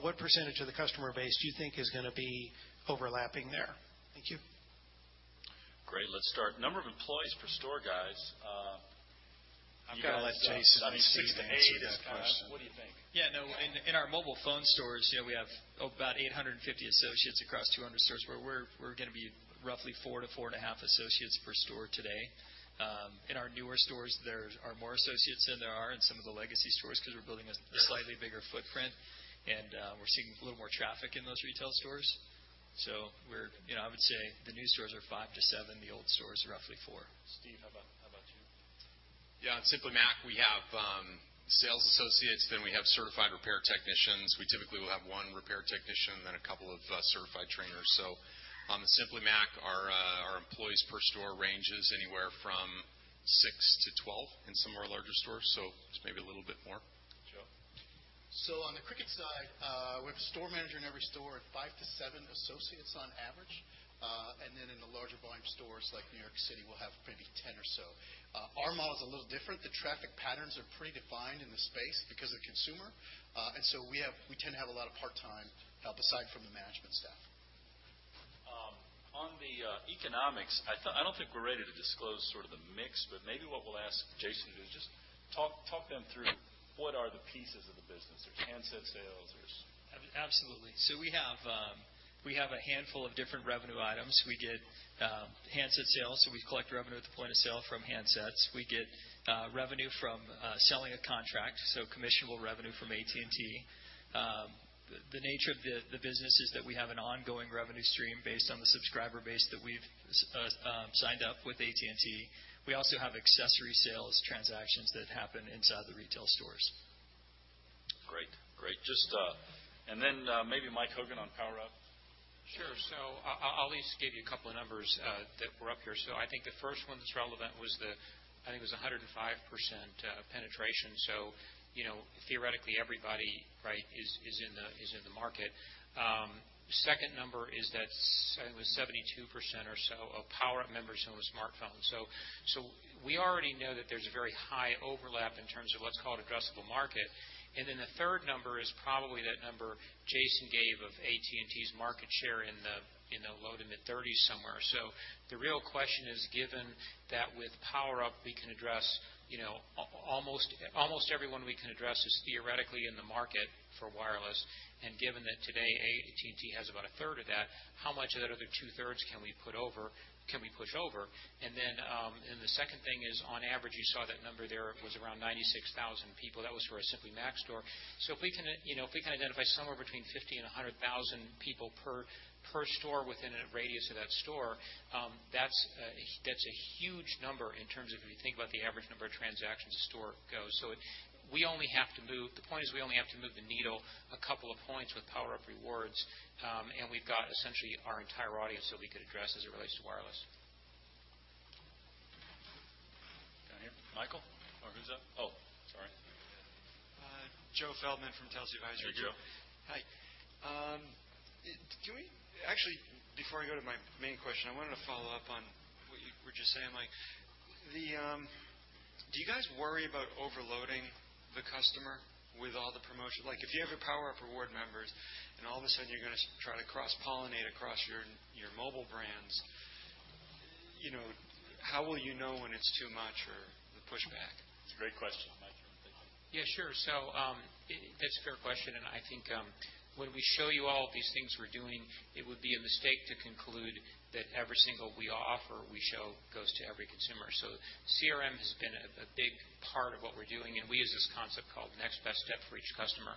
M: what % of the customer base do you think is going to be overlapping there? Thank you.
A: Great. Let's start. Number of employees per store, guys.
C: I'm going to let Jason and Steve answer that question.
G: What do you think? Yeah, no, in our mobile phone stores, we have about 850 associates across 200 stores, where we're going to be roughly four to four and a half associates per store today. In our newer stores, there are more associates than there are in some of the legacy stores because we're building a slightly bigger footprint, and we're seeing a little more traffic in those retail stores. I would say the new stores are five to seven, the old stores are roughly four.
A: Steve, how about you?
F: Yeah. At Simply Mac, we have sales associates, then we have certified repair technicians. We typically will have one repair technician, then a couple of certified trainers. On the Simply Mac, our employees per store ranges anywhere from six to 12 in some of our larger stores, so it's maybe a little bit more.
A: Joe.
H: On the Cricket side, we have a store manager in every store and five to seven associates on average. In the larger volume stores like New York City, we'll have maybe 10 or so. Our model is a little different. The traffic patterns are predefined in the space because they're consumer. We tend to have a lot of part-time help aside from the management staff.
A: On the economics, I don't think we're ready to disclose sort of the mix, but maybe what we'll ask Jason to do is just talk them through what are the pieces of the business. There's handset sales.
G: Absolutely. We have a handful of different revenue items. We get handset sales, so we collect revenue at the point of sale from handsets. We get revenue from selling a contract, so commissionable revenue from AT&T. The nature of the business is that we have an ongoing revenue stream based on the subscriber base that we've signed up with AT&T. We also have accessory sales transactions that happen inside the retail stores.
A: Great. Maybe Mike Hogan on PowerUp.
E: Sure. I'll at least give you a couple of numbers that were up here. I think the first one that's relevant was the, I think it was 105% penetration. Theoretically, everybody, right, is in the market. Second number is that it was 72% or so of PowerUp members own a smartphone. We already know that there's a very high overlap in terms of what's called addressable market. The third number is probably that number Jason gave of AT&T's market share in the low to mid-30s somewhere. The real question is, given that with PowerUp, almost everyone we can address is theoretically in the market for wireless, and given that today AT&T has about a third of that, how much of that other two-thirds can we push over? The second thing is, on average, you saw that number there was around 96,000 people. That was for a Simply Mac store. If we can identify somewhere between 50,000 and 100,000 people per store within a radius of that store, that's a huge number in terms of if you think about the average number of transactions a store goes. The point is we only have to move the needle a couple of points with PowerUp Rewards, and we've got essentially our entire audience that we could address as it relates to wireless.
A: Down here. Michael? Or who's up? Sorry.
N: Joe Feldman from Telsey Advisory.
A: Hey, Joe.
N: Hi. Actually, before I go to my main question, I wanted to follow up on what you were just saying. Do you guys worry about overloading the customer with all the promotion? If you have your PowerUp Rewards members and all of a sudden you're going to try to cross-pollinate across your mobile brands, how will you know when it's too much or the pushback?
A: It's a great question, Mike. Thank you.
E: Yeah, sure. That's a fair question, and I think when we show you all of these things we're doing, it would be a mistake to conclude that every single we offer, we show goes to every consumer. CRM has been a big part of what we're doing, and we use this concept called next best step for each customer.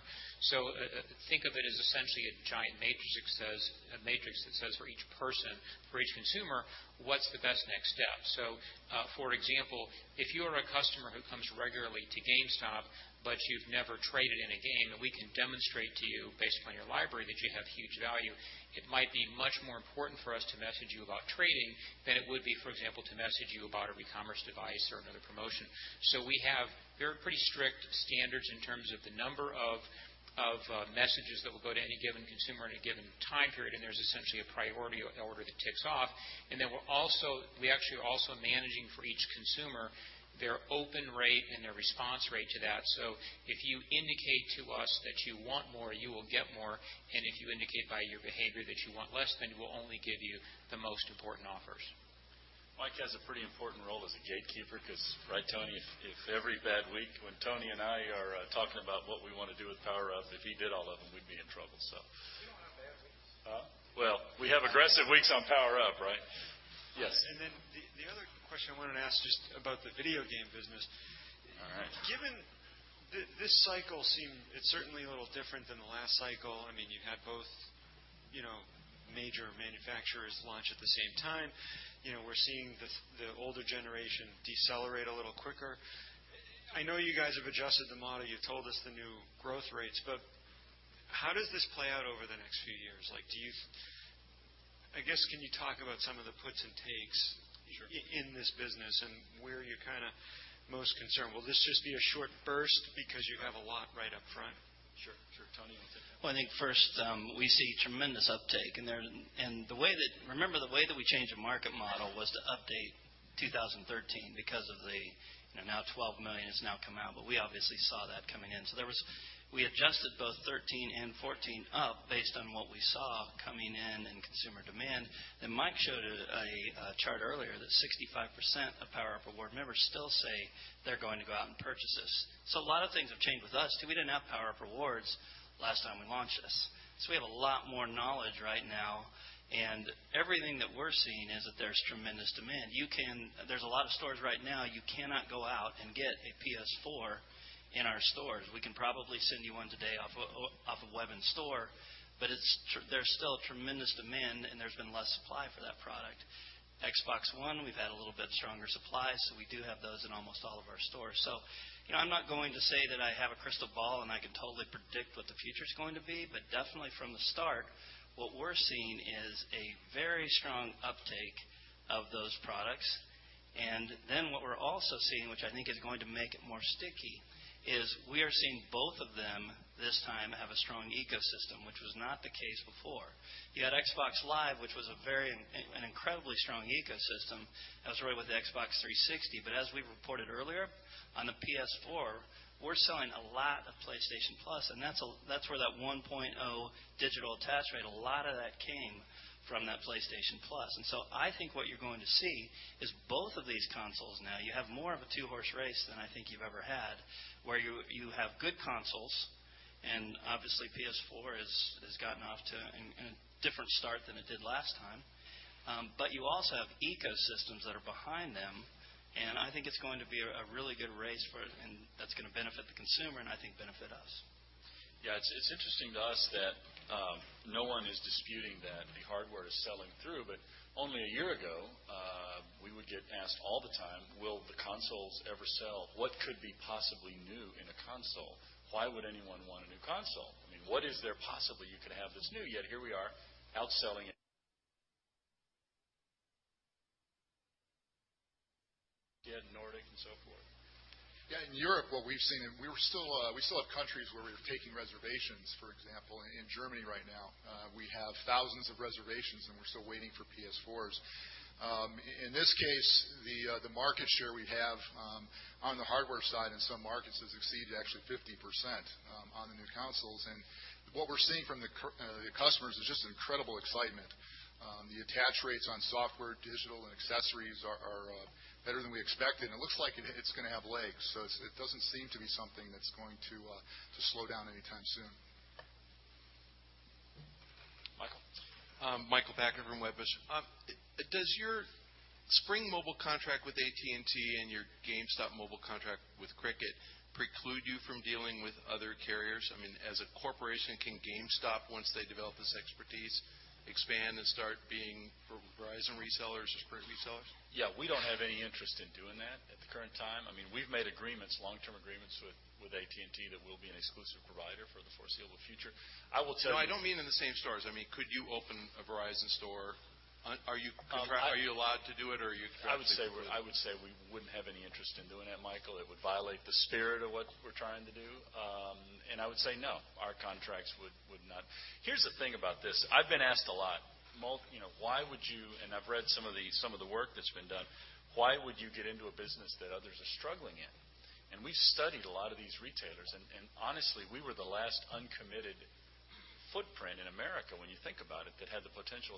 E: Think of it as essentially a giant matrix that says for each person, for each consumer, what's the best next step? For example, if you are a customer who comes regularly to GameStop, but you've never traded in a game, and we can demonstrate to you based upon your library that you have huge value, it might be much more important for us to message you about trading than it would be, for example, to message you about our recommerce device or another promotion. We have very pretty strict standards in terms of the number of messages that will go to any given consumer in a given time period, and there's essentially a priority order that ticks off. We actually are also managing for each consumer their open rate and their response rate to that. If you indicate to us that you want more, you will get more, and if you indicate by your behavior that you want less, then we'll only give you the most important offers.
A: Mike has a pretty important role as a gatekeeper because, right, Tony, if every bad week when Tony and I are talking about what we want to do with PowerUp, if he did all of them, we'd be in trouble.
B: We don't have bad weeks.
A: Well, we have aggressive weeks on PowerUp, right? Yes.
N: The other question I wanted to ask just about the video game business.
A: All right.
N: This cycle, it's certainly a little different than the last cycle. You had both major manufacturers launch at the same time. We're seeing the older generation decelerate a little quicker. I know you guys have adjusted the model. You've told us the new growth rates, how does this play out over the next few years? I guess, can you talk about some of the puts and takes?
A: Sure
N: in this business and where you're most concerned? Will this just be a short burst because you have a lot right up front?
A: Sure. Tony will take that one.
B: Well, I think first, we see tremendous uptake. Remember, the way that we changed the market model was to update 2013 because of the now 12 million has now come out. We obviously saw that coming in. We adjusted both 2013 and 2014 up based on what we saw coming in consumer demand. Mike showed a chart earlier that 65% of PowerUp Rewards members still say they're going to go out and purchase this. A lot of things have changed with us too. We didn't have PowerUp Rewards last time we launched this. We have a lot more knowledge right now, and everything that we're seeing is that there's tremendous demand. There's a lot of stores right now you cannot go out and get a PS4 in our stores. We can probably send you one today off of web in store. There's still tremendous demand and there's been less supply for that product. Xbox One, we've had a little bit stronger supply. We do have those in almost all of our stores. I'm not going to say that I have a crystal ball and I can totally predict what the future's going to be. Definitely from the start, what we're seeing is a very strong uptake of those products. What we're also seeing, which I think is going to make it more sticky, is we are seeing both of them this time have a strong ecosystem, which was not the case before. You had Xbox Live, which was an incredibly strong ecosystem that was right with the Xbox 360. As we reported earlier, on the PS4, we're selling a lot of PlayStation Plus, and that's where that 1.0 digital attach rate, a lot of that came from that PlayStation Plus. I think what you're going to see is both of these consoles now, you have more of a two-horse race than I think you've ever had, where you have good consoles, and obviously PS4 has gotten off to a different start than it did last time. You also have ecosystems that are behind them, and I think it's going to be a really good race for it, and that's going to benefit the consumer and I think benefit us.
A: It's interesting to us that no one is disputing that the hardware is selling through, but only a year ago, we would get asked all the time, "Will the consoles ever sell? What could be possibly new in a console? Why would anyone want a new console? What is there possibly you could have that's new?" Yet here we are, outselling it Again, Nordic and so forth.
C: In Europe, what we've seen, we still have countries where we're taking reservations. For example, in Germany right now, we have thousands of reservations, and we're still waiting for PS4s. In this case, the market share we have on the hardware side in some markets has exceeded actually 50% on the new consoles. What we're seeing from the customers is just incredible excitement. The attach rates on software, digital, and accessories are better than we expected, and it looks like it's going to have legs. It doesn't seem to be something that's going to slow down anytime soon.
A: Michael.
O: Michael Pachter from Wedbush. Does your Spring Mobile contract with AT&T and your GameStop Mobile contract with Cricket preclude you from dealing with other carriers? As a corporation, can GameStop, once they develop this expertise, expand and start being Verizon resellers or Sprint resellers?
A: Yeah, we don't have any interest in doing that at the current time. We've made long-term agreements with AT&T that we'll be an exclusive provider for the foreseeable future. I will tell you-
O: No, I don't mean in the same stores. Could you open a Verizon store? Are you contractually allowed to do it, or are you contractually precluded?
A: I would say we wouldn't have any interest in doing that, Michael. It would violate the spirit of what we're trying to do. I would say no. Our contracts would not. Here's the thing about this. I've been asked a lot, and I've read some of the work that's been done, why would you get into a business that others are struggling in? We've studied a lot of these retailers, and honestly, we were the last uncommitted footprint in America, when you think about it, that had the potential.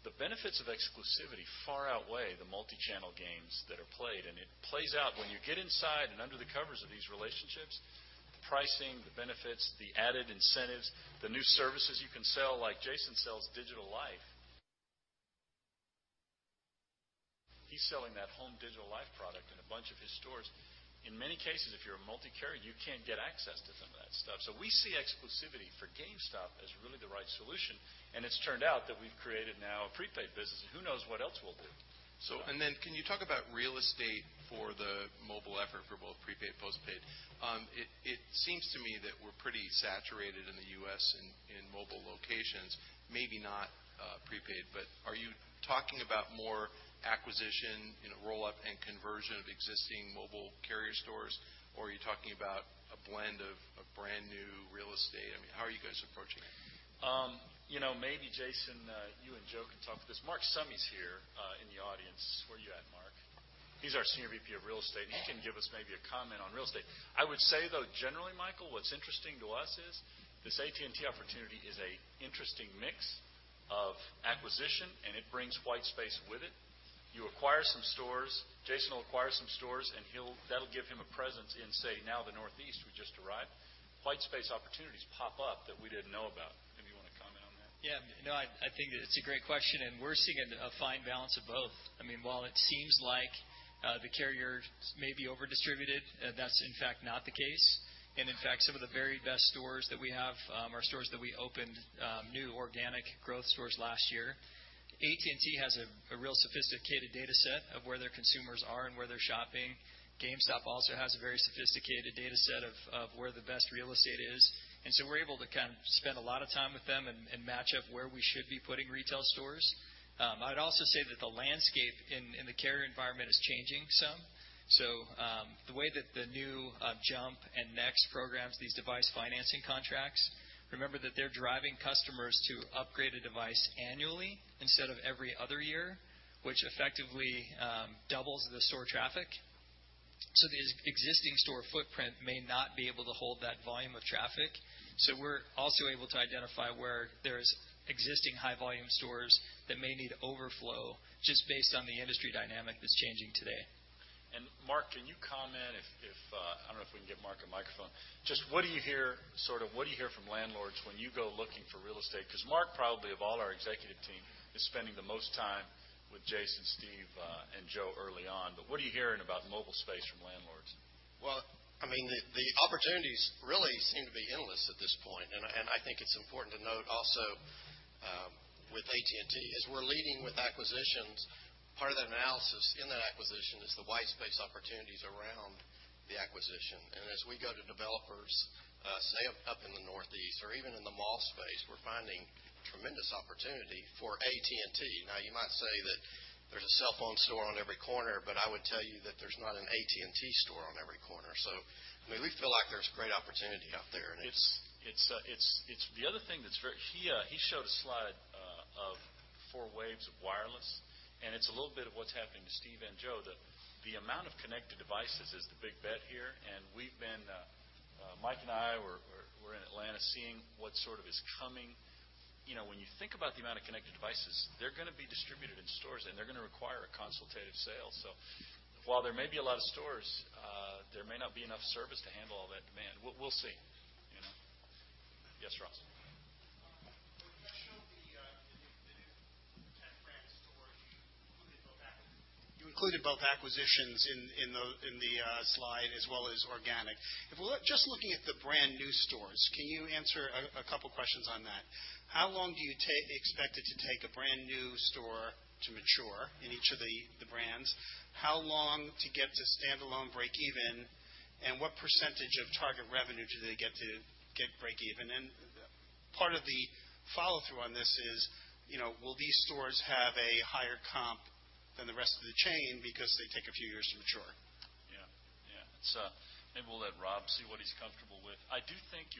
A: The benefits of exclusivity far outweigh the multi-channel games that are played, and it plays out. When you get inside and under the covers of these relationships, the pricing, the benefits, the added incentives, the new services you can sell like Jason sells Digital Life. He's selling that home Digital Life product in a bunch of his stores. In many cases, if you're a multi-carrier, you can't get access to some of that stuff. We see exclusivity for GameStop as really the right solution, and it's turned out that we've created now a prepaid business, and who knows what else we'll do.
O: Can you talk about real estate for the mobile effort for both prepaid, postpaid? It seems to me that we're pretty saturated in the U.S. in mobile locations, maybe not prepaid. Are you talking about more acquisition, rollup, and conversion of existing mobile carrier stores, or are you talking about a blend of brand-new real estate? How are you guys approaching it?
A: Maybe Jason, you and Joe can talk to this. Marc Summey's here in the audience. Where you at, Marc? He's our Senior Vice President of real estate, and he can give us maybe a comment on real estate. I would say, though, generally, Michael, what's interesting to us is this AT&T opportunity is an interesting mix of acquisition, and it brings white space with it. You acquire some stores, Jason will acquire some stores, and that'll give him a presence in, say, now the Northeast we just arrived. White space opportunities pop up that we didn't know about. Maybe you want to comment on that?
G: Yeah, no, I think that it's a great question, and we're seeing a fine balance of both. While it seems like the carriers may be over-distributed, that's in fact not the case. In fact, some of the very best stores that we have are stores that we opened, new organic growth stores last year. AT&T has a real sophisticated data set of where their consumers are and where they're shopping. GameStop also has a very sophisticated data set of where the best real estate is, so we're able to spend a lot of time with them and match up where we should be putting retail stores. I'd also say that the landscape in the carrier environment is changing some. The way that the new Jump! and Next programs, these device financing contracts, remember that they're driving customers to upgrade a device annually instead of every other year, which effectively doubles the store traffic. The existing store footprint may not be able to hold that volume of traffic. We're also able to identify where there's existing high-volume stores that may need overflow just based on the industry dynamic that's changing today.
A: Marc, can you comment? I don't know if we can get Marc a microphone. Just what do you hear from landlords when you go looking for real estate? Marc probably, of all our executive team, is spending the most time with Jason, Steve, and Joe early on. What are you hearing about mobile space from landlords?
P: Well, the opportunities really seem to be endless at this point. I think it's important to note also with AT&T, as we're leading with acquisitions, part of that analysis in that acquisition is the white space opportunities around the acquisition. As we go to developers, say, up in the Northeast or even in the mall space, we're finding tremendous opportunity for AT&T. Now, you might say that there's a cellphone store on every corner, I would tell you that there's not an AT&T store on every corner. We feel like there's great opportunity out there.
A: The other thing that's. He showed a slide of four waves of wireless, it's a little bit of what's happening to Steve and Joe, that the amount of connected devices is the big bet here. Mike and I were in Atlanta seeing what sort of is coming. When you think about the amount of connected devices, they're going to be distributed in stores, and they're going to require a consultative sale. While there may be a lot of stores, there may not be enough service to handle all that demand. We'll see. Yes, Ross.
L: When you showed the new tech brand stores, you included both acquisitions in the slide as well as organic. If we're just looking at the brand-new stores, can you answer a couple of questions on that? How long do you expect it to take a brand-new store to mature in each of the brands? How long to get to standalone breakeven, what % of target revenue do they get to get breakeven in?
Q: Part of the follow-through on this is, will these stores have a higher comp than the rest of the chain because they take a few years to mature?
A: Yeah. Maybe we'll let Rob see what he's comfortable with. I do think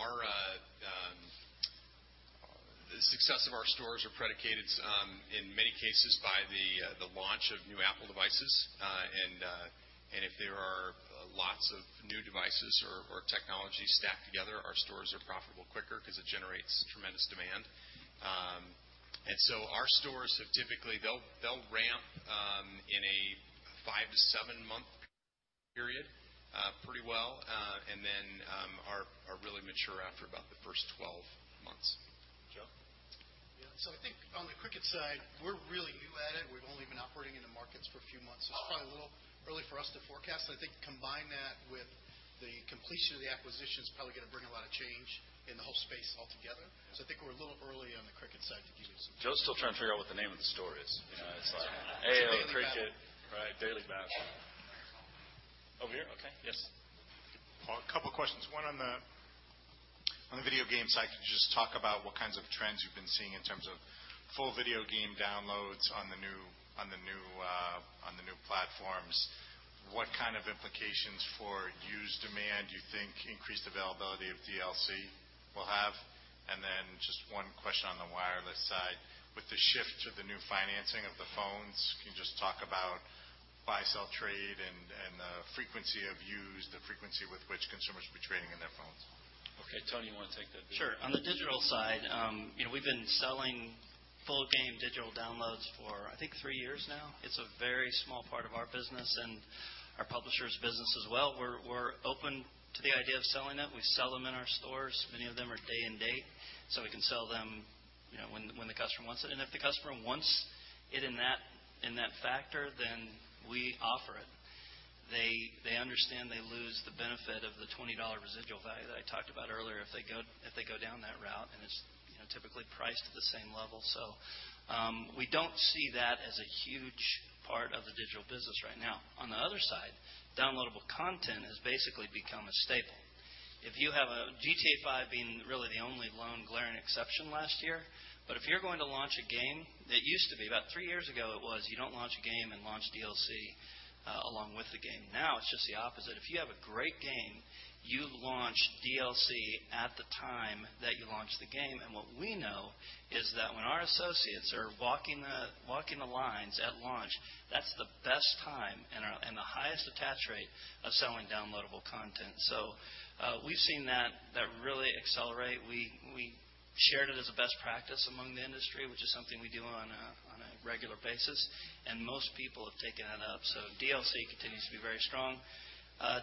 A: The success of our stores are predicated, in many cases, by the launch of new Apple devices. If there are lots of new devices or technology stacked together, our stores are profitable quicker because it generates tremendous demand. Our stores have typically, they'll ramp in a five to seven-month period pretty well, and then are really mature after about the first 12 months.
G: Joe?
H: Yeah. I think on the Cricket side, we're really new at it. We've only been operating in the markets for a few months. It's probably a little early for us to forecast. I think combine that with the completion of the acquisition's probably going to bring a lot of change in the whole space altogether. I think we're a little early on the Cricket side.
A: Joe's still trying to figure out what the name of the store is. It's like, "Cricket.
H: Daily battle.
A: Right. Daily battle. Over here. Okay. Yes.
L: Paul, a couple of questions. One, on the video game side, could you just talk about what kinds of trends you've been seeing in terms of full video game downloads on the new platforms, what kind of implications for used demand you think increased availability of DLC will have? Then just one question on the wireless side. With the shift to the new financing of the phones, can you just talk about buy-sell trade and the frequency of used, the frequency with which consumers will be trading in their phones?
A: Okay, Tony, you want to take that piece?
B: Sure. On the digital side, we've been selling full game digital downloads for, I think, 3 years now. It's a very small part of our business and our publisher's business as well. We're open to the idea of selling them. We sell them in our stores. Many of them are day and date, so we can sell them when the customer wants it. If the customer wants it in that factor, then we offer it. They understand they lose the benefit of the $20 residual value that I talked about earlier if they go down that route, and it's typically priced at the same level. We don't see that as a huge part of the digital business right now. On the other side, downloadable content has basically become a staple. GTA V being really the only lone glaring exception last year, if you're going to launch a game, it used to be, about 3 years ago it was, you don't launch a game and launch DLC along with the game. Now it's just the opposite. If you have a great game, you launch DLC at the time that you launch the game. What we know is that when our associates are walking the lines at launch, that's the best time and the highest attach rate of selling downloadable content. We've seen that really accelerate. We shared it as a best practice among the industry, which is something we do on a regular basis, and most people have taken that up. DLC continues to be very strong.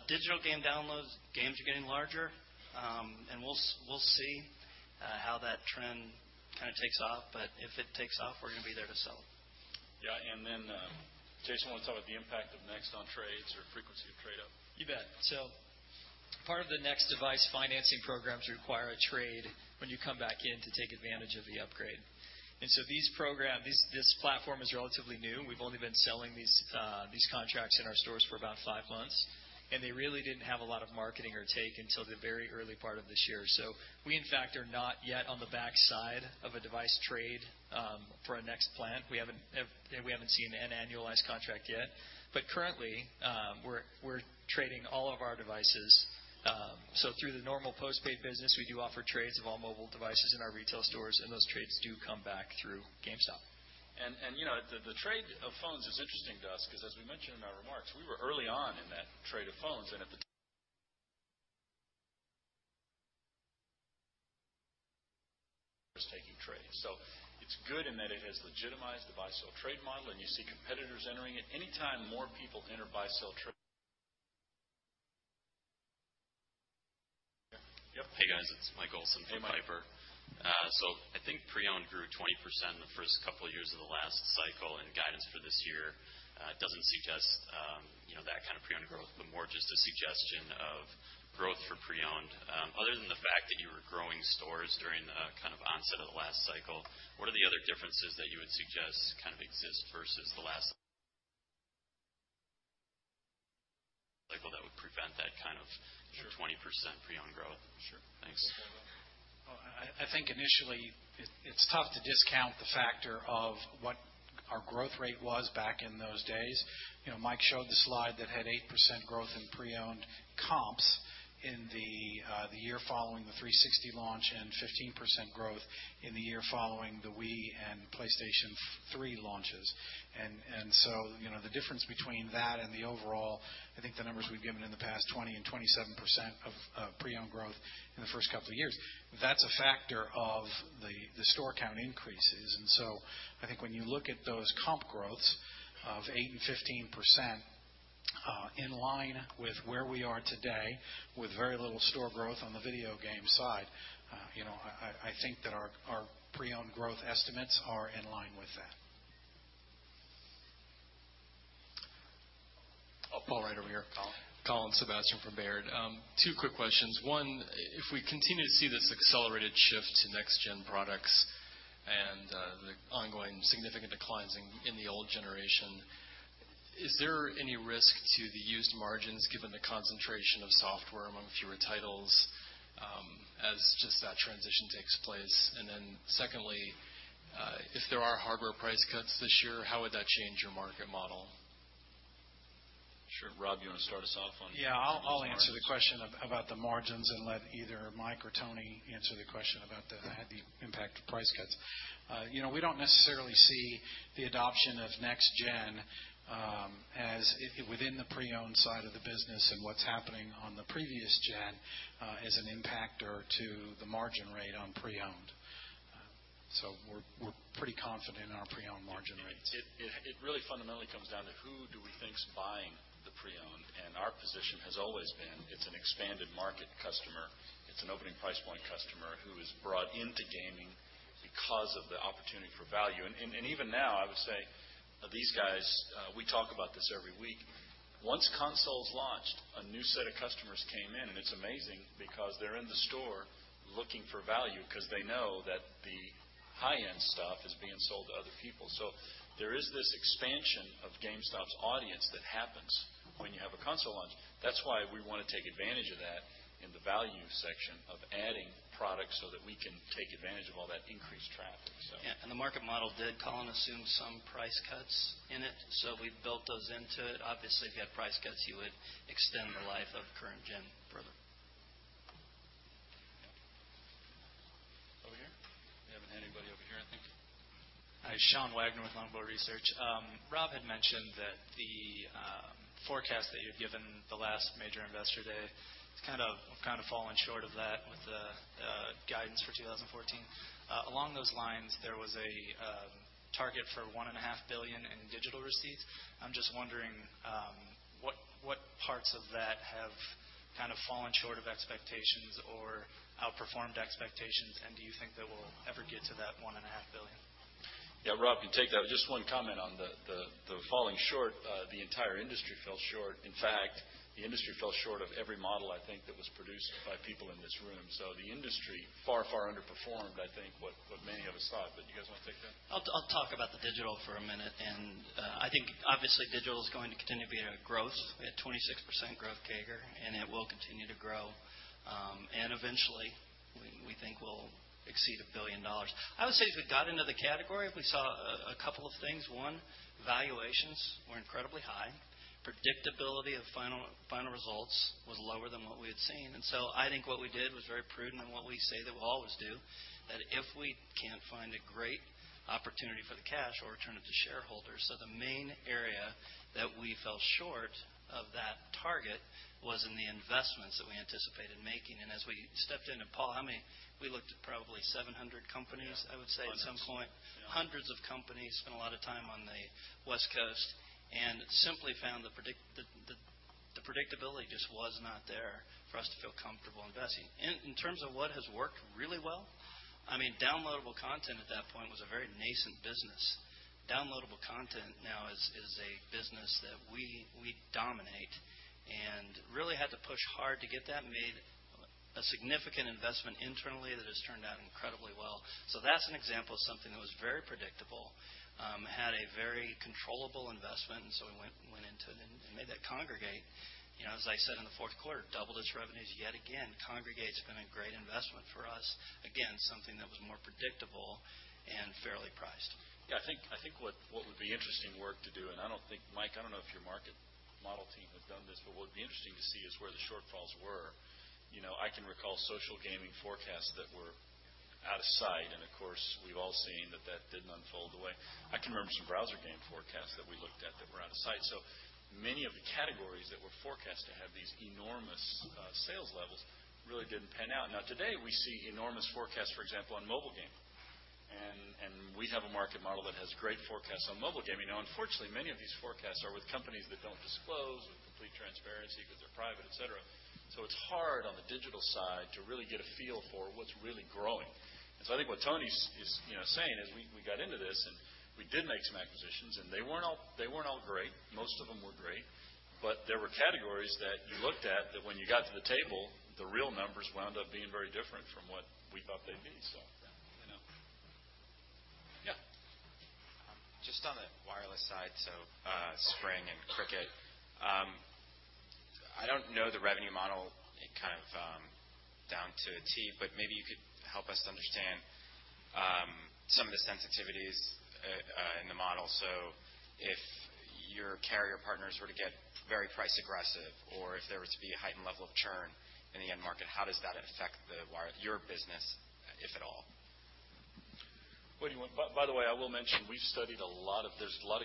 B: Digital game downloads, games are getting larger. We'll see how that trend kind of takes off, if it takes off, we're going to be there to sell.
A: Yeah. Jason, want to talk about the impact of Next on trades or frequency of trade-up?
G: You bet. Part of the Next device financing programs require a trade when you come back in to take advantage of the upgrade. This platform is relatively new. We've only been selling these contracts in our stores for about five months, and they really didn't have a lot of marketing or take until the very early part of this year. We, in fact, are not yet on the backside of a device trade for a Next plan. We haven't seen an annualized contract yet. Currently, we're trading all of our devices. Through the normal postpaid business, we do offer trades of all mobile devices in our retail stores, and those trades do come back through GameStop.
A: The trade of phones is interesting to us because as we mentioned in our remarks, we were early on in that trade of phones, and at the time was taking trades. It's good in that it has legitimized the buy-sell trade model, and you see competitors entering it. Anytime more people enter buy-sell trade Yep.
Q: Hey, guys. It's Mike Olson from Piper. Hey, Mike. I think pre-owned grew 20% in the first couple of years of the last cycle, and guidance for this year doesn't suggest that kind of pre-owned growth, but more just a suggestion of growth for pre-owned. Other than the fact that you were growing stores during the kind of onset of the last cycle, what are the other differences that you would suggest kind of exist versus the last cycle that would prevent that kind of-
A: Sure
Q: 20% pre-owned growth?
A: Sure.
Q: Thanks.
A: You want to take that one?
B: I think initially, it's tough to discount the factor of what our growth rate was back in those days. Mike showed the slide that had 8% growth in pre-owned comps in the year following the 360 launch and 15% growth in the year following the Wii and PlayStation 3 launches. The difference between that and the overall, I think the numbers we've given in the past 20% and 27% of pre-owned growth in the first couple of years, that's a factor of the store count increases. I think when you look at those comp growths of 8% and 15% In line with where we are today, with very little store growth on the video game side. I think that our pre-owned growth estimates are in line with that.
A: Paul, right over here.
R: Colin Sebastian from Baird. Two quick questions. One, if we continue to see this accelerated shift to next-gen products and the ongoing significant declines in the old generation, is there any risk to the used margins given the concentration of software among fewer titles, as just that transition takes place? Secondly, if there are hardware price cuts this year, how would that change your market model?
A: Sure. Rob, you want to start us off on-
I: I'll answer the question about the margins and let either Mike or Tony answer the question about the heavy impact of price cuts. We don't necessarily see the adoption of next-gen within the pre-owned side of the business and what's happening on the previous gen as an impactor to the margin rate on pre-owned. We're pretty confident in our pre-owned margin rates.
A: It really fundamentally comes down to who do we think's buying the pre-owned, and our position has always been it's an expanded market customer. It's an opening price point customer who is brought into gaming because of the opportunity for value. Even now, I would say these guys, we talk about this every week. Once consoles launched, a new set of customers came in, and it's amazing because they're in the store looking for value because they know that the high-end stuff is being sold to other people. There is this expansion of GameStop's audience that happens when you have a console launch. That's why we want to take advantage of that in the value section of adding products so that we can take advantage of all that increased traffic.
B: The market model did, Colin, assume some price cuts in it. We built those into it. Obviously, if you had price cuts, you would extend the life of current gen further.
A: Over here. We haven't had anybody over here, I think.
S: Hi, Sean Wagner with Longbow Research. Rob had mentioned that the forecast that you had given the last major investor day, you've fallen short of that with the guidance for 2014. Along those lines, there was a target for $1.5 billion in digital receipts. I'm just wondering what parts of that have fallen short of expectations or outperformed expectations, and do you think that we'll ever get to that $1.5 billion?
A: Yeah, Rob can take that. Just one comment on the falling short. The entire industry fell short. In fact, the industry fell short of every model I think that was produced by people in this room. The industry far underperformed, I think, what many of us thought. You guys want to take that?
B: I'll talk about the digital for a minute. I think obviously digital is going to continue to be a growth at 26% growth CAGR, and it will continue to grow. Eventually, we think we'll exceed $1 billion. I would say as we got into the category, we saw a couple of things. One, valuations were incredibly high. Predictability of final results was lower than what we had seen. I think what we did was very prudent and what we say that we'll always do, that if we can't find a great opportunity for the cash, we'll return it to shareholders. The main area that we fell short of that target was in the investments that we anticipated making. As we stepped in, and Paul, how many, we looked at probably 700 companies, I would say, at some point.
A: Yeah. Hundreds.
B: Hundreds of companies, spent a lot of time on the West Coast and simply found the predictability just was not there for us to feel comfortable investing. In terms of what has worked really well, downloadable content at that point was a very nascent business. Downloadable content now is a business that we dominate and really had to push hard to get that made a significant investment internally that has turned out incredibly well. That's an example of something that was very predictable, had a very controllable investment, and we went into it and made that Kongregate. As I said in the fourth quarter, doubled its revenues yet again. Kongregate's been a great investment for us. Again, something that was more predictable and fairly priced.
A: Yeah, I think what would be interesting work to do, and Mike, I don't know if your market model team has done this, but what would be interesting to see is where the shortfalls were. I can recall social gaming forecasts that were out of sight, and of course, we've all seen that that didn't unfold the way. I can remember some browser game forecasts that we looked at that were out of sight. Many of the categories that were forecast to have these enormous sales levels really didn't pan out. Now today, we see enormous forecasts, for example, on mobile gaming. We have a market model that has great forecasts on mobile gaming. Now unfortunately, many of these forecasts are with companies that don't disclose with complete transparency because they're private, et cetera. It's hard on the digital side to really get a feel for what's really growing. I think what Tony's saying is we got into this and we did make some acquisitions, and they weren't all great. Most of them were great, but there were categories that you looked at that when you got to the table, the real numbers wound up being very different from what we thought they'd be. Yeah.
S: Just on the wireless side, Spring and Cricket. I don't know the revenue model down to a T, but maybe you could help us understand some of the sensitivities in the model. If your carrier partners were to get very price aggressive, or if there were to be a heightened level of churn in the end market, how does that affect your business, if at all?
A: I will mention, we've studied a lot of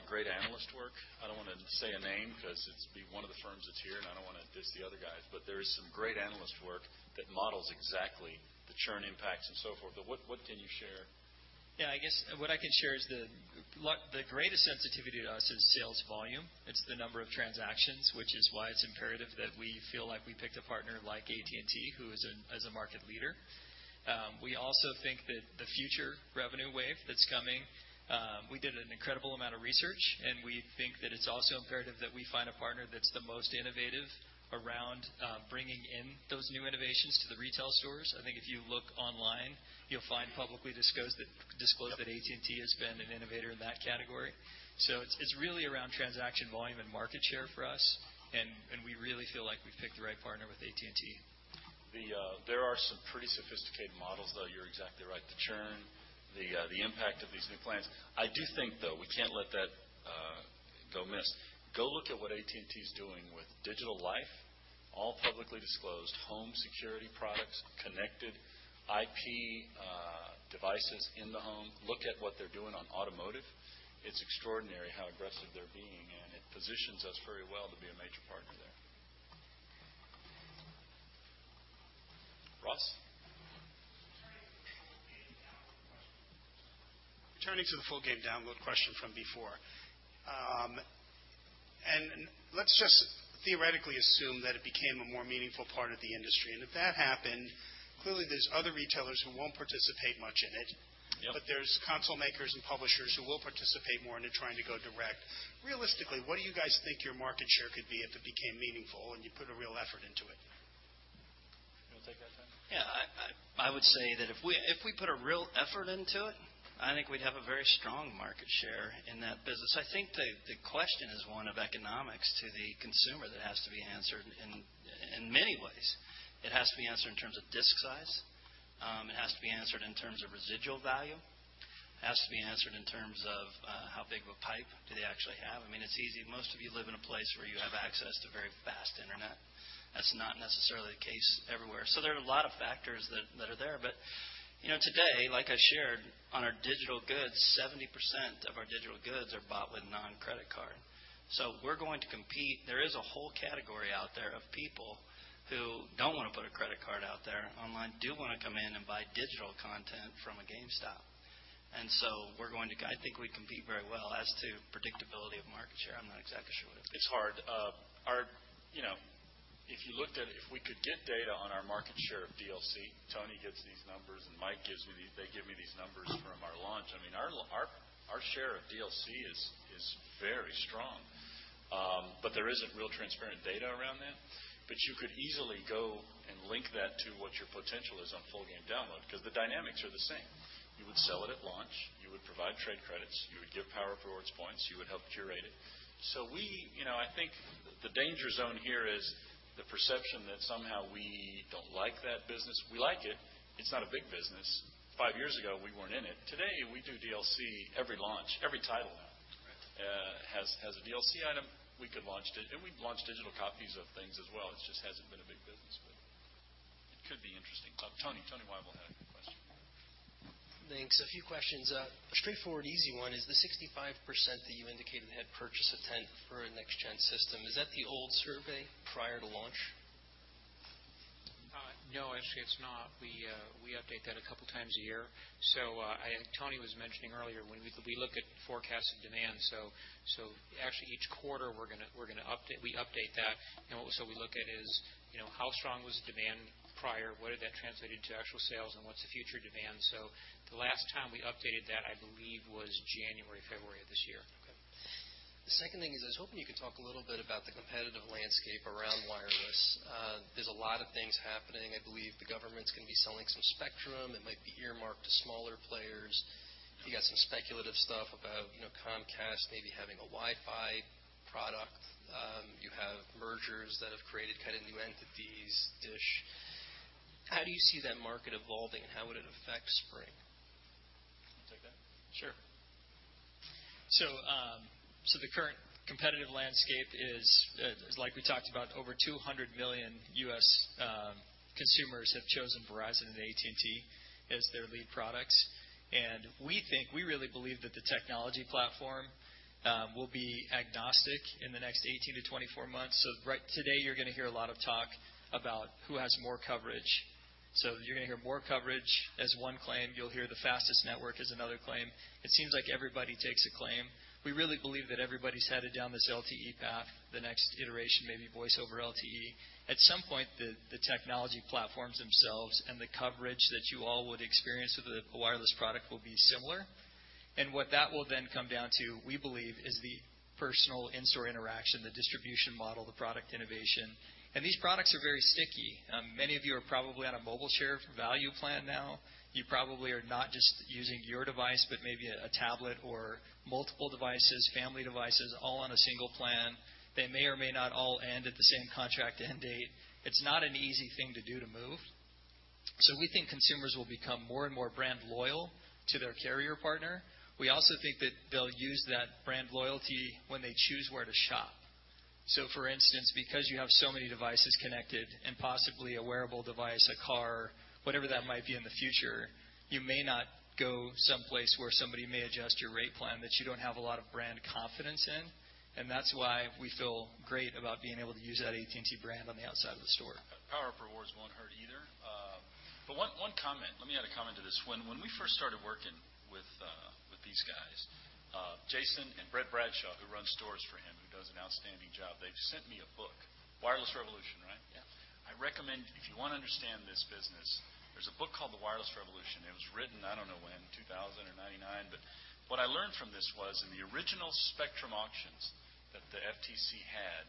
A: great analyst work. I don't want to say a name because it'd be one of the firms that's here, and I don't want to diss the other guys, there is some great analyst work that models exactly the churn impacts and so forth. What can you share?
G: I guess what I can share is the greatest sensitivity to us is sales volume. It's the number of transactions, which is why it's imperative that we feel like we picked a partner like AT&T, who is a market leader. We also think that the future revenue wave that's coming, we did an incredible amount of research, and we think that it's also imperative that we find a partner that's the most innovative around bringing in those new innovations to the retail stores. I think if you look online, you'll find publicly disclosed that AT&T has been an innovator in that category. It's really around transaction volume and market share for us, and we really feel like we've picked the right partner with AT&T.
A: There are some pretty sophisticated models, though you're exactly right. The churn, the impact of these new plans. I do think, though, we can't let that go amiss. Go look at what AT&T's doing with Digital Life, all publicly disclosed home security products, connected IP devices in the home. Look at what they're doing on automotive. It's extraordinary how aggressive they're being, and it positions us very well to be a major partner there. Ross?
L: Returning to the full game download question from before. Let's just theoretically assume that it became a more meaningful part of the industry. If that happened, clearly there's other retailers who won't participate much in it.
A: Yep.
L: There's console makers and publishers who will participate more into trying to go direct. Realistically, what do you guys think your market share could be if it became meaningful and you put a real effort into it?
A: You want to take that, Tony?
B: Yeah. I would say that if we put a real effort into it, I think we'd have a very strong market share in that business. I think the question is one of economics to the consumer that has to be answered in many ways. It has to be answered in terms of disk size. It has to be answered in terms of residual value. It has to be answered in terms of how big of a pipe do they actually have. It's easy. Most of you live in a place where you have access to very fast internet. That's not necessarily the case everywhere. There are a lot of factors that are there. Today, like I shared on our digital goods, 70% of our digital goods are bought with non-credit card. We're going to compete. There is a whole category out there of people who don't want to put a credit card out there online, do want to come in and buy digital content from a GameStop. I think we compete very well as to predictability of market share.
A: It's hard. If we could get data on our market share of DLC, Tony gets these numbers, and Mike gives me these. They give me these numbers from our launch. Our share of DLC is very strong. There isn't real transparent data around that. You could easily go and link that to what your potential is on full game download because the dynamics are the same. You would sell it at launch, you would provide trade credits, you would give PowerUp Rewards points, you would help curate it. I think the danger zone here is the perception that somehow we don't like that business. We like it. It's not a big business. Five years ago, we weren't in it. Today, we do DLC every launch. Every title out has a DLC item. We could launch it, and we've launched digital copies of things as well. It just hasn't been a big business, but it could be interesting. Tony. Tony Wible had a good question.
L: Thanks. A few questions. A straightforward, easy one is the 65% that you indicated had purchased an intent for a next-gen system. Is that the old survey prior to launch?
E: No, actually, it's not. We update that a couple times a year. Tony was mentioning earlier when we look at forecasted demand, each quarter we update that. We look at is, how strong was the demand prior, what did that translate into actual sales, and what's the future demand? The last time we updated that, I believe, was January or February of this year.
L: Okay. The second thing is I was hoping you could talk a little bit about the competitive landscape around wireless. There's a lot of things happening. I believe the government's going to be selling some spectrum. It might be earmarked to smaller players. You got some speculative stuff about Comcast maybe having a Wi-Fi product. You have mergers that have created new entities, Dish. How do you see that market evolving, and how would it affect Spring?
A: You take that?
G: Sure. The current competitive landscape is, like we talked about, over 200 million U.S. consumers have chosen Verizon and AT&T as their lead products. We really believe that the technology platform will be agnostic in the next 18 to 24 months. Today you're going to hear a lot of talk about who has more coverage. You're going to hear more coverage as one claim. You'll hear the fastest network as another claim. It seems like everybody takes a claim. We really believe that everybody's headed down this LTE path, the next iteration, maybe voice over LTE. At some point, the technology platforms themselves and the coverage that you all would experience with a wireless product will be similar. What that will then come down to, we believe, is the personal in-store interaction, the distribution model, the product innovation. These products are very sticky. Many of you are probably on a mobile share value plan now. You probably are not just using your device, but maybe a tablet or multiple devices, family devices, all on a single plan. They may or may not all end at the same contract end date. It's not an easy thing to do to move. We think consumers will become more and more brand loyal to their carrier partner. We also think that they'll use that brand loyalty when they choose where to shop. For instance, because you have so many devices connected and possibly a wearable device, a car, whatever that might be in the future, you may not go someplace where somebody may adjust your rate plan that you don't have a lot of brand confidence in, and that's why we feel great about being able to use that AT&T brand on the outside of the store.
A: PowerUp Rewards won't hurt either. One comment, let me add a comment to this. When we first started working with these guys, Jason and Brett Bradshaw, who runs stores for him, who does an outstanding job, they sent me a book, "Wireless Revolution," right?
G: Yeah.
A: I recommend, if you want to understand this business, there's a book called the "Wireless Revolution." It was written, I don't know when, 2000 or 1999, what I learned from this was in the original spectrum auctions that the FCC had,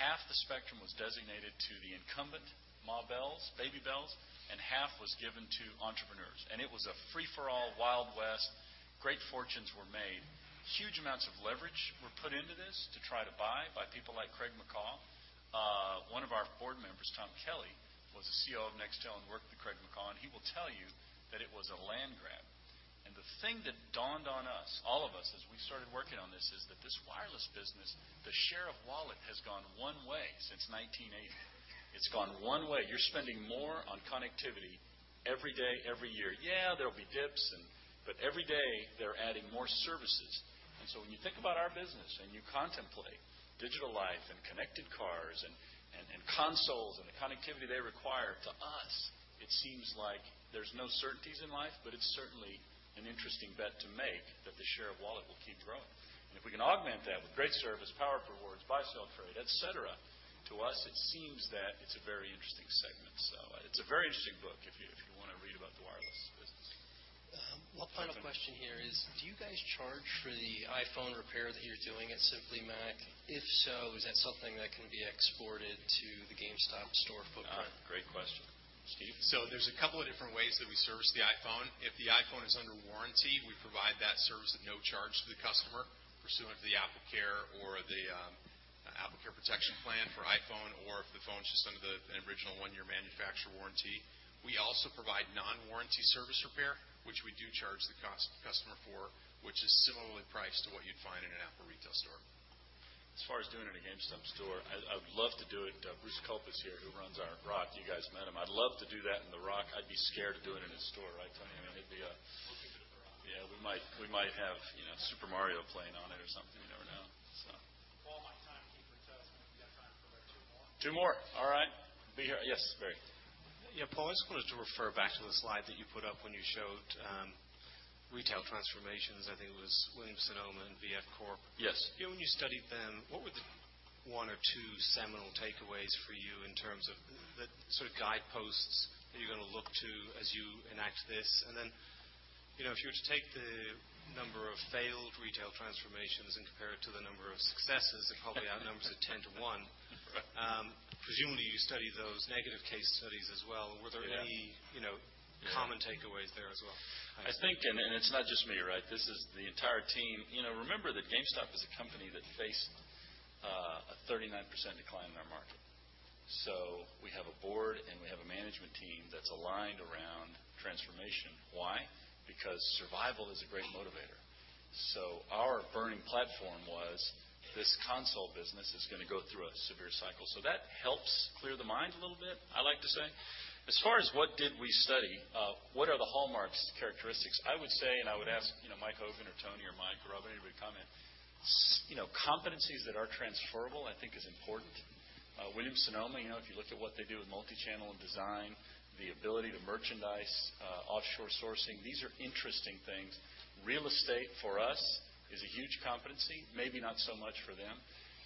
A: half the spectrum was designated to the incumbent Ma Bells, Baby Bells, and half was given to entrepreneurs, and it was a free-for-all, Wild West, great fortunes were made. Huge amounts of leverage were put into this to try to buy by people like Craig McCaw. One of our board members, Tom Kelly, was the CEO of Nextel and worked with Craig McCaw, and he will tell you that it was a land grab. The thing that dawned on us, all of us, as we started working on this is that this wireless business, the share of wallet has gone one way since 1980. It's gone one way. You're spending more on connectivity every day, every year. There'll be dips, every day, they're adding more services. When you think about our business and you contemplate Digital Life and connected cars and consoles and the connectivity they require, to us, it seems like there's no certainties in life, but it's certainly an interesting bet to make that the share of wallet will keep growing. And if we can augment that with great service, powerful rewards, buy-sell trade, et cetera, to us, it seems that it's a very interesting segment. It's a very interesting book if you want to read about the wireless business.
L: One final question here is, do you guys charge for the iPhone repair that you're doing at Simply Mac? If so, is that something that can be exported to the GameStop store footprint?
A: Great question. Steve?
F: There's a couple of different ways that we service the iPhone. If the iPhone is under warranty, we provide that service at no charge to the customer pursuant to the AppleCare or the AppleCare protection plan for iPhone or if the phone's just under the original one-year manufacturer warranty. We also provide non-warranty service repair, which we do charge the customer for, which is similarly priced to what you'd find in an Apple retail store.
A: As far as doing it in a GameStop store, I would love to do it. Bruce Kulp is here, who runs our ROC. You guys met him. I'd love to do that in the ROC. I'd be scared to do it in his store, right, Tony?
E: We'll keep it at the ROC.
A: Yeah, we might have Super Mario playing on it or something. You never know.
I: Paul, my timekeeper tells me we've got time for about two more.
A: Two more. All right. Be here. Yes, Barry.
L: Yeah, Paul, I just wanted to refer back to the slide that you put up when you showed retail transformations. I think it was Williams-Sonoma and VF Corp.
A: Yes.
L: When you studied them, what were the one or two seminal takeaways for you in terms of the sort of guideposts that you're going to look to as you enact this? If you were to take the number of failed retail transformations and compare it to the number of successes, it probably outnumbers it ten to one.
A: Right.
L: Presumably, you studied those negative case studies as well. Were there any?
A: Yeah
L: common takeaways there as well?
A: I think, and it's not just me, right, this is the entire team. Remember that GameStop is a company that faced a 39% decline in our market. We have a board and we have a management team that's aligned around transformation. Why? Because survival is a great motivator. Our burning platform was this console business is going to go through a severe cycle. That helps clear the mind a little bit, I like to say. As far as what did we study, what are the hallmarks, characteristics, I would say, and I would ask Michael Hogan or Tony or Mike or Rob, anybody to comment, competencies that are transferable, I think is important. Williams-Sonoma, if you look at what they do with multi-channel and design, the ability to merchandise offshore sourcing, these are interesting things. Real estate for us is a huge competency, maybe not so much for them.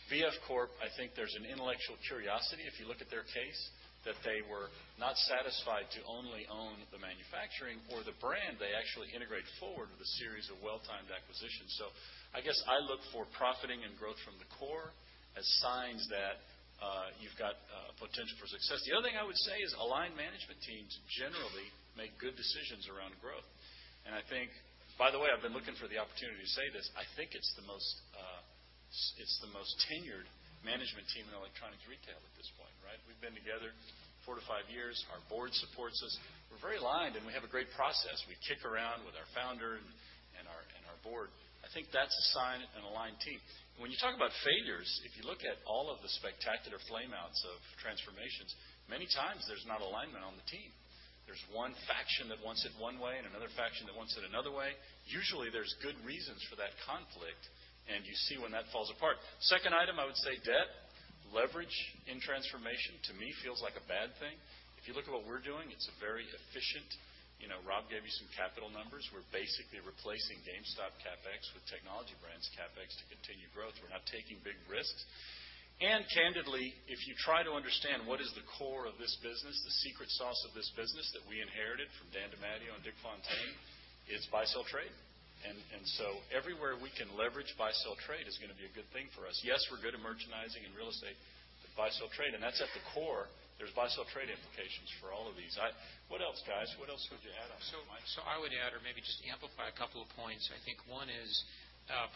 A: VF Corporation, I think there's an intellectual curiosity, if you look at their case, that they were not satisfied to only own the manufacturing or the brand. They actually integrate forward with a series of well-timed acquisitions. I guess I look for profiting and growth from the core as signs that you've got potential for success. The other thing I would say is aligned management teams generally make good decisions around growth. I think, by the way, I've been looking for the opportunity to say this, I think it's the most tenured management team in electronics retail at this point, right? We've been together four to five years. Our board supports us. We're very aligned, and we have a great process. We kick around with our founder and our board. I think that's a sign of an aligned team. When you talk about failures, if you look at all of the spectacular flame outs of transformations, many times there's not alignment on the team. There's one faction that wants it one way and another faction that wants it another way. Usually, there's good reasons for that conflict, and you see when that falls apart. Second item, I would say debt. Leverage in transformation, to me, feels like a bad thing. If you look at what we're doing, it's very efficient. Rob gave you some capital numbers. We're basically replacing GameStop CapEx with Technology Brands CapEx to continue growth. We're not taking big risks. Candidly, if you try to understand what is the core of this business, the secret sauce of this business that we inherited from Daniel DeMatteo and Richard Fontaine, it's buy-sell trade. Everywhere we can leverage buy-sell trade is going to be a good thing for us. Yes, we're good at merchandising and real estate, but buy-sell trade, that's at the core. There's buy-sell trade implications for all of these. What else, guys? What else would you add on that?
E: I would add or maybe just amplify a couple of points. I think one is,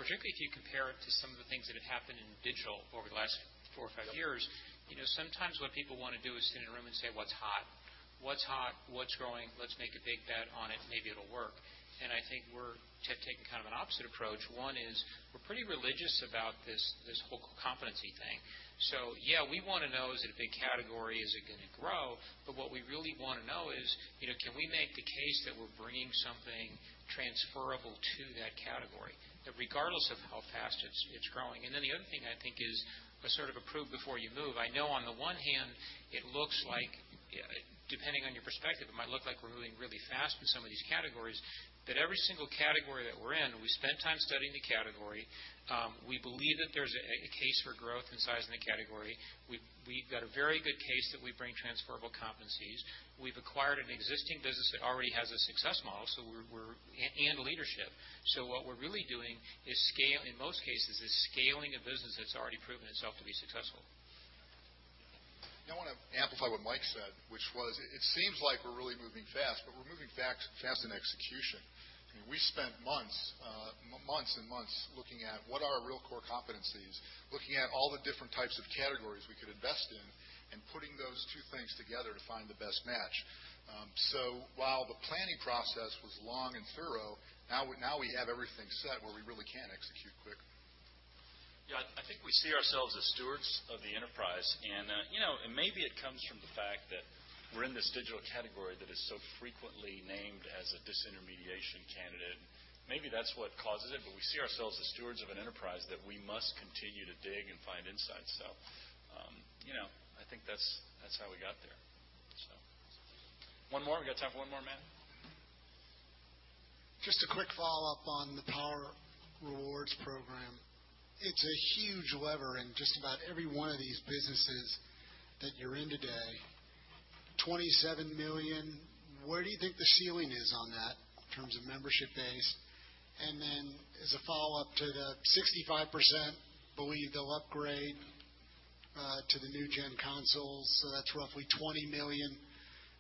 E: particularly if you compare it to some of the things that have happened in digital over the last four or five years. Sometimes what people want to do is sit in a room and say, "What's hot, what's growing? Let's make a big bet on it, maybe it'll work." I think we're taking kind of an opposite approach. One is, we're pretty religious about this whole competency thing. Yeah, we want to know, is it a big category, is it going to grow? What we really want to know is, can we make the case that we're bringing something transferable to that category, regardless of how fast it's growing. The other thing I think is a sort of approve before you move. I know on the one hand, depending on your perspective, it might look like we're moving really fast in some of these categories, that every single category that we're in, we spent time studying the category. We believe that there's a case for growth and size in the category. We've got a very good case that we bring transferable competencies. We've acquired an existing business that already has a success model and leadership. What we're really doing, in most cases, is scaling a business that's already proven itself to be successful.
C: Now I want to amplify what Mike said, which was, it seems like we're really moving fast, but we're moving fast in execution. We spent months and months looking at what are our real core competencies, looking at all the different types of categories we could invest in, and putting those two things together to find the best match. While the planning process was long and thorough, now we have everything set where we really can execute quick.
A: Yeah, I think we see ourselves as stewards of the enterprise. Maybe it comes from the fact that we're in this digital category that is so frequently named as a disintermediation candidate. Maybe that's what causes it, we see ourselves as stewards of an enterprise that we must continue to dig and find insights. I think that's how we got there. One more. We've got time for one more, Matt.
L: Just a quick follow-up on the PowerUp Rewards program. It's a huge lever in just about every one of these businesses that you're in today. 27 million. Where do you think the ceiling is on that in terms of membership base? As a follow-up to the 65% believe they'll upgrade to the new-gen consoles, that's roughly 20 million.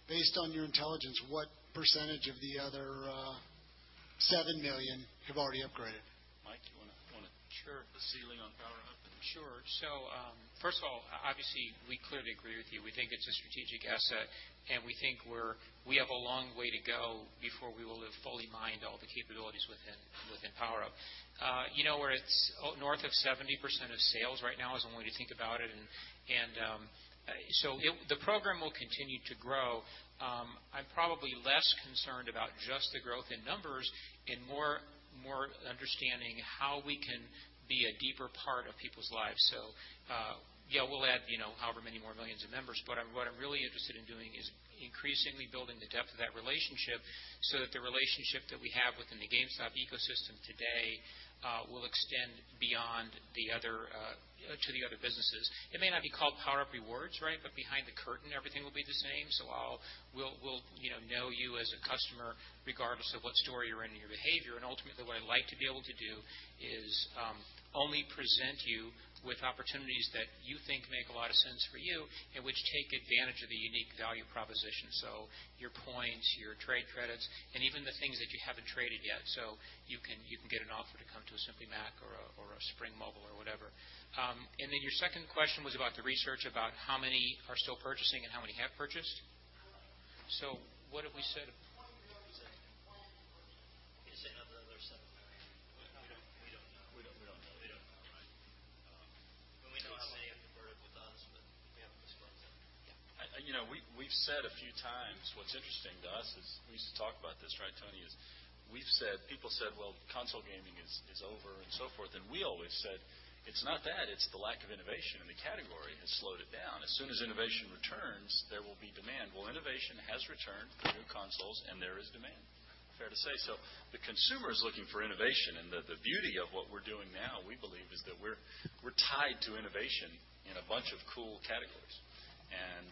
L: Based on your intelligence, what percentage of the other 7 million have already upgraded?
A: Mike, do you want to share the ceiling on PowerUp?
E: Sure. First of all, obviously, we clearly agree with you. We think it's a strategic asset, and we think we have a long way to go before we will have fully mined all the capabilities within PowerUp. Where it's north of 70% of sales right now is when we think about it, the program will continue to grow. I'm probably less concerned about just the growth in numbers and more understanding how we can be a deeper part of people's lives. Yeah, we'll add however many more millions of members, but what I'm really interested in doing is increasingly building the depth of that relationship so that the relationship that we have within the GameStop ecosystem today will extend to the other businesses. It may not be called PowerUp Rewards, but behind the curtain, everything will be the same. We'll know you as a customer regardless of what store you're in and your behavior, and ultimately, what I'd like to be able to do is only present you with opportunities that you think make a lot of sense for you and which take advantage of the unique value proposition. Your points, your trade credits, and even the things that you haven't traded yet. You can get an offer to come to a Simply Mac or a Spring Mobile or whatever. Your second question was about the research about how many are still purchasing and how many have purchased. What have we said?
B: We can say another $7 million.
E: We don't know. We don't know. We don't know.
B: Right.
E: We know how many have converted with us, but we haven't disclosed that.
A: We've said a few times, what's interesting to us is, we used to talk about this, right, Tony? People said, "Well, console gaming is over" and so forth. We always said, "It's not that, it's the lack of innovation in the category that has slowed it down. As soon as innovation returns, there will be demand." Innovation has returned with new consoles. There is demand. Fair to say so. The consumer is looking for innovation. The beauty of what we're doing now, we believe, is that we're tied to innovation in a bunch of cool categories.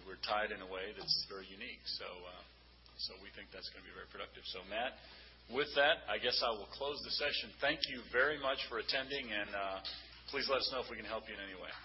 A: We're tied in a way that's very unique. We think that's going to be very productive. Matt, with that, I guess I will close the session. Thank you very much for attending. Please let us know if we can help you in any way.